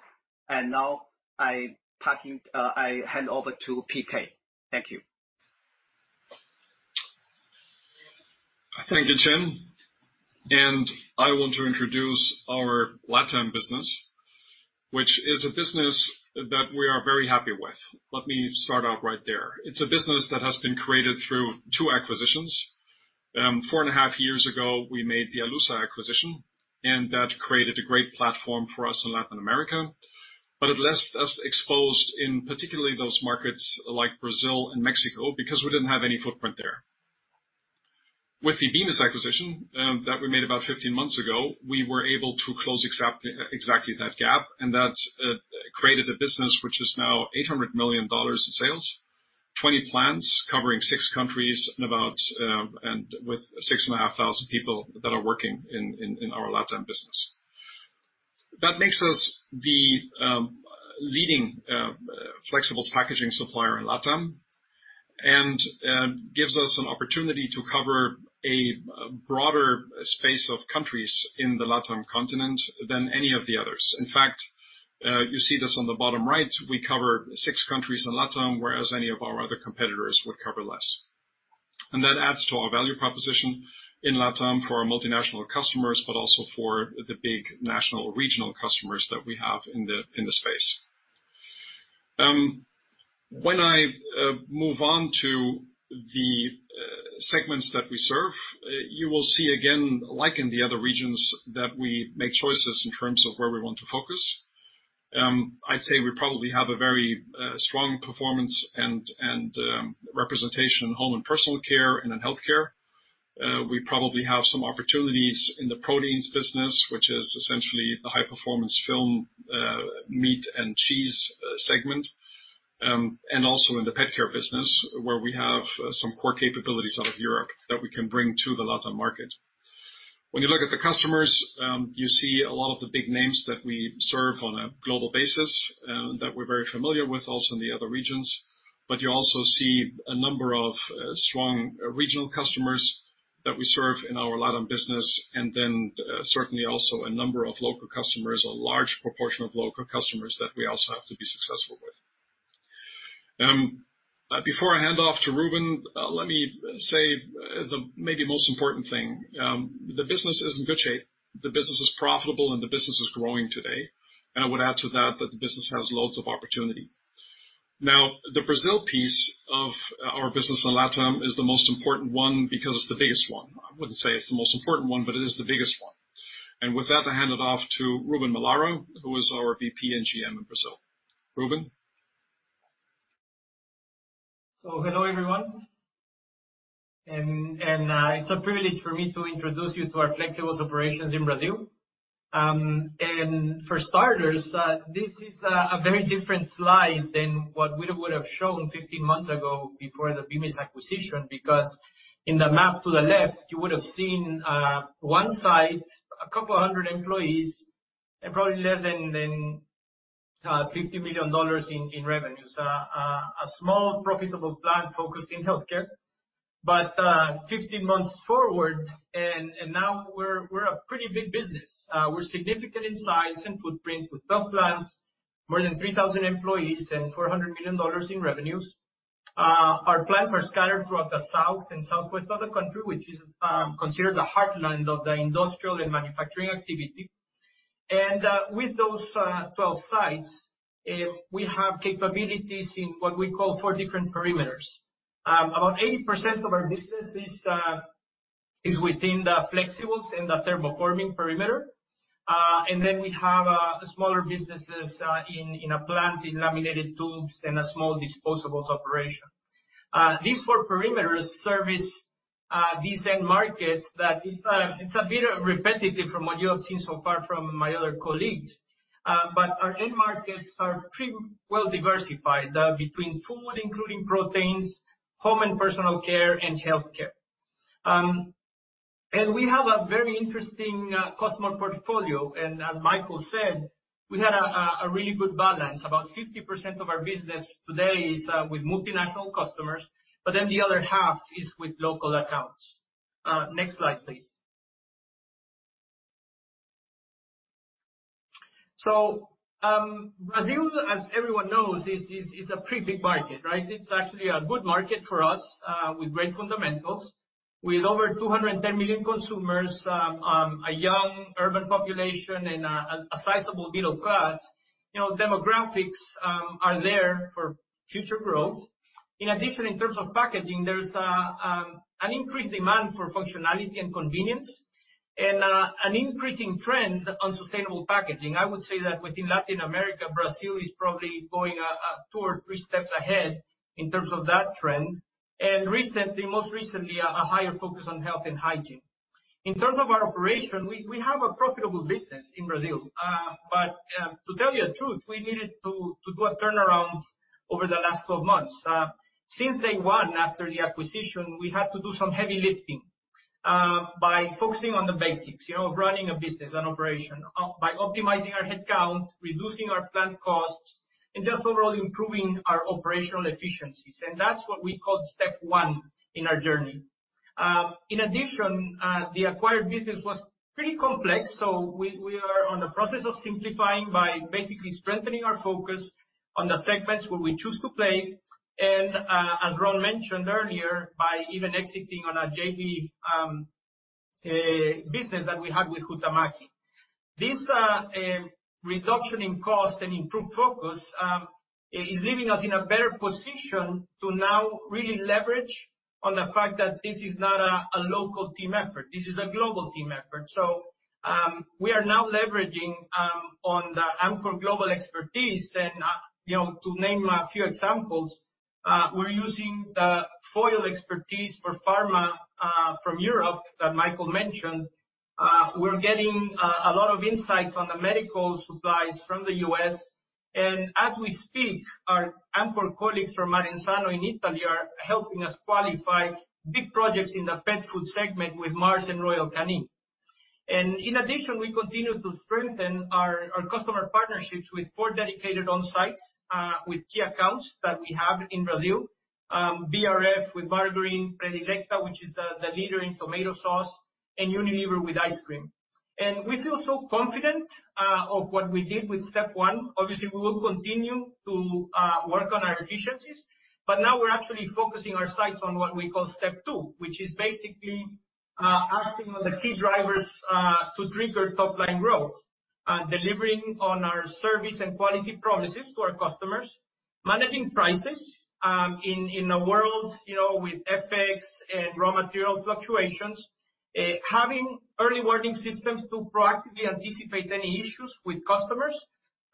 and now I parting, I hand over to P.K. Thank you. Thank you, Xin. I want to introduce our LatAm business, which is a business that we are very happy with. Let me start out right there. It's a business that has been created through two acquisitions. Four and a half years ago, we made the Alusa acquisition, and that created a great platform for us in Latin America, but it left us exposed in particularly those markets like Brazil and Mexico, because we didn't have any footprint there. With the Bemis acquisition, that we made about fifteen months ago, we were able to close exactly that gap, and that created a business which is now $800 million in sales, 20 plants covering six countries, and with 6,500 people that are working in our LatAm business. That makes us the leading flexible packaging supplier in LatAm, and gives us an opportunity to cover a broader space of countries in the LatAm continent than any of the others. In fact, you see this on the bottom right. We cover six countries in LatAm, whereas any of our other competitors would cover less. And that adds to our value proposition in LatAm for our multinational customers, but also for the big national or regional customers that we have in the space. When I move on to the segments that we serve, you will see again, like in the other regions, that we make choices in terms of where we want to focus. I'd say we probably have a very strong performance and representation in home and personal care and in healthcare. We probably have some opportunities in the proteins business, which is essentially the high-performance film, meat and cheese, segment, and also in the pet care business, where we have some core capabilities out of Europe that we can bring to the LatAm market. When you look at the customers, you see a lot of the big names that we serve on a global basis, that we're very familiar with also in the other regions, but you also see a number of strong regional customers that we serve in our LatAm business, and then certainly also a number of local customers, a large proportion of local customers that we also have to be successful with. But before I hand off to Ruben, let me say the maybe most important thing, the business is in good shape. The business is profitable, and the business is growing today. I would add to that, that the business has loads of opportunity. Now, the Brazil piece of our business in LatAm is the most important one because it's the biggest one. I wouldn't say it's the most important one, but it is the biggest one. With that, I hand it off to Ruben Molaro, who is our VP and GM in Brazil. Ruben? Hello, everyone. It's a privilege for me to introduce you to our Flexibles operations in Brazil. For starters, this is a very different slide than what we would have shown fifteen months ago before the Bemis acquisition, because in the map to the left, you would have seen one site, a couple of hundred employees, and probably less than $50 million in revenues. A small, profitable plant focused in healthcare. Fifteen months forward, now we're a pretty big business. We're significant in size and footprint with 12 plants, more than 3,000 employees, and $400 million in revenues. Our plants are scattered throughout the south and southwest of the country, which is considered the heartland of the industrial and manufacturing activity. With those 12 sites, we have capabilities in what we call four different platforms. About 80% of our business is within the Flexibles and the thermoforming platform. And then we have smaller businesses in a plant in laminated tubes and a small disposables operation. These four platforms service these end markets that it's a bit repetitive from what you have seen so far from my other colleagues, but our end markets are pretty well diversified between food, including proteins, home and personal care, and healthcare. And we have a very interesting customer portfolio, and as Michael said, we had a really good balance. About 50% of our business today is with multinational customers, but then the other half is with local accounts. Next slide, please. Brazil, as everyone knows, is a pretty big market, right? It's actually a good market for us, with great fundamentals. With over 210 million consumers, a young urban population and a sizable middle class, you know, demographics are there for future growth. In addition, in terms of packaging, there's an increased demand for functionality and convenience and an increasing trend on sustainable packaging. I would say that within Latin America, Brazil is probably going two or three steps ahead in terms of that trend, and recently, most recently, a higher focus on health and hygiene. In terms of our operation, we have a profitable business in Brazil. But to tell you the truth, we needed to do a turnaround over the last 12 months. Since day one, after the acquisition, we had to do some heavy lifting, by focusing on the basics, you know, of running a business, an operation, by optimizing our headcount, reducing our plant costs, and just overall improving our operational efficiencies, and that's what we call step one in our journey. In addition, the acquired business was pretty complex, so we are on the process of simplifying by basically strengthening our focus on the segments where we choose to play, and, as Ron mentioned earlier, by even exiting on a JV, business that we have with Huhtamaki. This reduction in cost and improved focus is leaving us in a better position to now really leverage on the fact that this is not a local team effort, this is a global team effort. We are now leveraging on the Amcor global expertise, and you know, to name a few examples, we're using the foil expertise for pharma from Europe that Michael mentioned. We're getting a lot of insights on the medical supplies from the U.S. As we speak, our Amcor colleagues from Arenzano in Italy are helping us qualify big projects in the pet food segment with Mars and Royal Canin. In addition, we continue to strengthen our customer partnerships with four dedicated on-sites with key accounts that we have in Brazil. BRF with Predilecta, which is the leader in tomato sauce, and Unilever with ice cream. We feel so confident of what we did with step one. Obviously, we will continue to work on our efficiencies, but now we're actually focusing our sights on what we call step two, which is basically acting on the key drivers to trigger top-line growth. Delivering on our service and quality promises to our customers, managing prices in a world, you know, with FX and raw material fluctuations, having early warning systems to proactively anticipate any issues with customers,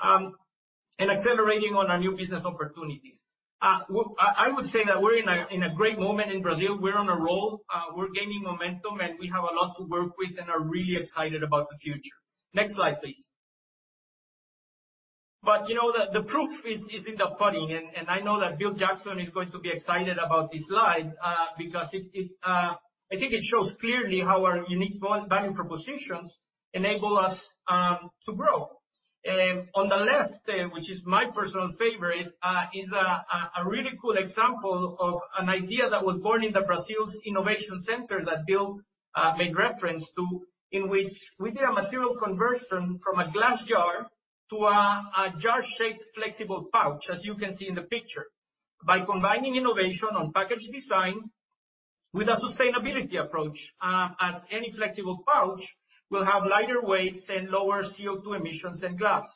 and accelerating on our new business opportunities. I would say that we're in a great moment in Brazil. We're on a roll, we're gaining momentum, and we have a lot to work with, and are really excited about the future. Next slide, please. You know, the proof is in the pudding, and I know that Bill Jackson is going to be excited about this slide, because it shows clearly how our unique value propositions enable us to grow. On the left, which is my personal favorite, is a really cool example of an idea that was born in Brazil's innovation center that Bill made reference to, in which we did a material conversion from a glass jar to a jar-shaped flexible pouch, as you can see in the picture. By combining innovation on package design with a sustainability approach, as any flexible pouch will have lighter weights and lower CO2 emissions than glass.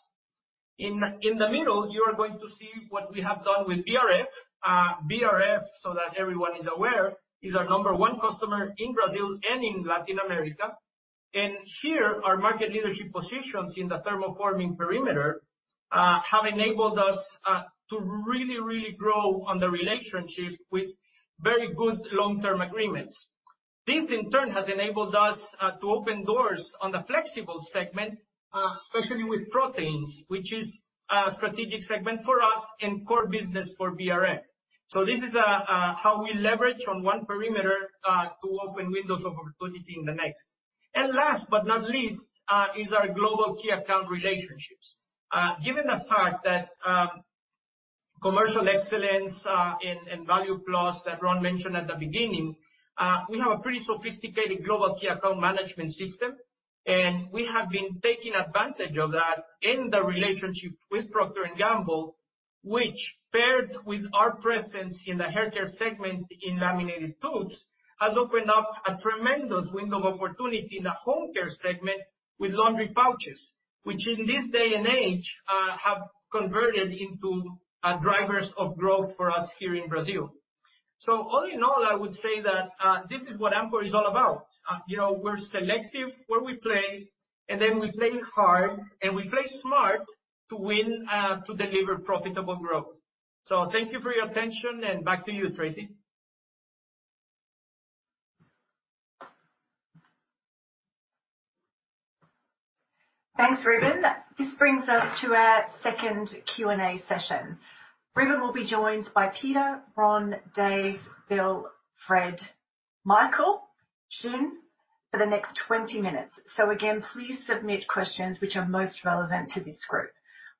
In the middle, you are going to see what we have done with BRF. BRF, so that everyone is aware, is our number one customer in Brazil and in Latin America. And here, our market leadership positions in the thermoforming perimeter have enabled us to really, really grow on the relationship with very good long-term agreements. This, in turn, has enabled us to open doors on the Flexibles segment, especially with proteins, which is a strategic segment for us and core business for BRF. So this is how we leverage on one perimeter to open windows of opportunity in the next. And last but not least is our global key account relationships. Given the fact that, Commercial Excellence, and Value Plus that Ron mentioned at the beginning, we have a pretty sophisticated global key account management system, and we have been taking advantage of that in the relationship with Procter & Gamble, which paired with our presence in the haircare segment in laminated tubes, has opened up a tremendous window of opportunity in the home care segment with laundry pouches, which in this day and age, have converted into, drivers of growth for us here in Brazil. So all in all, I would say that, this is what Amcor is all about. You know, we're selective where we play, and then we play hard, and we play smart to win, to deliver profitable growth. So thank you for your attention, and back to you, Tracey. Thanks, Ruben. This brings us to our second Q&A session. Ruben will be joined by Peter, Ron, Dave, Bill, Fred, Michael, Xin, for the next 20 minutes. So again, please submit questions which are most relevant to this group.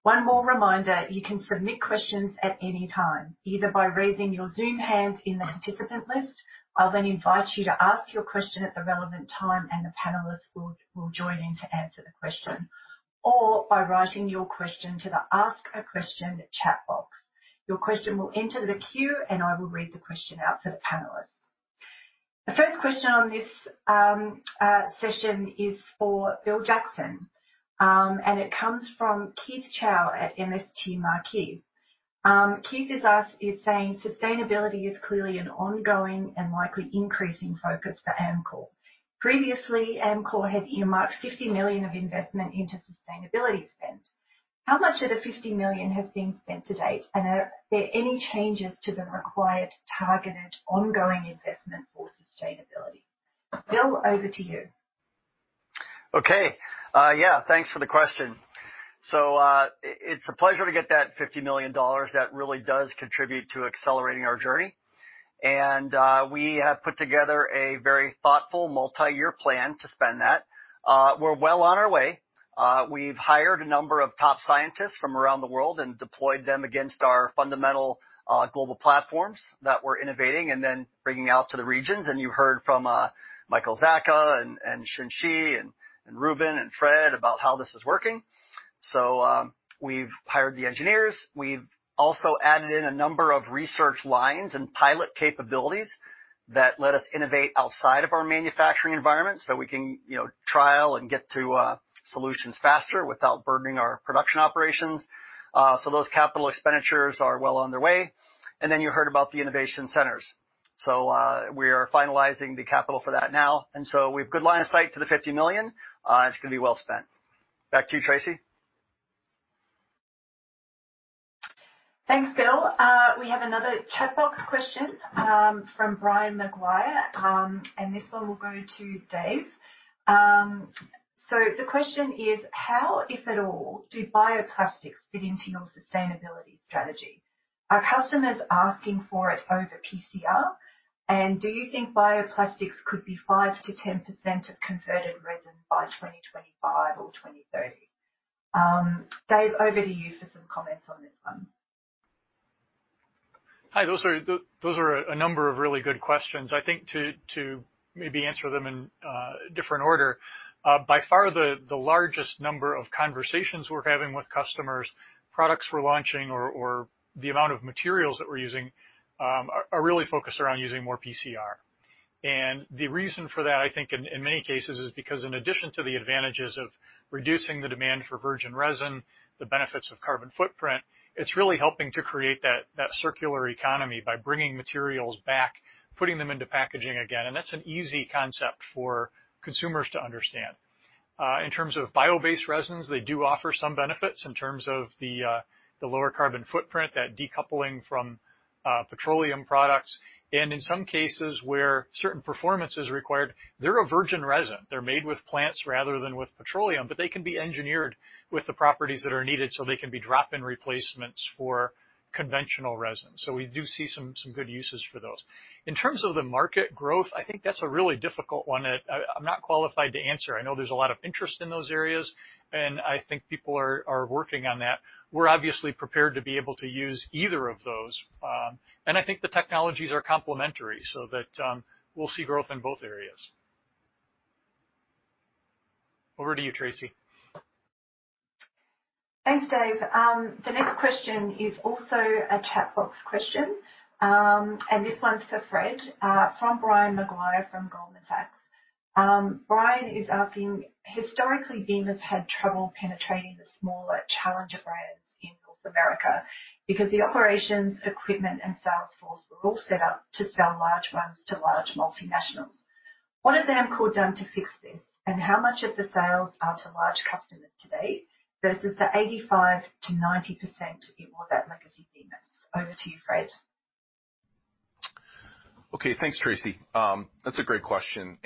One more reminder, you can submit questions at any time, either by raising your Zoom hands in the participant list. I'll then invite you to ask your question at the relevant time, and the panelists will join in to answer the question, or by writing your question to the Ask a Question chat box. Your question will enter the queue, and I will read the question out to the panelists. The first question on this session is for Bill Jackson, and it comes from Keith Chau at MST Marquee. Keith has asked... Is saying: Sustainability is clearly an ongoing and likely increasing focus for Amcor. Previously, Amcor has earmarked $50 million of investment into sustainability spend. How much of the $50 million has been spent to date, and are there any changes to the required targeted ongoing investment for sustainability? Bill, over to you. Okay. Thanks for the question. So, it's a pleasure to get that $50 million. That really does contribute to accelerating our journey, and we have put together a very thoughtful multi-year plan to spend that. We're well on our way. We've hired a number of top scientists from around the world and deployed them against our fundamental global platforms that we're innovating and then bringing out to the regions. And you heard from Michael Zacka and Xin She and Ruben and Fred about how this is working. So, we've hired the engineers. We've also added in a number of research lines and pilot capabilities that let us innovate outside of our manufacturing environment, so we can, you know, trial and get to solutions faster without burdening our production operations. Those capital expenditures are well on their way. You heard about the innovation centers. We are finalizing the capital for that now, and so we've good line of sight to the $50 million. It's going to be well spent. Back to you, Tracey. Thanks, Bill. We have another chat box question from Brian Maguire, and this one will go to Dave. So the question is: How, if at all, do bioplastics fit into your sustainability strategy? Are customers asking for it over PCR, and do you think bioplastics could be 5%-10% of converted resin by 2025 or 2030? Dave, over to you for some comments on this one. Hi, those are a number of really good questions. I think to maybe answer them in a different order. By far, the largest number of conversations we're having with customers, products we're launching or the amount of materials that we're using are really focused around using more PCR. And the reason for that, I think, in many cases, is because in addition to the advantages of reducing the demand for virgin resin, the benefits of carbon footprint, it's really helping to create that circular economy by bringing materials back, putting them into packaging again, and that's an easy concept for consumers to understand. In terms of bio-based resins, they do offer some benefits in terms of the lower carbon footprint, that decoupling from petroleum products. And in some cases, where certain performance is required, they're a virgin resin. They're made with plants rather than with petroleum, but they can be engineered with the properties that are needed, so they can be drop-in replacements for conventional resin. So we do see some good uses for those. In terms of the market growth, I think that's a really difficult one that I'm not qualified to answer. I know there's a lot of interest in those areas, and I think people are working on that. We're obviously prepared to be able to use either of those, and I think the technologies are complementary, so that we'll see growth in both areas.... Over to you, Tracey. Thanks, Dave. The next question is also a chat box question. And this one's for Fred, from Brian Maguire from Goldman Sachs. Brian is asking: Historically, Bemis had trouble penetrating the smaller challenger brands in North America because the operations, equipment, and sales force were all set up to sell large runs to large multinationals. What has Amcor done to fix this, and how much of the sales are to large customers today versus the 85%-90% it was at legacy Bemis? Over to you, Fred. Okay. Thanks, Tracey. That's a great question,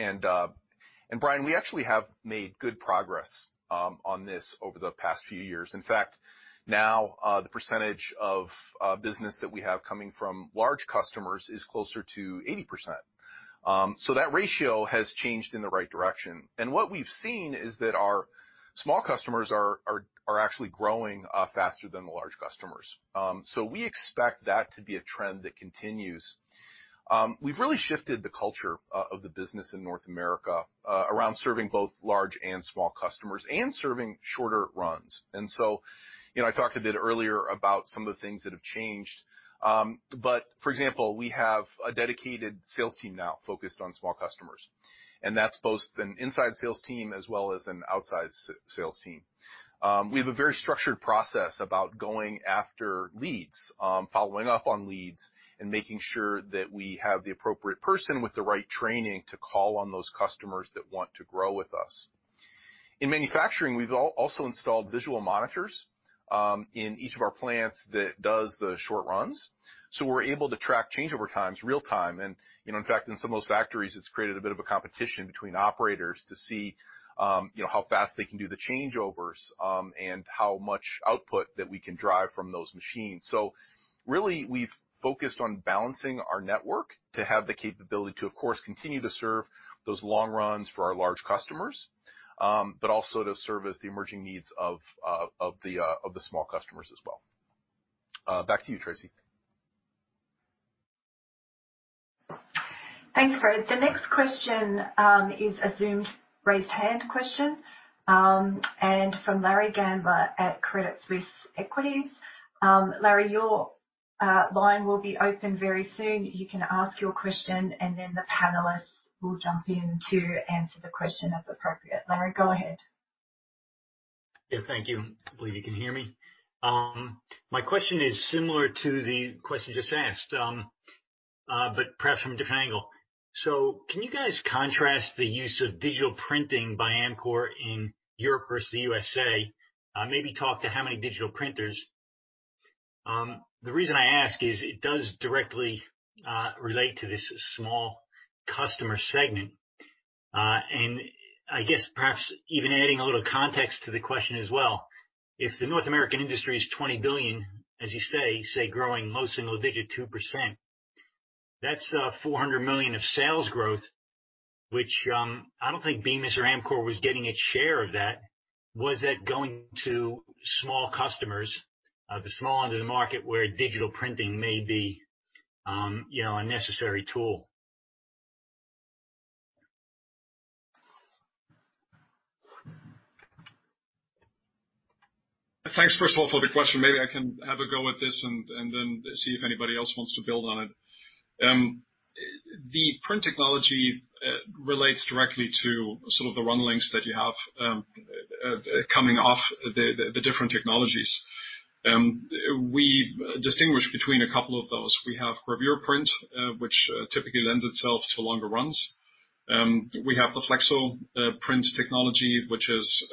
and Brian, we actually have made good progress on this over the past few years. In fact, now, the percentage of business that we have coming from large customers is closer to 80%. So that ratio has changed in the right direction, and what we've seen is that our small customers are actually growing faster than the large customers. So we expect that to be a trend that continues. We've really shifted the culture of the business in North America around serving both large and small customers, and serving shorter runs. And so, you know, I talked a bit earlier about some of the things that have changed, but for example, we have a dedicated sales team now focused on small customers, and that's both an inside sales team as well as an outside sales team. We have a very structured process about going after leads, following up on leads, and making sure that we have the appropriate person with the right training to call on those customers that want to grow with us. In manufacturing, we've also installed visual monitors, in each of our plants that does the short runs, so we're able to track changeover times, real time. And, you know, in fact, in some of those factories, it's created a bit of a competition between operators to see, you know, how fast they can do the changeovers, and how much output that we can drive from those machines. So really, we've focused on balancing our network to have the capability to, of course, continue to serve those long runs for our large customers, but also to service the emerging needs of the small customers as well. Back to you, Tracey. Thanks, Fred. The next question is a Zoom raised hand question and from Larry Gandler at Credit Suisse. Larry, your line will be open very soon. You can ask your question, and then the panelists will jump in to answer the question as appropriate. Larry, go ahead. Yeah, thank you. I believe you can hear me. My question is similar to the question just asked, but perhaps from a different angle. So can you guys contrast the use of digital printing by Amcor in Europe versus the U.S.A.? Maybe talk to how many digital printers. The reason I ask is it does directly relate to this small customer segment, and I guess perhaps even adding a little context to the question as well. If the North American industry is $20 billion, as you say, growing low single-digit 2%, that's $400 million of sales growth, which I don't think Bemis or Amcor was getting its share of that. Was that going to small customers, the small end of the market, where digital printing may be, you know, a necessary tool? Thanks, first of all, for the question. Maybe I can have a go at this and then see if anybody else wants to build on it. The print technology relates directly to sort of the run lengths that you have coming off the different technologies. We distinguish between a couple of those. We have gravure print, which typically lends itself to longer runs. We have the flexo print technology, which is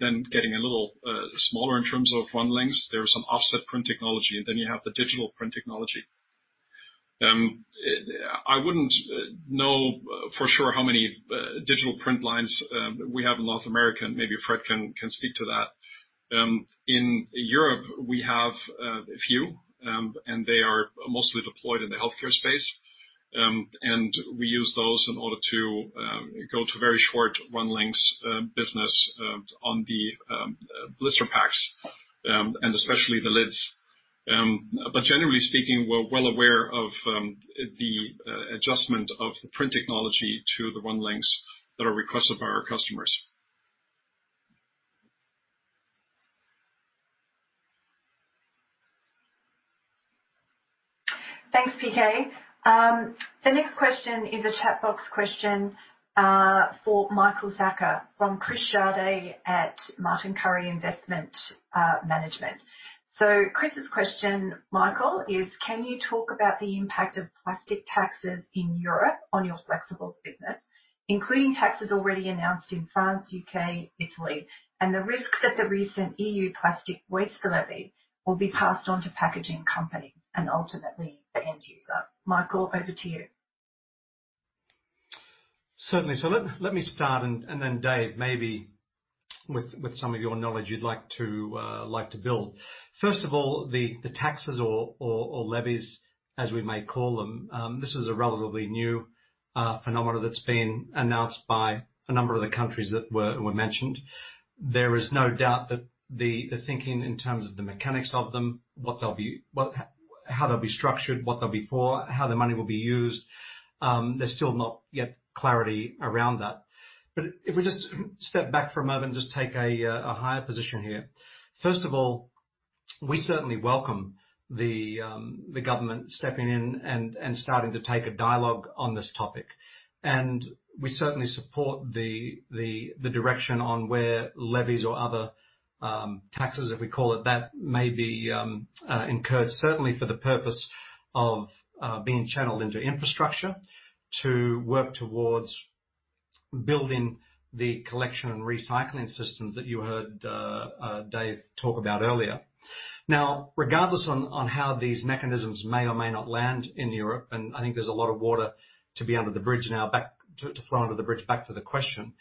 then getting a little smaller in terms of run lengths. There is some offset print technology, and then you have the digital print technology. I wouldn't know for sure how many digital print lines we have in North America, and maybe Fred can speak to that. In Europe, we have a few, and they are mostly deployed in the healthcare space. And we use those in order to go to very short run lengths business on the blister packs, and especially the lids. But generally speaking, we're well aware of the adjustment of the print technology to the run lengths that are requested by our customers. Thanks, P.K. The next question is a chat box question for Michael Zacka from Chris Schade at Martin Currie Investment Management. So Chris's question, Michael, is can you talk about the impact of plastic taxes in Europe on your Flexibles business, including taxes already announced in France, U.K., Italy, and the risk that the recent E.U. plastic waste levy will be passed on to packaging companies and ultimately the end user? Michael, over to you. Certainly, so let me start, and then, Dave, maybe with some of your knowledge, you'd like to build. First of all, the taxes or levies, as we may call them, this is a relatively new phenomenon that's been announced by a number of the countries that were mentioned. There is no doubt that the thinking in terms of the mechanics of them, what they'll be, how they'll be structured, what they'll be for, how the money will be used, there's still not yet clarity around that. But if we just step back for a moment and just take a higher position here. First of all, we certainly welcome the government stepping in and starting to take a dialogue on this topic. And we certainly support the direction on where levies or other taxes, if we call it that, may be incurred, certainly for the purpose of being channeled into infrastructure to work towards building the collection and recycling systems that you heard Dave talk about earlier. Now, regardless on how these mechanisms may or may not land in Europe, and I think there's a lot of water to go under the bridge. Back to the question.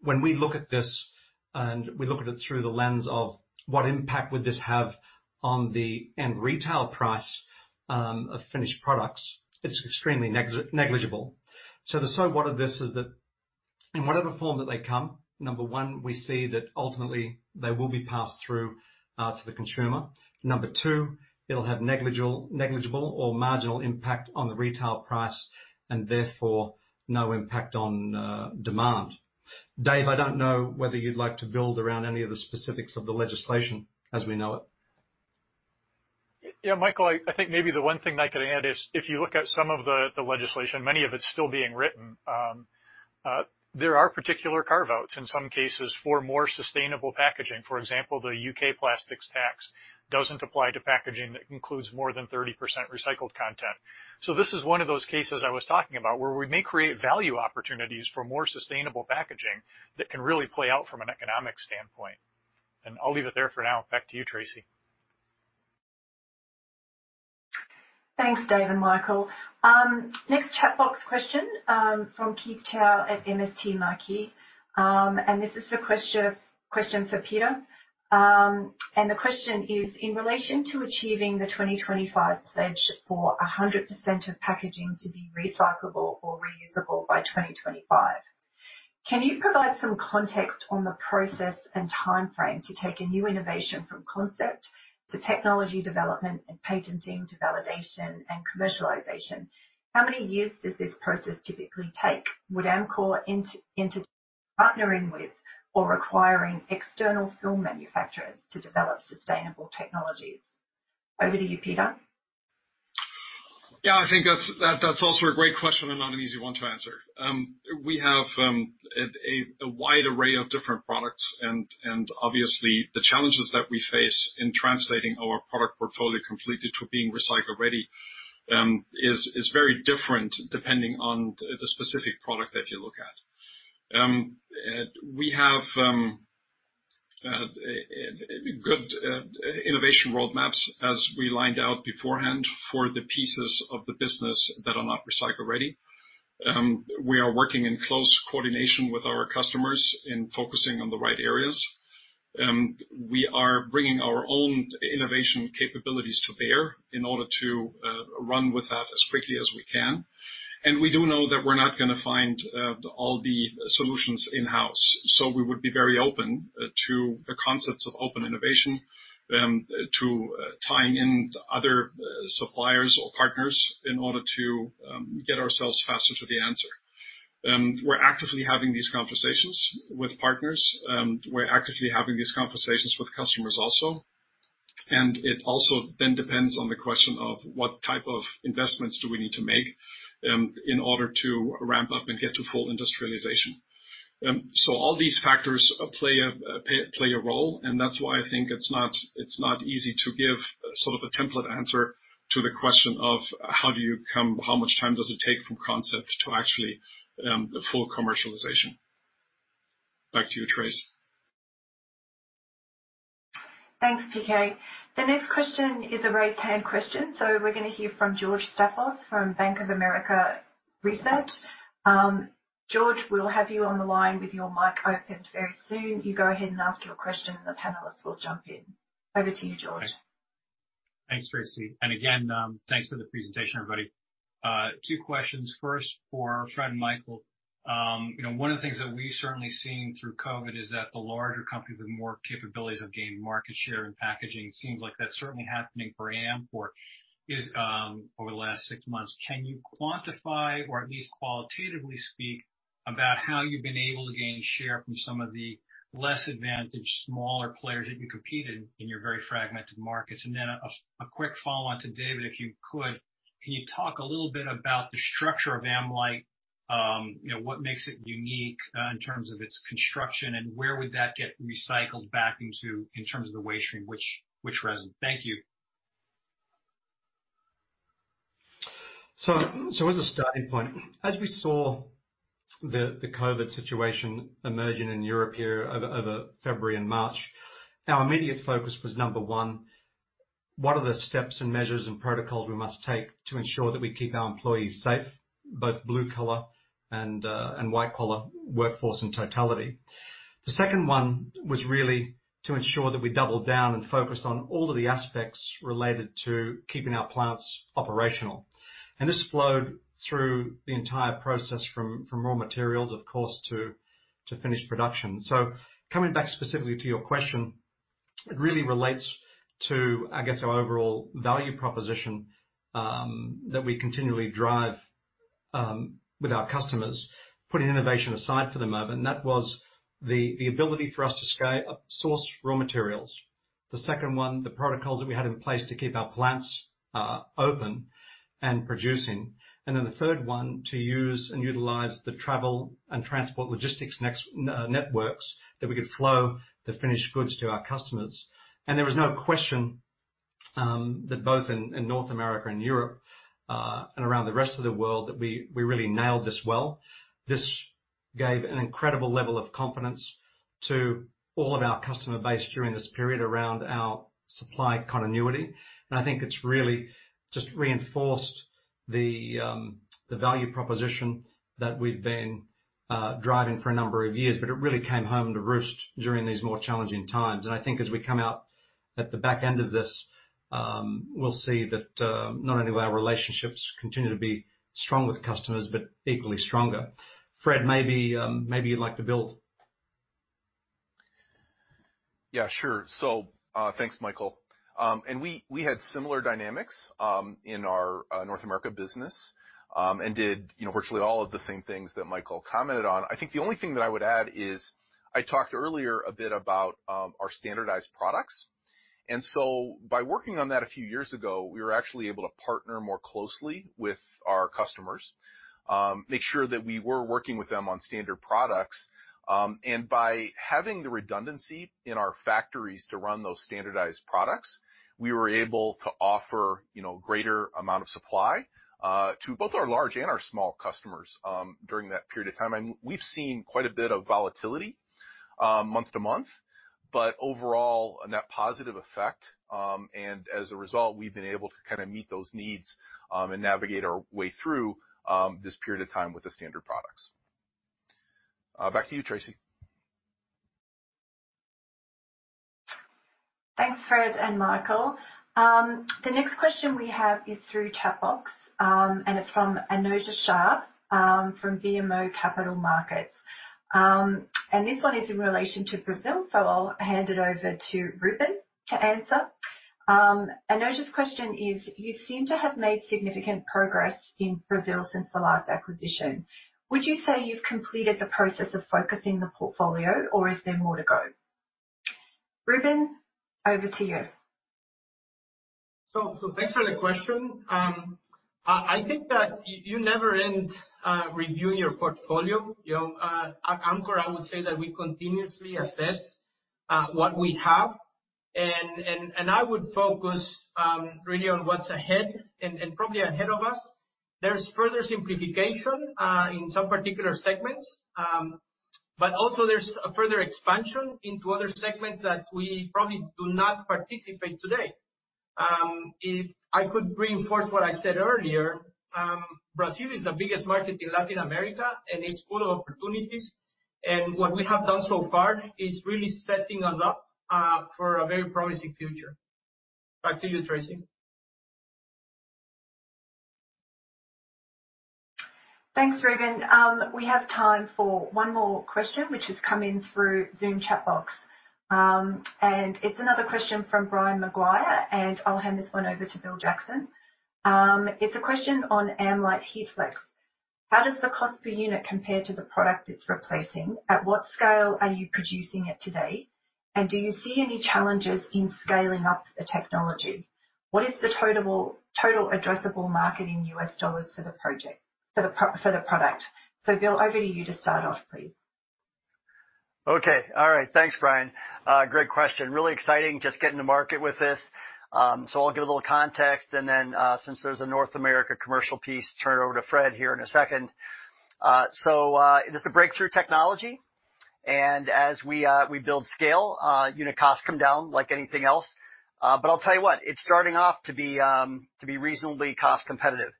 When we look at this, and we look at it through the lens of what impact would this have on the end retail price of finished products, it's extremely negligible. So the so what of this is that in whatever form that they come, number one, we see that ultimately they will be passed through to the consumer. Number two, it'll have negligible or marginal impact on the retail price, and therefore, no impact on demand. Dave, I don't know whether you'd like to build around any of the specifics of the legislation as we know it. Yeah, Michael, I think maybe the one thing I could add is, if you look at some of the legislation, many of it's still being written. There are particular carve-outs, in some cases, for more sustainable packaging. For example, the U.K. plastics tax doesn't apply to packaging that includes more than 30% recycled content. So this is one of those cases I was talking about, where we may create value opportunities for more sustainable packaging that can really play out from an economic standpoint. And I'll leave it there for now. Back to you, Tracey. Thanks, Dave and Michael. Next chat box question from Keith Chau at MST Marquee. And this is a question for Peter. And the question is, in relation to achieving the 2025 pledge for 100% of packaging to be recyclable or reusable by 2025, can you provide some context on the process and timeframe to take a new innovation from concept to technology development and patenting, to validation and commercialization? How many years does this process typically take? Would Amcor enter partnering with or requiring external film manufacturers to develop sustainable technologies? Over to you, Peter. Yeah, I think that's also a great question and not an easy one to answer. We have a wide array of different products, and obviously, the challenges that we face in translating our product portfolio completely to being recycle ready is very different depending on the specific product that you look at. We have a good innovation roadmaps, as we lined out beforehand, for the pieces of the business that are not recycle ready. We are working in close coordination with our customers in focusing on the right areas. We are bringing our own innovation capabilities to bear in order to run with that as quickly as we can. And we do know that we're not going to find all the solutions in-house, so we would be very open to the concepts of open innovation, to tying in other suppliers or partners in order to get ourselves faster to the answer. We're actively having these conversations with partners. We're actively having these conversations with customers also. And it also then depends on the question of what type of investments do we need to make in order to ramp up and get to full industrialization. So all these factors play a role, and that's why I think it's not easy to give sort of a template answer to the question of how much time does it take from concept to actually full commercialization? Back to you, Tracey. Thanks, P.K. The next question is a raised hand question, so we're going to hear from George Staphos from Bank of America Research. George, we'll have you on the line with your mic open very soon. You go ahead and ask your question, and the panelists will jump in. Over to you, George. Thanks. Thanks, Tracey. And again, thanks for the presentation, everybody. Two questions, first for Fred and Michael. You know, one of the things that we've certainly seen through COVID is that the larger companies with more capabilities have gained market share in packaging. Seems like that's certainly happening for Amcor over the last six months. Can you quantify or at least qualitatively speak about how you've been able to gain share from some of the less advantaged, smaller players that you competed in your very fragmented markets? And then a quick follow-on to David, if you could. Can you talk a little bit about the structure of AmLite? You know, what makes it unique in terms of its construction, and where would that get recycled back into, in terms of the waste stream, which resin? Thank you. As a starting point, as we saw the COVID situation emerging in Europe here over February and March, our immediate focus was, number one, what are the steps and measures and protocols we must take to ensure that we keep our employees safe, both blue-collar and white-collar workforce in totality? The second one was really to ensure that we doubled down and focused on all of the aspects related to keeping our plants operational. This flowed through the entire process from raw materials, of course, to finished production. Coming back specifically to your question-... It really relates to, I guess, our overall value proposition, that we continually drive, with our customers. Putting innovation aside for the moment, that was the ability for us to scale, source raw materials. The second one, the protocols that we had in place to keep our plants, open and producing. And then the third one, to use and utilize the travel and transport logistics next, networks that we could flow the finished goods to our customers. And there was no question, that both in North America and Europe, and around the rest of the world, that we really nailed this well. This gave an incredible level of confidence to all of our customer base during this period around our supply continuity. I think it's really just reinforced the value proposition that we've been driving for a number of years. But it really came home to roost during these more challenging times. I think as we come out at the back end of this, we'll see that not only will our relationships continue to be strong with customers, but equally stronger. Fred, maybe you'd like to build? Yeah, sure so thanks, Michael. And we had similar dynamics in our North America business, and did you know virtually all of the same things that Michael commented on. I think the only thing that I would add is I talked earlier a bit about our standardized products. And so by working on that a few years ago, we were actually able to partner more closely with our customers, make sure that we were working with them on standard products. And by having the redundancy in our factories to run those standardized products, we were able to offer you know greater amount of supply to both our large and our small customers during that period of time. And we've seen quite a bit of volatility month to month, but overall a net positive effect. And as a result, we've been able to kind of meet those needs, and navigate our way through this period of time with the standard products. Back to you, Tracey. Thanks, Fred and Michael. The next question we have is through chat box, and it's from Anojja Shah, from BMO Capital Markets. And this one is in relation to Brazil, so I'll hand it over to Ruben to answer. Anojja's question is: You seem to have made significant progress in Brazil since the last acquisition. Would you say you've completed the process of focusing the portfolio, or is there more to go? Ruben, over to you. Thanks for the question. I think that you never end reviewing your portfolio. You know, at Amcor, I would say that we continuously assess what we have, and I would focus really on what's ahead and probably ahead of us. There's further simplification in some particular segments, but also there's a further expansion into other segments that we probably do not participate today. If I could reinforce what I said earlier, Brazil is the biggest market in Latin America, and it's full of opportunities, and what we have done so far is really setting us up for a very promising future. Back to you, Tracey. Thanks, Ruben. We have time for one more question, which has come in through Zoom chat box. And it's another question from Brian Maguire, and I'll hand this one over to Bill Jackson. It's a question on AmLite HeatFlex. How does the cost per unit compare to the product it's replacing? At what scale are you producing it today? And do you see any challenges in scaling up the technology? What is the total addressable market in U.S. dollars for the product? So Bill, over to you to start off, please. Okay. All right. Thanks, Brian. Great question. Really exciting, just getting to market with this, so I'll give a little context, and then, since there's a North America commercial piece, turn it over to Fred here in a second. This is a breakthrough technology, and as we build scale, unit costs come down like anything else. But I'll tell you what, it's starting off to be reasonably cost competitive,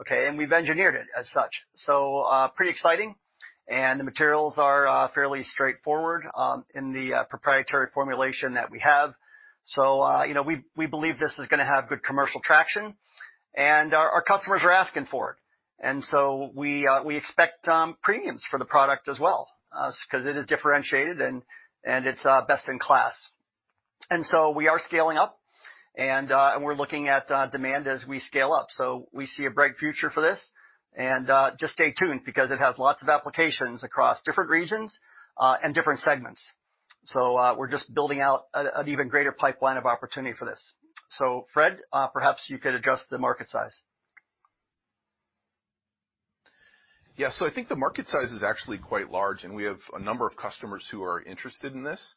okay? And we've engineered it as such. So pretty exciting, and the materials are fairly straightforward in the proprietary formulation that we have. So you know, we believe this is gonna have good commercial traction, and our customers are asking for it. And so we expect premiums for the product as well because it is differentiated and it's best in class, and so we are scaling up and we're looking at demand as we scale up, so we see a bright future for this and just stay tuned because it has lots of applications across different regions and different segments, so we're just building out an even greater pipeline of opportunity for this, so Fred, perhaps you could address the market size. Yeah. So I think the market size is actually quite large, and we have a number of customers who are interested in this.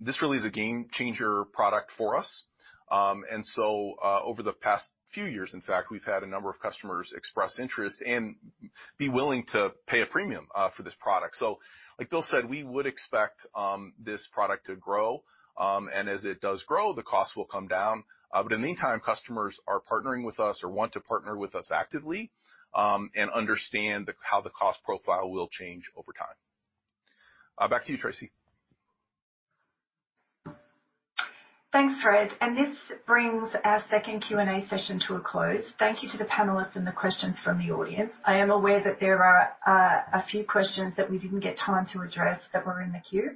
This really is a game changer product for us. And so, over the past few years, in fact, we've had a number of customers express interest and be willing to pay a premium, for this product. So like Bill said, we would expect, this product to grow, and as it does grow, the costs will come down. But in the meantime, customers are partnering with us or want to partner with us actively, and understand the, how the cost profile will change over time. Back to you, Tracey.... Thanks, Fred. And this brings our second Q&A session to a close. Thank you to the panelists and the questions from the audience. I am aware that there are a few questions that we didn't get time to address that were in the queue.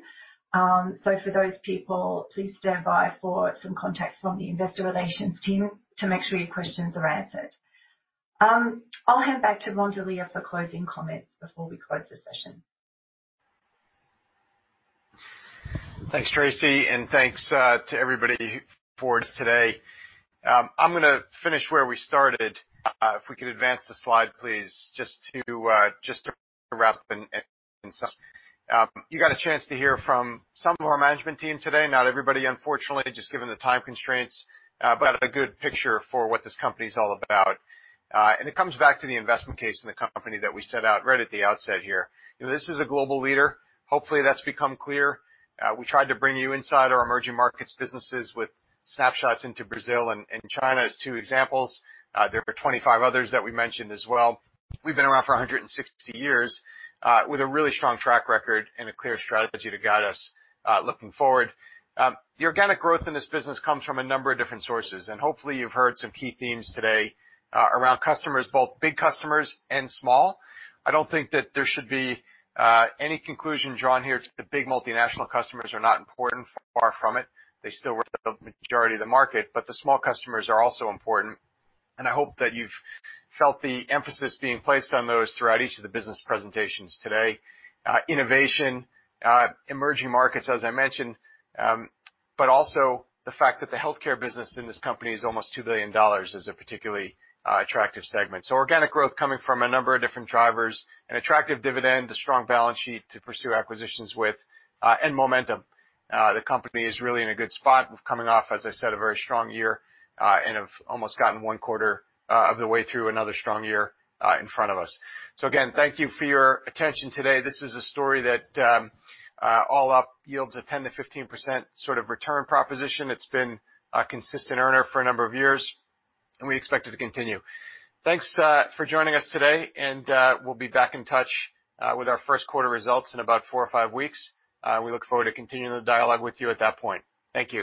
So for those people, please stand by for some contacts from the investor relations team to make sure your questions are answered. I'll hand back to Ron Delia for closing comments before we close the session. Thanks, Tracey, and thanks to everybody for joining us today. I'm gonna finish where we started. If we could advance the slide, please, just to wrap and sum. You got a chance to hear from some of our management team today, not everybody, unfortunately, just given the time constraints, but a good picture for what this company is all about, and it comes back to the investment case in the company that we set out right at the outset here. You know, this is a global leader. Hopefully, that's become clear. We tried to bring you inside our emerging markets businesses with snapshots into Brazil and China as two examples. There were 25 others that we mentioned as well. We've been around for a 160 years, with a really strong track record and a clear strategy that got us looking forward. The organic growth in this business comes from a number of different sources, and hopefully you've heard some key themes today, around customers, both big customers and small. I don't think that there should be any conclusion drawn here to the big multinational customers are not important. Far from it. They still work the majority of the market, but the small customers are also important, and I hope that you've felt the emphasis being placed on those throughout each of the business presentations today. Innovation, emerging markets, as I mentioned, but also the fact that the healthcare business in this company is almost $2 billion is a particularly attractive segment. So organic growth coming from a number of different drivers, an attractive dividend, a strong balance sheet to pursue acquisitions with, and momentum. The company is really in a good spot with coming off, as I said, a very strong year, and have almost gotten one quarter of the way through another strong year in front of us. So again, thank you for your attention today. This is a story that all up yields a 10%-15% sort of return proposition. It's been a consistent earner for a number of years, and we expect it to continue. Thanks for joining us today, and we'll be back in touch with our first quarter results in about four or five weeks. We look forward to continuing the dialogue with you at that point. Thank you.